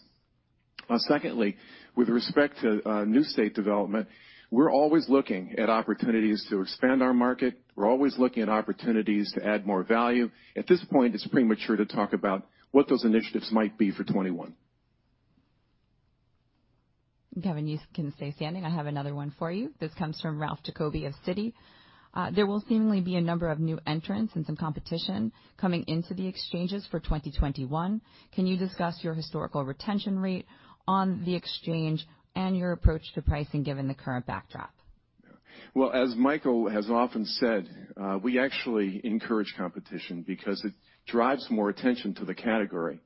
Secondly, with respect to new state development, we're always looking at opportunities to expand our market. We're always looking at opportunities to add more value. At this point, it's premature to talk about what those initiatives might be for '21. Kevin, you can stay standing. I have another one for you. This comes from Ralph Giacobbe of Citi. There will seemingly be a number of new entrants and some competition coming into the exchanges for 2021. Can you discuss your historical retention rate on the exchange and your approach to pricing given the current backdrop? Well, as Michael has often said, we actually encourage competition because it drives more attention to the category.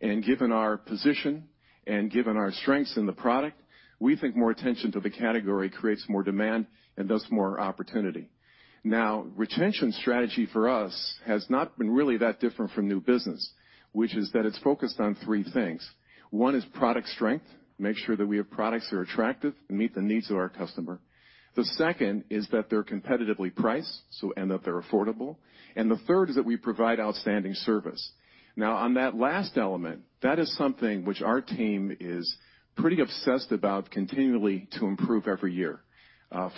Given our position and given our strengths in the product, we think more attention to the category creates more demand and thus more opportunity. Now, retention strategy for us has not been really that different from new business, which is that it's focused on three things. One is product strength, make sure that we have products that are attractive and meet the needs of our customer. The second is that they're competitively priced, and that they're affordable. The third is that we provide outstanding service. Now, on that last element, that is something which our team is pretty obsessed about continually to improve every year.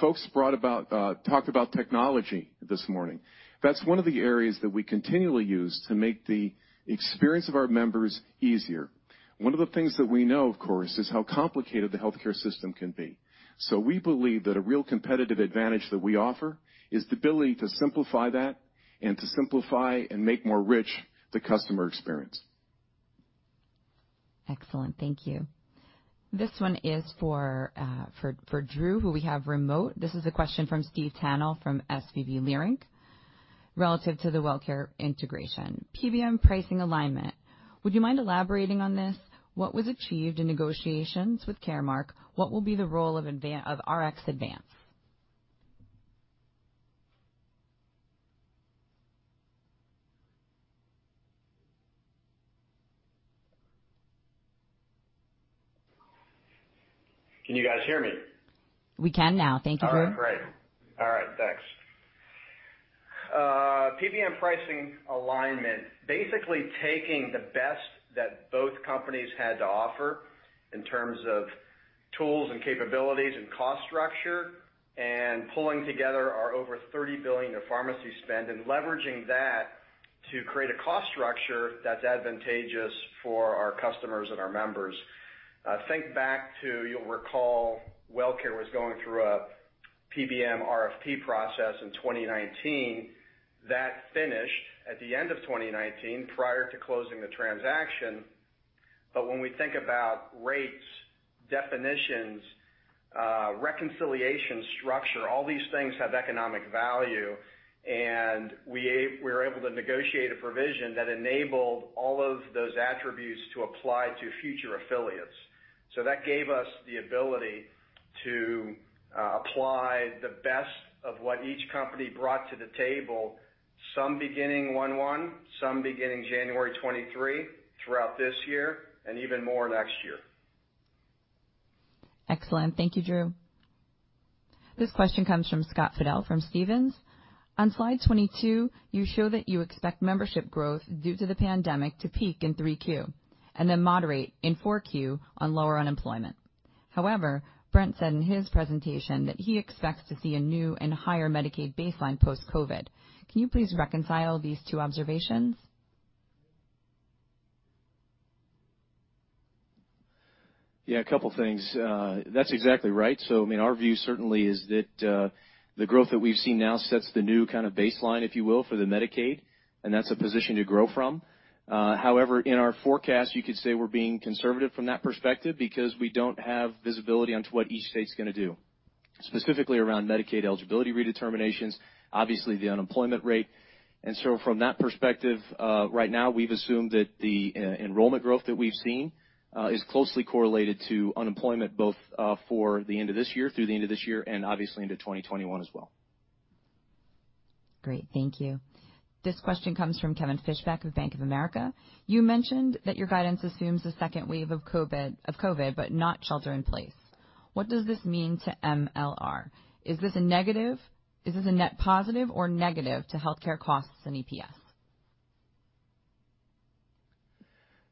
Folks talked about technology this morning. That's one of the areas that we continually use to make the experience of our members easier. One of the things that we know, of course, is how complicated the healthcare system can be. We believe that a real competitive advantage that we offer is the ability to simplify that and to simplify and make more rich the customer experience. Excellent. Thank you. This one is for Drew, who we have remote. This is a question from Steve Tannell from SVB Leerink, relative to the WellCare integration. PBM pricing alignment. Would you mind elaborating on this? What was achieved in negotiations with Caremark? What will be the role of RxAdvance? Can you guys hear me? We can now. Thank you, Drew. All right, great. Thanks. PBM pricing alignment, basically taking the best that both companies had to offer in terms of tools and capabilities and cost structure, and pulling together our over $30 billion of pharmacy spend, and leveraging that to create a cost structure that's advantageous for our customers and our members. Think back to, you'll recall, WellCare was going through a PBM RFP process in 2019. That finished at the end of 2019, prior to closing the transaction. when we think about rates, definitions, reconciliation structure, all these things have economic value, and we were able to negotiate a provision that enabled all of those attributes to apply to future affiliates. that gave us the ability to apply the best of what each company brought to the table, some beginning 01/01, some beginning January 23, throughout this year, and even more next year. Excellent. Thank you, Drew. This question comes from Scott Fidel from Stephens. On slide 22, you show that you expect membership growth due to the pandemic to peak in three Q, and then moderate in four Q on lower unemployment. However, Brent said in his presentation that he expects to see a new and higher Medicaid baseline post-COVID. Can you please reconcile these two observations? Yeah, a couple of things. That's exactly right. Our view certainly is that the growth that we've seen now sets the new kind of baseline, if you will, for the Medicaid, and that's a position to grow from. However, in our forecast, you could say we're being conservative from that perspective, because we don't have visibility onto what each state's going to do, specifically around Medicaid eligibility redeterminations, obviously the unemployment rate. From that perspective, right now, we've assumed that the enrollment growth that we've seen is closely correlated to unemployment, both through the end of this year, and obviously into 2021 as well. Great. Thank you. This question comes from Kevin Fischbeck of Bank of America. You mentioned that your guidance assumes a second wave of COVID, but not shelter-in-place. What does this mean to MLR? Is this a net positive or negative to healthcare costs and EPS?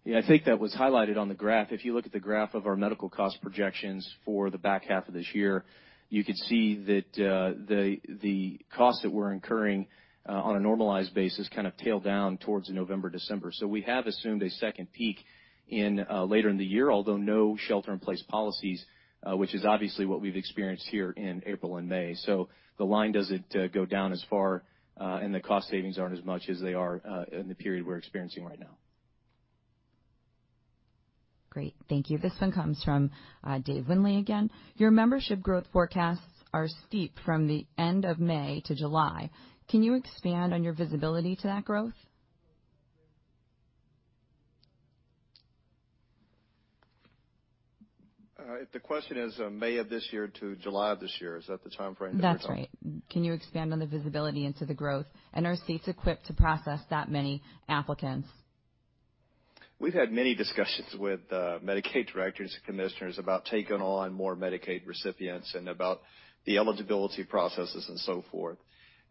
Yeah, I think that was highlighted on the graph. If you look at the graph of our medical cost projections for the back half of this year, you could see that the costs that we're incurring on a normalized basis kind of tail down towards November, December. We have assumed a second peak later in the year, although no shelter-in-place policies, which is obviously what we've experienced here in April and May. The line doesn't go down as far, and the cost savings aren't as much as they are in the period we're experiencing right now. Great. Thank you. This one comes from Dave Windley again. Your membership growth forecasts are steep from the end of May - July. Can you expand on your visibility to that growth? If the question is May of this year - July of this year, is that the timeframe that we're talking? That's right. Can you expand on the visibility into the growth, and are states equipped to process that many applicants? We've had many discussions with Medicaid directors and commissioners about taking on more Medicaid recipients and about the eligibility processes and so forth.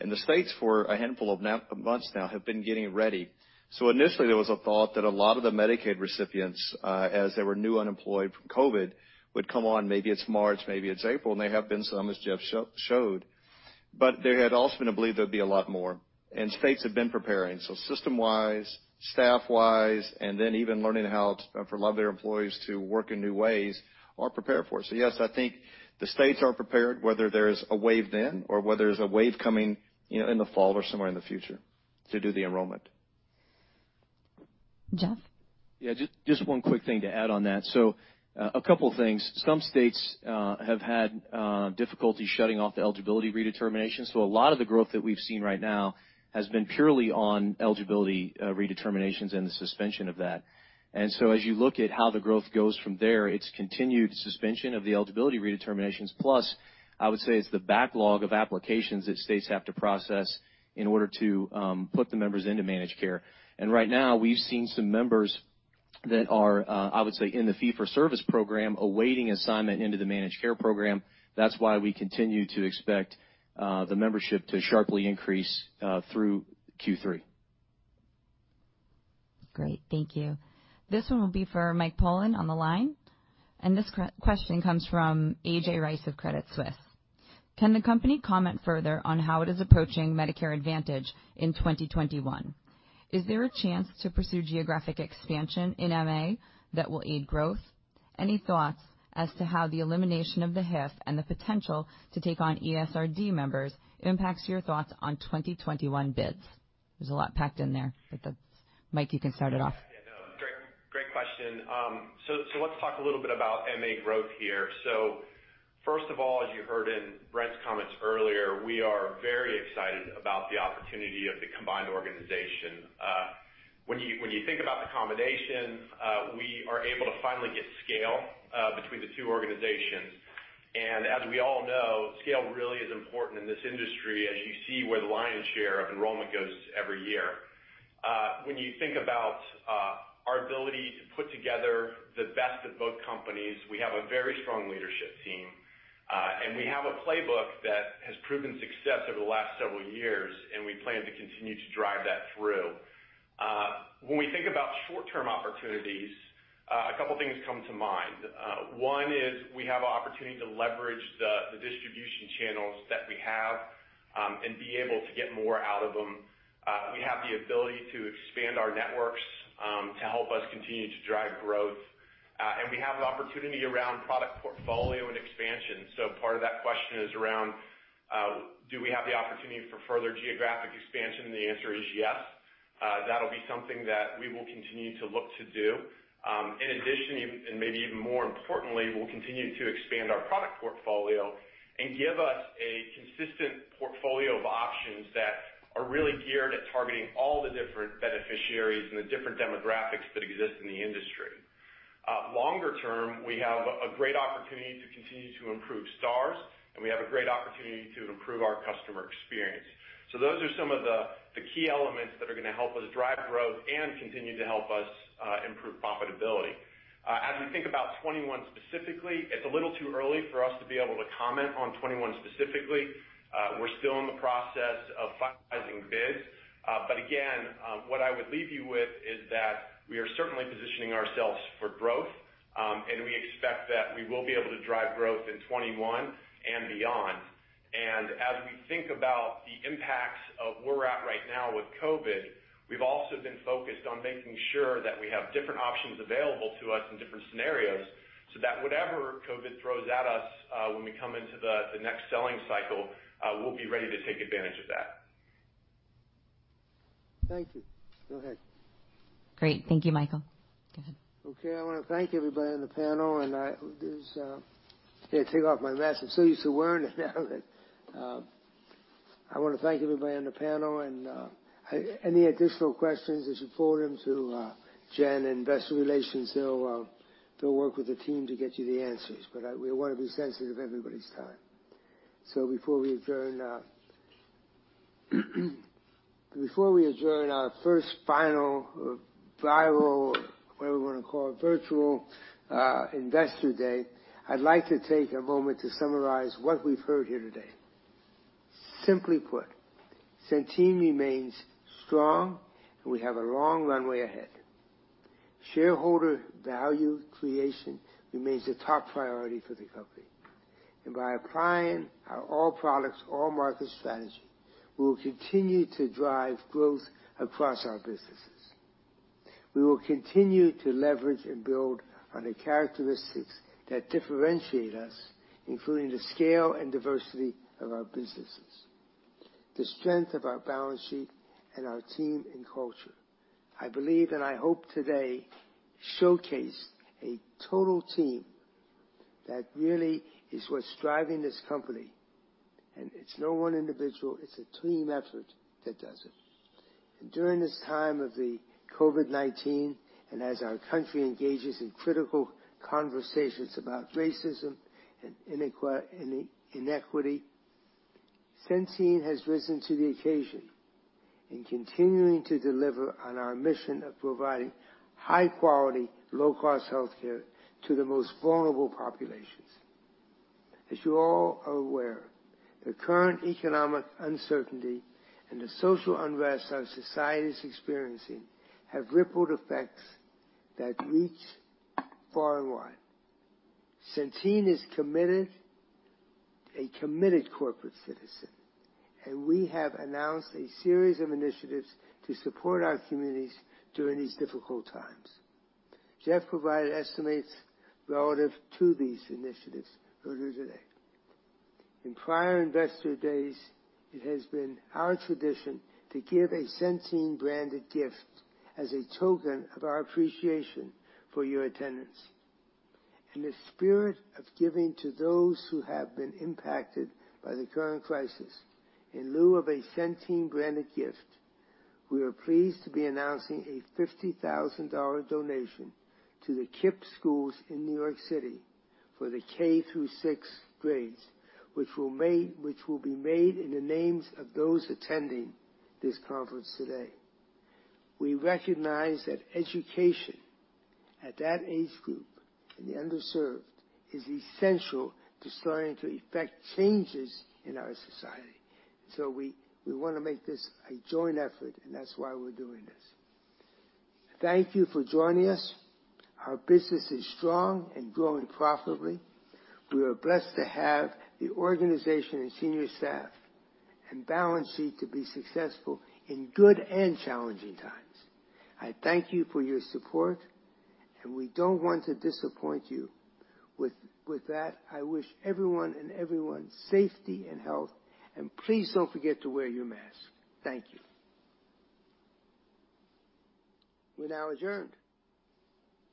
The states, for a handful of months now, have been getting ready. Initially, there was a thought that a lot of the Medicaid recipients, as there were new unemployed from COVID, would come on, maybe it's March, maybe it's April, and there have been some, as Jeff showed. There had also been a belief there would be a lot more. States have been preparing. System-wise, staff-wise, and then even learning how for a lot of their employees to work in new ways are prepared for it. Yes, I think the states are prepared, whether there's a wave then or whether there's a wave coming in the fall or somewhere in the future to do the enrollment. Jeff? Yeah, just one quick thing to add on that. A couple of things. Some states have had difficulty shutting off the eligibility redetermination. A lot of the growth that we've seen right now has been purely on eligibility redeterminations and the suspension of that. As you look at how the growth goes from there, it's continued suspension of the eligibility redeterminations. Plus, I would say it's the backlog of applications that states have to process in order to put the members into managed care. Right now, we've seen some members that are, I would say, in the fee for service program, awaiting assignment into the managed care program. That's why we continue to expect the membership to sharply increase through Q3. Great. Thank you. This one will be for Mike Pollan on the line. This question comes from A.J. Rice of Credit Suisse. Can the company comment further on how it is approaching Medicare Advantage in 2021? Is there a chance to pursue geographic expansion in MA that will aid growth? Any thoughts as to how the elimination of the HIF and the potential to take on ESRD members impacts your thoughts on 2021 bids? There's a lot packed in there. Mike, you can start it off. Yeah. No, great question. Let's talk a little bit about MA growth here. First of all, as you heard in Brent's comments earlier, we are very excited about the opportunity of the combined organization. When you think about the combination, we are able to finally get scale between the two organizations. As we all know, scale really is important in this industry as you see where the lion's share of enrollment goes every year. When you think about our ability to put together the best of both companies, we have a very strong leadership team. We have a playbook that has proven success over the last several years, and we plan to continue to drive that through. When we think about short-term opportunities, a couple things come to mind. One is we have opportunity to leverage the distribution channels that we have, and be able to get more out of them. We have the ability to expand our networks to help us continue to drive growth. We have an opportunity around product portfolio and expansion. Part of that question is around, do we have the opportunity for further geographic expansion? The answer is yes. That'll be something that we will continue to look to do. In addition, and maybe even more importantly, we'll continue to expand our product portfolio and give us a consistent portfolio of options that are really geared at targeting all the different beneficiaries and the different demographics that exist in the industry. Longer term, we have a great opportunity to continue to improve stars, and we have a great opportunity to improve our customer experience. Those are some of the key elements that are going to help us drive growth and continue to help us improve profitability. As we think about 2021 specifically, it's a little too early for us to be able to comment on 2021 specifically. We're still in the process of finalizing bids. Again, what I would leave you with is that we are certainly positioning ourselves for growth. We expect that we will be able to drive growth in 2021 and beyond. As we think about the impacts of where we're at right now with COVID, we've also been focused on making sure that we have different options available to us in different scenarios, so that whatever COVID throws at us, when we come into the next selling cycle, we'll be ready to take advantage of that. Thank you. Go ahead. Great. Thank you, Michael. Go ahead. Okay, I want to thank everybody on the panel. I'm so used to wearing it now that I want to thank everybody on the panel and, any additional questions, you should forward them to Jen in investor relations. They'll work with the team to get you the answers, but we want to be sensitive to everybody's time. Before we adjourn our first final viral, whatever we want to call it, virtual investor day, I'd like to take a moment to summarize what we've heard here today. Simply put, Centene remains strong, and we have a long runway ahead. Shareholder value creation remains the top priority for the company. By applying our all products, all market strategy, we will continue to drive growth across our businesses. We will continue to leverage and build on the characteristics that differentiate us, including the scale and diversity of our businesses, the strength of our balance sheet and our team and culture. I believe and I hope today showcased a total team that really is what's driving this company, and it's no one individual, it's a team effort that does it. During this time of the COVID-19, and as our country engages in critical conversations about racism and inequity, Centene has risen to the occasion in continuing to deliver on our mission of providing high quality, low cost healthcare to the most vulnerable populations. As you all are aware, the current economic uncertainty and the social unrest our society is experiencing have ripple effects that reach far and wide. Centene is a committed corporate citizen, and we have announced a series of initiatives to support our communities during these difficult times. Jeff provided estimates relative to these initiatives earlier today. In prior investor days, it has been our tradition to give a Centene-branded gift as a token of our appreciation for your attendance. In the spirit of giving to those who have been impacted by the current crisis, in lieu of a Centene-branded gift, we are pleased to be announcing a $50,000 donation to the KIPP schools in New York City for the K through six grades, which will be made in the names of those attending this conference today. We recognize that education at that age group in the underserved is essential to starting to effect changes in our society. We want to make this a joint effort, and that's why we're doing this. Thank you for joining us. Our business is strong and growing profitably. We are blessed to have the organization and senior staff and balance sheet to be successful in good and challenging times. I thank you for your support, and we don't want to disappoint you. With that, I wish everyone and everyone safety and health. Please don't forget to wear your mask. Thank you. We're now adjourned.